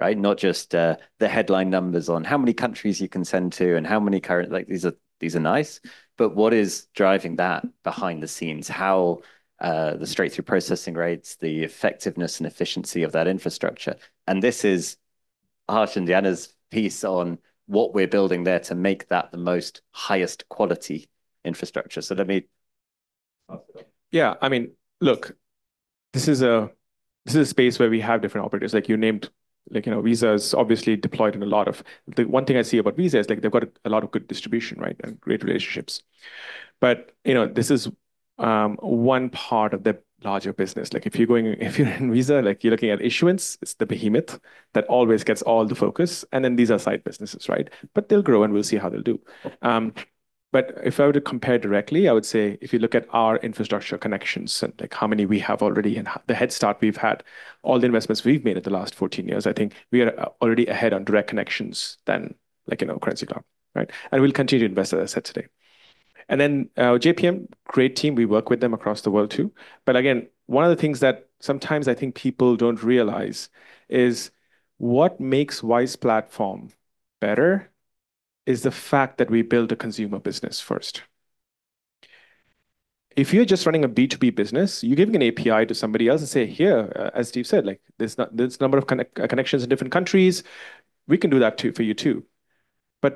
right? Not just the headline numbers on how many countries you can send to and how many current, like these are nice, but what is driving that behind the scenes? How the straight-through processing rates, the effectiveness and efficiency of that infrastructure. This is Harsh andDiana's piece on what we're building there to make that the most highest quality infrastructure. Let me... Yeah, I mean, look, this is a space where we have different operators. Like you named, like you know, Visa is obviously deployed in a lot of... The one thing I see about Visa is like they've got a lot of good distribution, right? And great relationships. You know, this is one part of the larger business. Like if you're going, if you're in Visa, like you're looking at issuance, it's the behemoth that always gets all the focus. And then these are side businesses, right? They'll grow and we'll see how they'll do. If I were to compare directly, I would say if you look at our infrastructure connections and like how many we have already and the headstart we've had, all the investments we've made in the last 14 years, I think we are already ahead on direct connections than like you know, Currencycloud, right? We'll continue to invest in assets today. JPM, great team. We work with them across the world too. One of the things that sometimes I think people do not realize is what makes Wise Platform better is the fact that we build a consumer business first. If you are just running a B2B business, you are giving an API to somebody else and say, "Here, as Steve said, like there is a number of connections in different countries. We can do that for you too."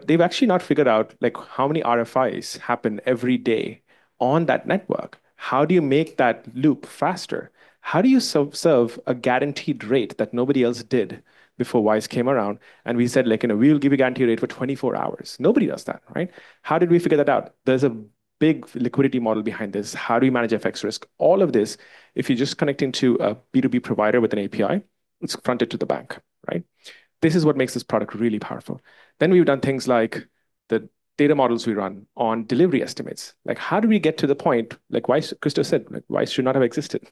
They have actually not figured out how many RFIs happen every day on that network. How do you make that loop faster? How do you serve a guaranteed rate that nobody else did before Wise came around? We said, you know, we will give you a guaranteed rate for 24 hours. Nobody does that, right? How did we figure that out? There is a big liquidity model behind this. How do we manage FX risk? All of this, if you're just connecting to a B2B provider with an API, it's fronted to the bank, right? This is what makes this product really powerful. We have done things like the data models we run on delivery estimates. Like how do we get to the point, like Kristo said, like Wise should not have existed,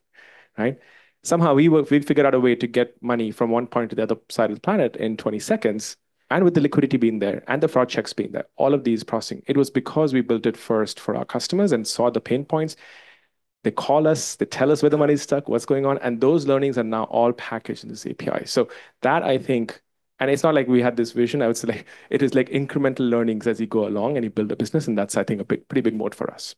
right? Somehow we figured out a way to get money from one point to the other side of the planet in 20 seconds. With the liquidity being there and the fraud checks being there, all of these processing, it was because we built it first for our customers and saw the pain points. They call us, they tell us where the money's stuck, what's going on. Those learnings are now all packaged in this API. That I think, and it's not like we had this vision. I would say like it is like incremental learnings as you go along and you build a business. That's I think a pretty big moat for us.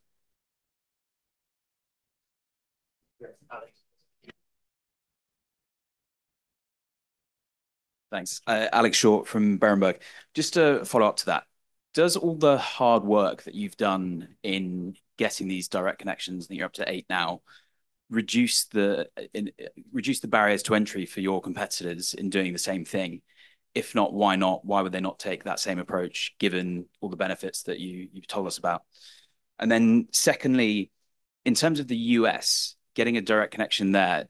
Thanks. Alex Short from Berenberg. Just to follow up to that, does all the hard work that you've done in getting these direct connections that you're up to eight now reduce the barriers to entry for your competitors in doing the same thing? If not, why not? Why would they not take that same approach given all the benefits that you've told us about? Then secondly, in terms of the U.S., getting a direct connection there,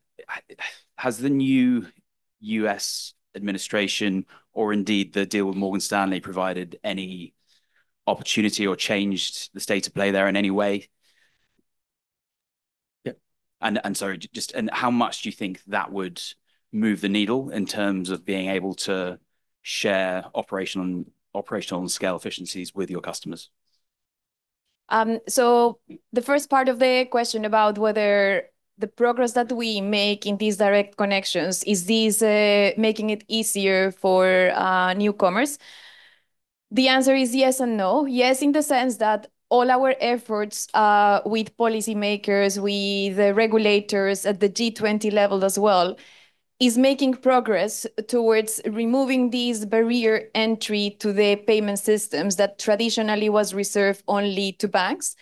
has the new US administration or indeed the deal with Morgan Stanley provided any opportunity or changed the state of play there in any way? Yeah. Sorry, just, how much do you think that would move the needle in terms of being able to share operational and scale efficiencies with your customers? The first part of the question about whether the progress that we make in these direct connections, is this making it easier for newcomers? The answer is yes and no. Yes in the sense that all our efforts with policymakers, with the regulators at the G20 level as well, are making progress towards removing this barrier to entry to the payment systems that traditionally was reserved only to banks.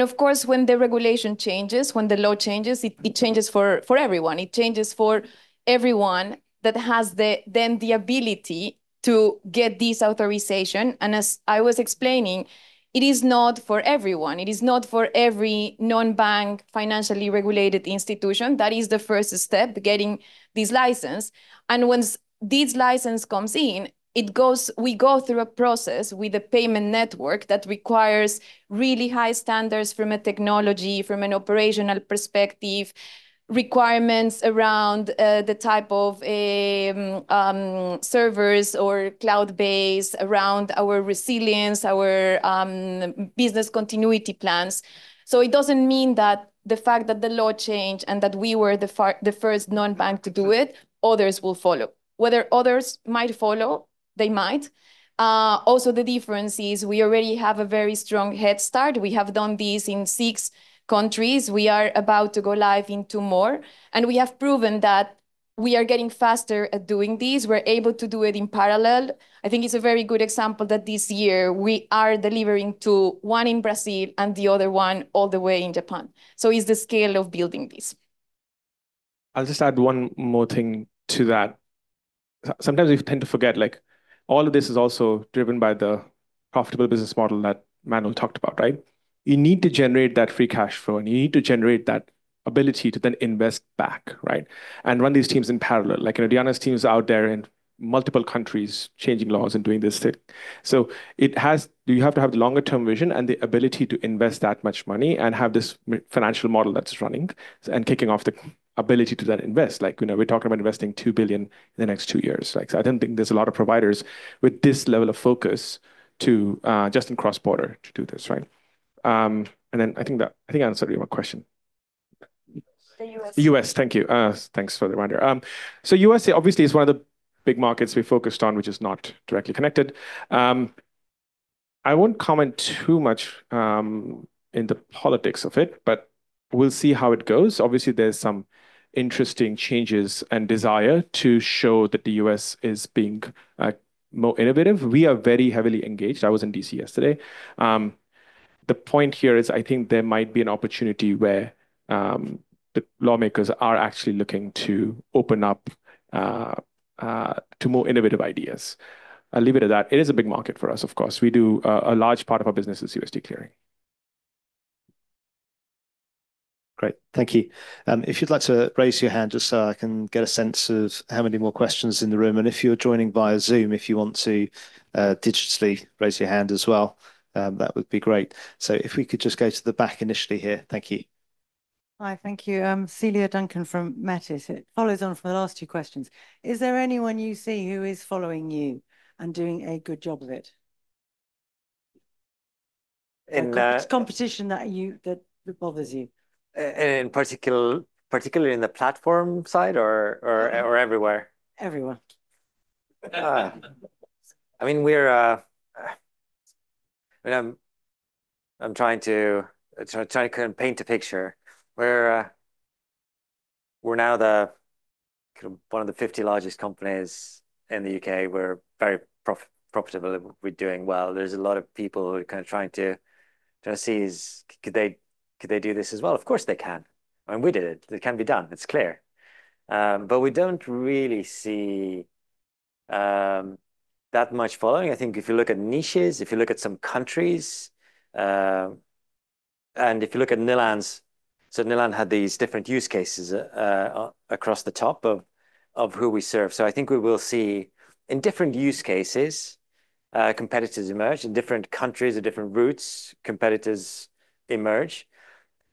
Of course, when the regulation changes, when the law changes, it changes for everyone. It changes for everyone that has then the ability to get this authorization. As I was explaining, it is not for everyone. It is not for every non-bank financially regulated institution. That is the first step, getting this license. Once this license comes in, it goes, we go through a process with a payment network that requires really high standards from a technology, from an operational perspective, requirements around the type of servers or cloud-based around our resilience, our business continuity plans. It does not mean that the fact that the law changed and that we were the first non-bank to do it, others will follow. Whether others might follow, they might. Also, the difference is we already have a very strong head start. We have done this in six countries. We are about to go live in two more. We have proven that we are getting faster at doing this. We are able to do it in parallel. I think it's a very good example that this year we are delivering to one in Brazil and the other one all the way in Japan. It's the scale of building this. I'll just add one more thing to that. Sometimes we tend to forget like all of this is also driven by the profitable business model that Manuel talked about, right? You need to generate that free cash flow and you need to generate that ability to then invest back, right? And run these teams in parallel. Like you know, Diana's team is out there in multiple countries changing laws and doing this thing. It has, you have to have the longer-term vision and the ability to invest that much money and have this financial model that's running and kicking off the ability to then invest. Like you know, we're talking about investing 2 billion in the next two years. Like I don't think there's a lot of providers with this level of focus to just in cross-border to do this, right? I think that I think I answered your question. The U.S., thank you. Thanks for the reminder. U.S. obviously is one of the big markets we focused on, which is not directly connected. I won't comment too much in the politics of it, but we'll see how it goes. Obviously, there's some interesting changes and desire to show that the U.S. is being more innovative. We are very heavily engaged. I was in D.C. yesterday. The point here is I think there might be an opportunity where the lawmakers are actually looking to open up to more innovative ideas. I'll leave it at that. It is a big market for us, of course. We do a large part of our business is USD clearing. Great, thank you. If you'd like to raise your hand just so I can get a sense of how many more questions in the room. If you're joining via Zoom, if you want to digitally raise your hand as well, that would be great. If we could just go to the back initially here, thank you. Hi, thank you. [Celia Duncan from Metis]. It follows on from the last two questions. Is there anyone you see who is following you and doing a good job of it? In competition that you that bothers you. In particular, particularly in the platform side or everywhere? Everyone. I mean, I am trying to try to kind of paint a picture. We're now the kind of one of the 50 largest companies in the U.K. We're very profitable. We're doing well. There's a lot of people who are kind of trying to see is could they do this as well? Of course they can. I mean, we did it. It can be done. It's clear. We don't really see that much following. I think if you look at niches, if you look at some countries, and if you look at Nilan, so Nilan had these different use cases across the top of who we serve. I think we will see in different use cases, competitors emerge in different countries or different routes, competitors emerge.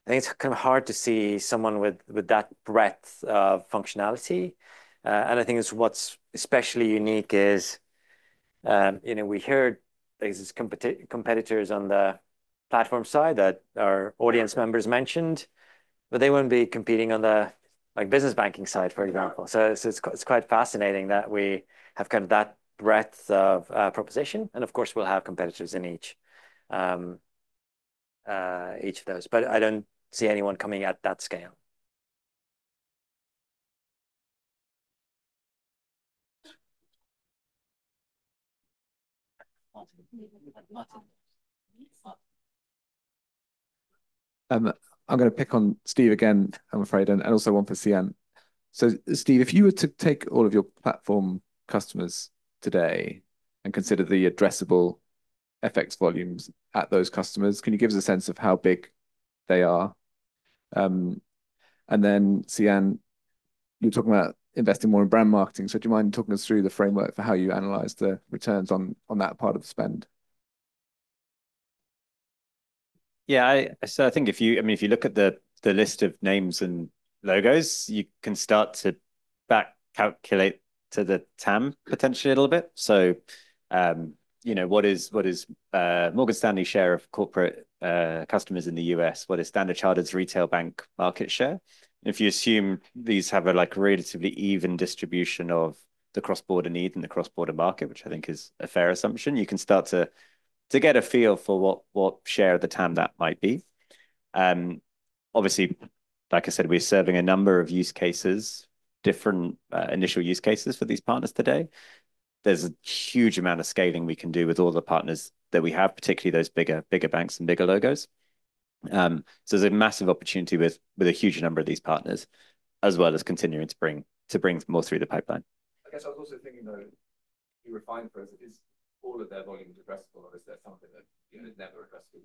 I think it's kind of hard to see someone with that breadth of functionality. I think what's especially unique is, you know, we heard there's these competitors on the platform side that our audience members mentioned, but they won't be competing on the like business banking side, for example. It is quite fascinating that we have kind of that breadth of proposition. Of course, we'll have competitors in each of those, but I don't see anyone coming at that scale. I'm going to pick on Steve again, I'm afraid, and also one for Cian. Steve, if you were to take all of your platform customers today and consider the addressable FX volumes at those customers, can you give us a sense of how big they are? Cian, you're talking about investing more in brand marketing. Do you mind talking us through the framework for how you analyze the returns on that part of the spend? Yeah, so I think if you, I mean, if you look at the list of names and logos, you can start to back calculate to the TAM potentially a little bit. So you know, what is Morgan Stanley's share of corporate customers in the U.S.? What is Standard Chartered's retail bank market share? If you assume these have a like relatively even distribution of the cross-border need and the cross-border market, which I think is a fair assumption, you can start to get a feel for what share of the TAM that might be. Obviously, like I said, we're serving a number of use cases, different initial use cases for these partners today. There's a huge amount of scaling we can do with all the partners that we have, particularly those bigger banks and bigger logos. There is a massive opportunity with a huge number of these partners, as well as continuing to bring more through the pipeline. I guess I was also thinking though, for us, is all of their volume addressable or is there something that is never addressable?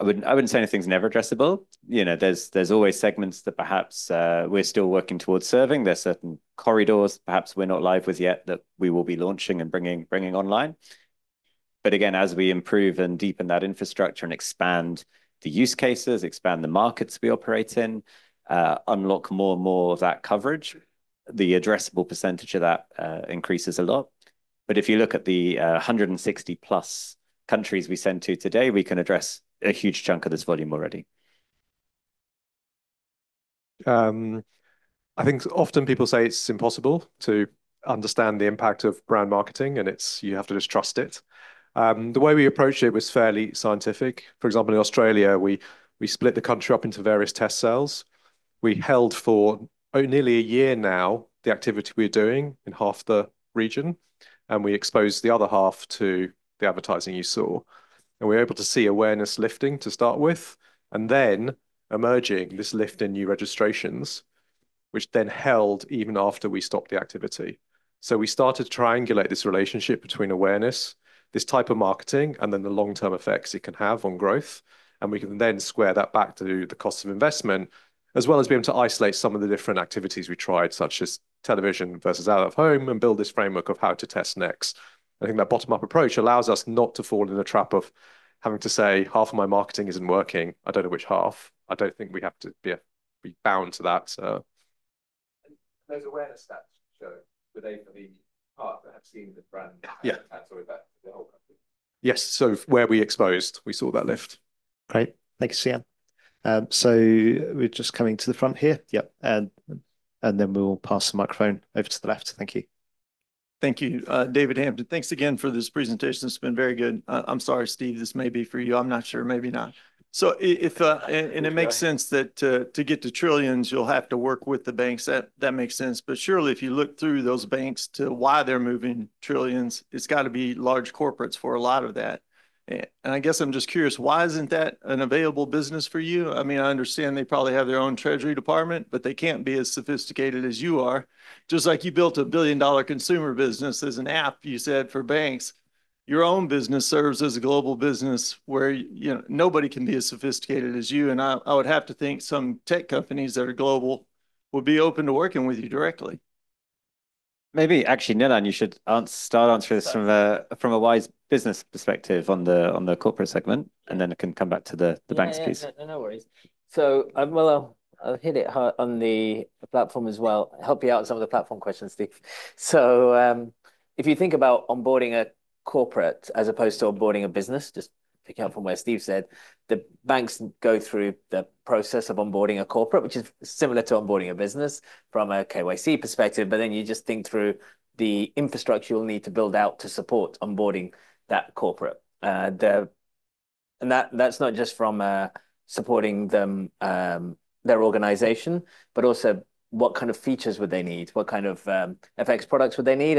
I would not say anything is never addressable. You know, there are always segments that perhaps we are still working towards serving. There are certain corridors perhaps we are not live with yet that we will be launching and bringing online. Again, as we improve and deepen that infrastructure and expand the use cases, expand the markets we operate in, unlock more and more of that coverage, the addressable percentage of that increases a lot. If you look at the 160 plus countries we send to today, we can address a huge chunk of this volume already. I think often people say it's impossible to understand the impact of brand marketing and it's, you have to just trust it. The way we approached it was fairly scientific. For example, in Australia, we split the country up into various test cells. We held for nearly a year now the activity we're doing in half the region and we exposed the other half to the advertising you saw. We were able to see awareness lifting to start with and then emerging this lift in new registrations, which then held even after we stopped the activity. We started to triangulate this relationship between awareness, this type of marketing, and then the long-term effects it can have on growth. We can then square that back to the cost of investment, as well as being able to isolate some of the different activities we tried, such as television versus out of home, and build this framework of how to test next. I think that bottom-up approach allows us not to fall in the trap of having to say, half of my marketing isn't working. I don't know which half. I don't think we have to be bound to that. Those awareness stats show, were they for the part that have seen the brand tattoo with that, the whole company? Yes, so where we exposed, we saw that lift. Great, thanks Cian. We're just coming to the front here. Yep. We'll pass the microphone over to the left. Thank you. Thank you. David Hampton, thanks again for this presentation. It's been very good. I'm sorry, Steve, this may be for you. I'm not sure, maybe not. If it makes sense that to get to trillions, you'll have to work with the banks. That makes sense. Surely if you look through those banks to why they're moving trillions, it's got to be large corporates for a lot of that. I guess I'm just curious, why isn't that an available business for you? I mean, I understand they probably have their own treasury department, but they can't be as sophisticated as you are. Just like you built a billion-dollar consumer business as an app, you said, for banks. Your own business serves as a global business where you know nobody can be as sophisticated as you. I would have to think some tech companies that are global would be open to working with you directly. Maybe actually Nilan, you should start answering this from a Wise Business perspective on the corporate segment and then I can come back to the banks piece. No worries. I'll hit it hard on the platform as well. Help you out with some of the platform questions, Steve. If you think about onboarding a corporate as opposed to onboarding a business, just picking up from where Steve said, the banks go through the process of onboarding a corporate, which is similar to onboarding a business from a KYC perspective. Then you just think through the infrastructure you'll need to build out to support onboarding that corporate. That's not just from supporting their organization, but also what kind of features would they need? What kind of FX products would they need?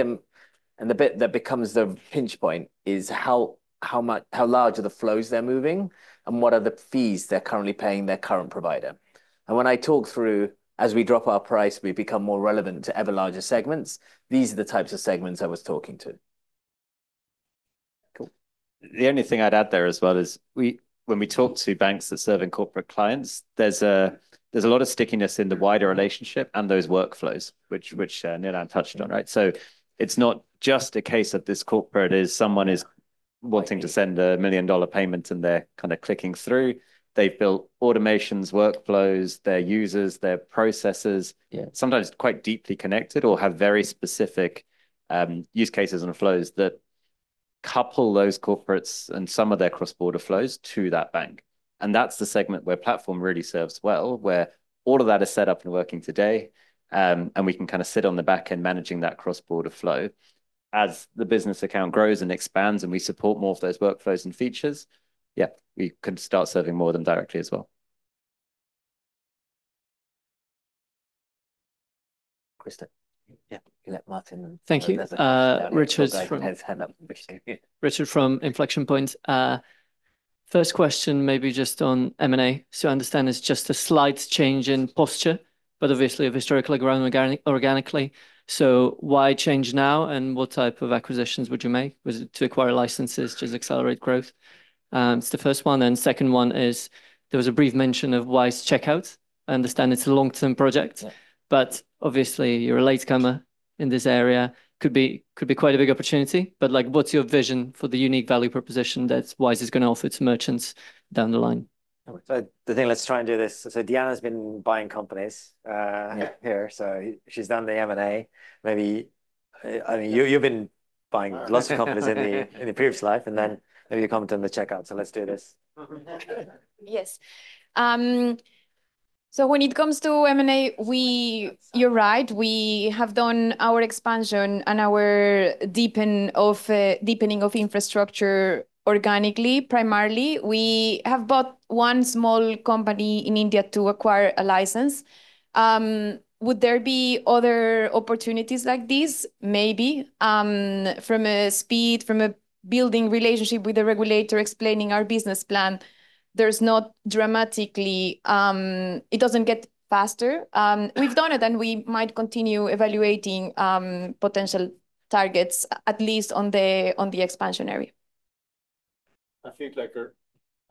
The bit that becomes the pinch point is how much, how large are the flows they're moving, and what are the fees they're currently paying their current provider? When I talk through, as we drop our price, we become more relevant to ever larger segments. These are the types of segments I was talking to. The only thing I'd add there as well is when we talk to banks that serve in corporate clients, there's a lot of stickiness in the wider relationship and those workflows, which Nilan touched on, right? It's not just a case of this corporate is someone is wanting to send a million-dollar payment and they're kind of clicking through. They've built automations, workflows, their users, their processes. Sometimes it's quite deeply connected or have very specific use cases and flows that couple those corporates and some of their cross-border flows to that bank. That's the segment where platform really serves well, where all of that is set up and working today. We can kind of sit on the back end managing that cross-border flow. As the business account grows and expands and we support more of those workflows and features, yeah, we can start serving more of them directly as well. Yeah, you let Martin. Thank you. Richard from Inflection Point. First question, maybe just on M&A. I understand it's just a slight change in posture, but obviously of historical ground organically. Why change now and what type of acquisitions would you make? Was it to acquire licenses, just accelerate growth? It's the first one. Second one is there was a brief mention of Wise checkouts. I understand it's a long-term project, but obviously you're a late comer in this area. Could be quite a big opportunity, but like what's your vision for the unique value proposition that Wise is going to offer to merchants down the line? The thing let's try and do this. Diana has been buying companies here, so she's done the M&A. Maybe I mean you've been buying lots of companies in the previous life and then maybe you're coming to the checkout, so let's do this. Yes. When it comes to M&A, you're right, we have done our expansion and our deepening of infrastructure organically. Primarily, we have bought one small company in India to acquire a license. Would there be other opportunities like this? Maybe from a speed, from a building relationship with the regulator, explaining our business plan, there's not dramatically, it doesn't get faster. We've done it and we might continue evaluating potential targets, at least on the expansion area. I think, like,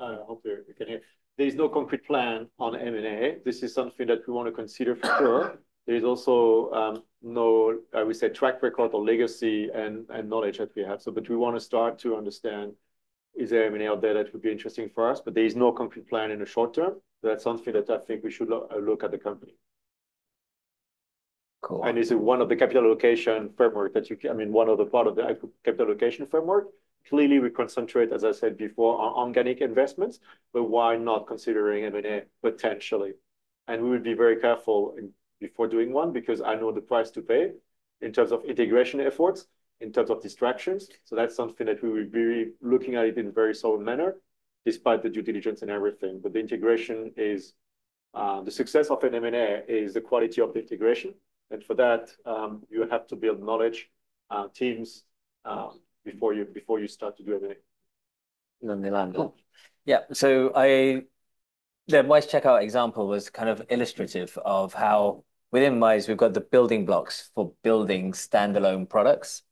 I hope you can hear, there's no concrete plan on M&A. This is something that we want to consider for sure. There's also no, I would say, track record or legacy and knowledge that we have. We want to start to understand, is there an M&A out there that would be interesting for us? There is no concrete plan in the short term. That's something that I think we should look at the company. Cool. Is it one of the capital location framework that you, I mean, one of the part of the capital location framework? Clearly, we concentrate, as I said before, on organic investments, but why not considering M&A potentially? We would be very careful before doing one because I know the price to pay in terms of integration efforts, in terms of distractions. That is something that we would be looking at in a very solid manner, despite the due diligence and everything. The integration is, the success of an M&A is the quality of the integration. For that, you have to build knowledge teams before you start to do M&A. No, Nilan. Yeah, the Wise checkout example was kind of illustrative of how within Wise, we've got the building blocks for building standalone products.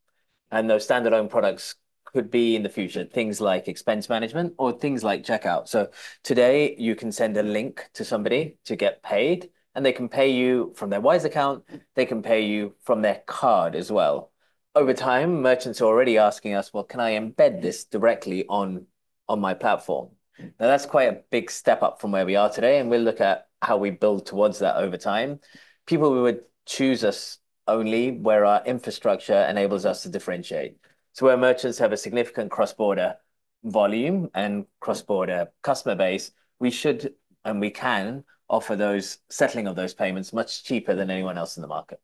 Those standalone products could be in the future, things like expense management or things like checkout. Today, you can send a link to somebody to get paid, and they can pay you from their Wise account. They can pay you from their card as well. Over time, merchants are already asking us, well, can I embed this directly on my platform? Now, that is quite a big step up from where we are today, and we will look at how we build towards that over time. People would choose us only where our infrastructure enables us to differentiate. Where merchants have a significant cross-border volume and cross-border customer base, we should and we can offer those settling of those payments much cheaper than anyone else in the market.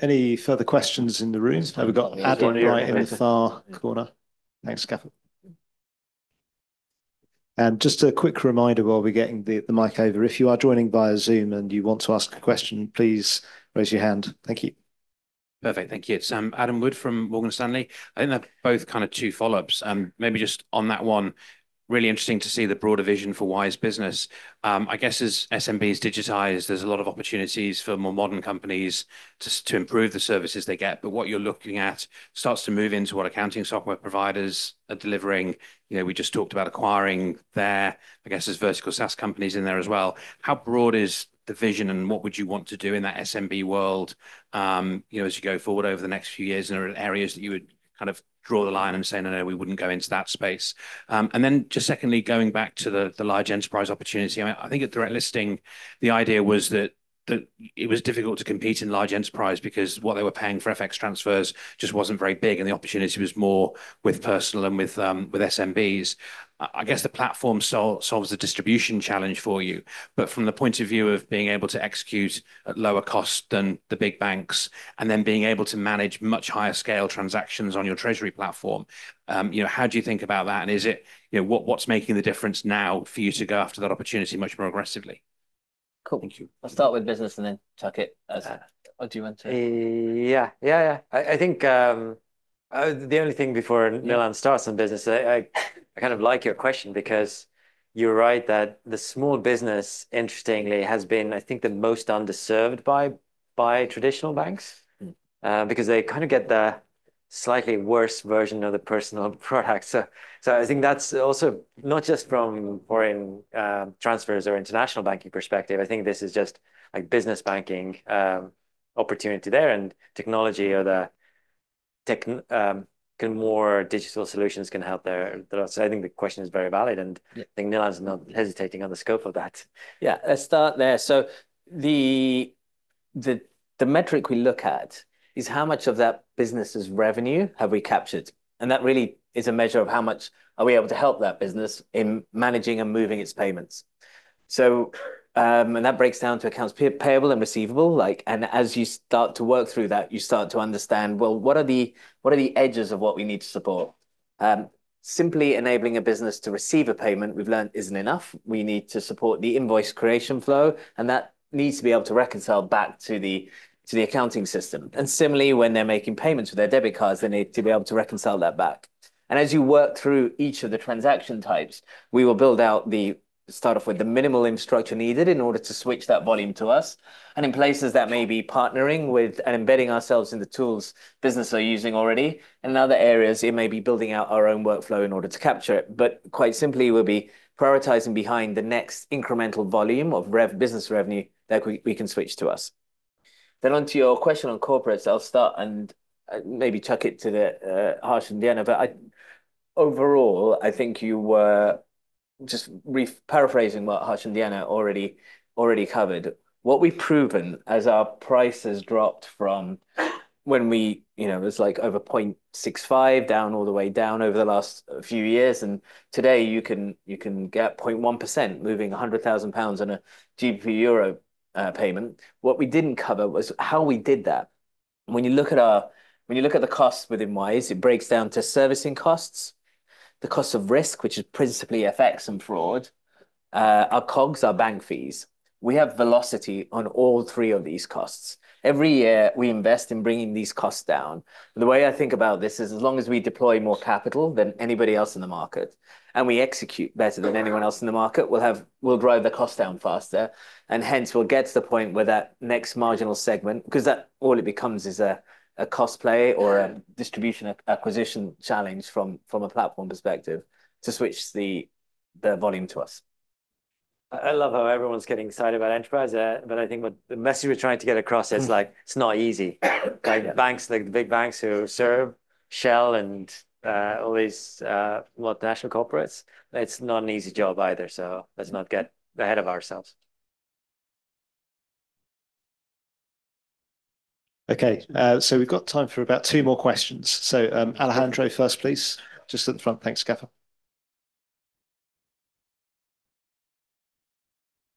Any further questions in the room? Have we got Adrian right in the far corner? Thanks, Kathy. Just a quick reminder while we're getting the mic over, if you are joining via Zoom and you want to ask a question, please raise your hand. Thank you. Perfect. Thank you. Adam Wood from Morgan Stanley. I think they're both kind of two follow-ups. Maybe just on that one, really interesting to see the broader vision for Wise Business. I guess as SMBs digitize, there's a lot of opportunities for more modern companies to improve the services they get. What you're looking at starts to move into what accounting software providers are delivering. We just talked about acquiring there. I guess there's vertical SaaS companies in there as well. How broad is the vision and what would you want to do in that SMB world as you go forward over the next few years? Are there areas that you would kind of draw the line and say, no, no, we wouldn't go into that space? Just secondly, going back to the large enterprise opportunity, I think at Direct Listing, the idea was that it was difficult to compete in large enterprise because what they were paying for FX transfers just wasn't very big, and the opportunity was more with personal and with SMBs. I guess the platform solves the distribution challenge for you, but from the point of view of being able to execute at lower cost than the big banks and then being able to manage much higher scale transactions on your treasury platform, how do you think about that? Is it what's making the difference now for you to go after that opportunity much more aggressively? Cool. Thank you. I'll start with business and then tuck it as I do want to. Yeah, yeah, yeah. I think the only thing before Nilan starts on business, I kind of like your question because you're right that the small business, interestingly, has been, I think, the most underserved by traditional banks because they kind of get the slightly worse version of the personal product. I think that's also not just from foreign transfers or international banking perspective. I think this is just like business banking opportunity there and technology or the more digital solutions can help there. I think the question is very valid and I think Nilan's not hesitating on the scope of that. Yeah, let's start there. The metric we look at is how much of that business's revenue have we captured? That really is a measure of how much are we able to help that business in managing and moving its payments. That breaks down to accounts payable and receivable. As you start to work through that, you start to understand, you know, what are the edges of what we need to support? Simply enabling a business to receive a payment we've learned isn't enough. We need to support the invoice creation flow, and that needs to be able to reconcile back to the accounting system. Similarly, when they're making payments with their debit cards, they need to be able to reconcile that back. As you work through each of the transaction types, we will build out the start off with the minimal infrastructure needed in order to switch that volume to us. In places that may be partnering with and embedding ourselves in the tools business are using already, and in other areas, it may be building out our own workflow in order to capture it. Quite simply, we'll be prioritizing behind the next incremental volume of business revenue that we can switch to us. On to your question on corporates, I'll start and maybe chuck it to Harsh and Diana. Overall, I think you were just re-paraphrasing what Harsh and Diana already covered. What we've proven as our prices dropped from when we was like over 0.65% down all the way down over the last few years. Today you can get 0.1% moving 100,000 pounds and a GBP-EUR payment. What we didn't cover was how we did that. When you look at our, when you look at the costs within Wise, it breaks down to servicing costs, the cost of risk, which is principally FX and fraud, our COGS, our bank fees. We have velocity on all three of these costs. Every year we invest in bringing these costs down. The way I think about this is as long as we deploy more capital than anybody else in the market and we execute better than anyone else in the market, we'll drive the cost down faster. Hence we'll get to the point where that next marginal segment, because that all it becomes is a cost play or a distribution acquisition challenge from a platform perspective to switch the volume to us. I love how everyone's getting excited about enterprise, but I think the message we're trying to get across is like it's not easy. Banks, like the big banks who serve Shell and all these, what, national corporates, it's not an easy job either. Let's not get ahead of ourselves. Okay, we've got time for about two more questions. [Alejandro first, please. Just at the front, thanks, Kevin].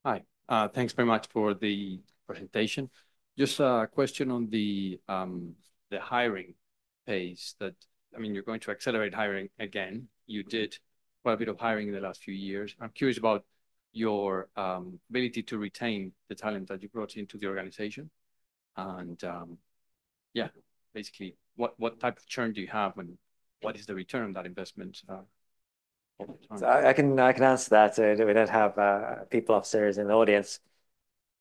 Hi, thanks very much for the presentation. Just a question on the hiring pace that, I mean, you're going to accelerate hiring again. You did quite a bit of hiring in the last few years. I'm curious about your ability to retain the talent that you brought into the organization. Yeah, basically, what type of churn do you have and what is the return on that investment? I can answer that. We don't have people officers in the audience.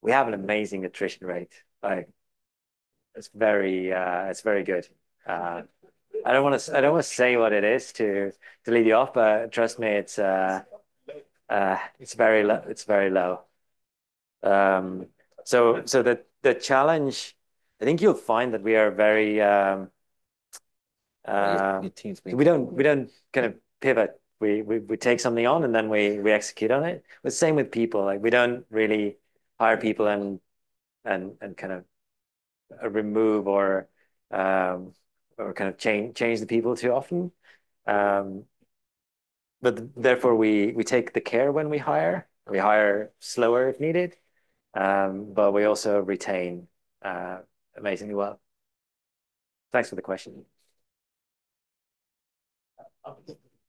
We have an amazing attrition rate. It's very good. I do not want to say what it is to lead you off, but trust me, it is very low. The challenge, I think you will find that we are very. We do not kind of pivot. We take something on and then we execute on it. Same with people. We do not really hire people and kind of remove or kind of change the people too often. Therefore, we take the care when we hire. We hire slower if needed, but we also retain amazingly well. Thanks for the question. I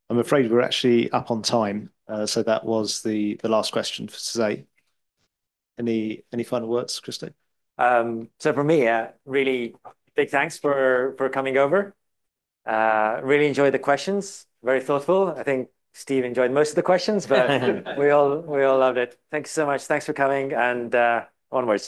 am afraid we are actually up on time. That was the last question for today. Any final words, Kristo? For me, really big thanks for coming over. Really enjoyed the questions. Very thoughtful. I think Steve enjoyed most of the questions, but we all loved it. Thanks so much. Thanks for coming. And one word.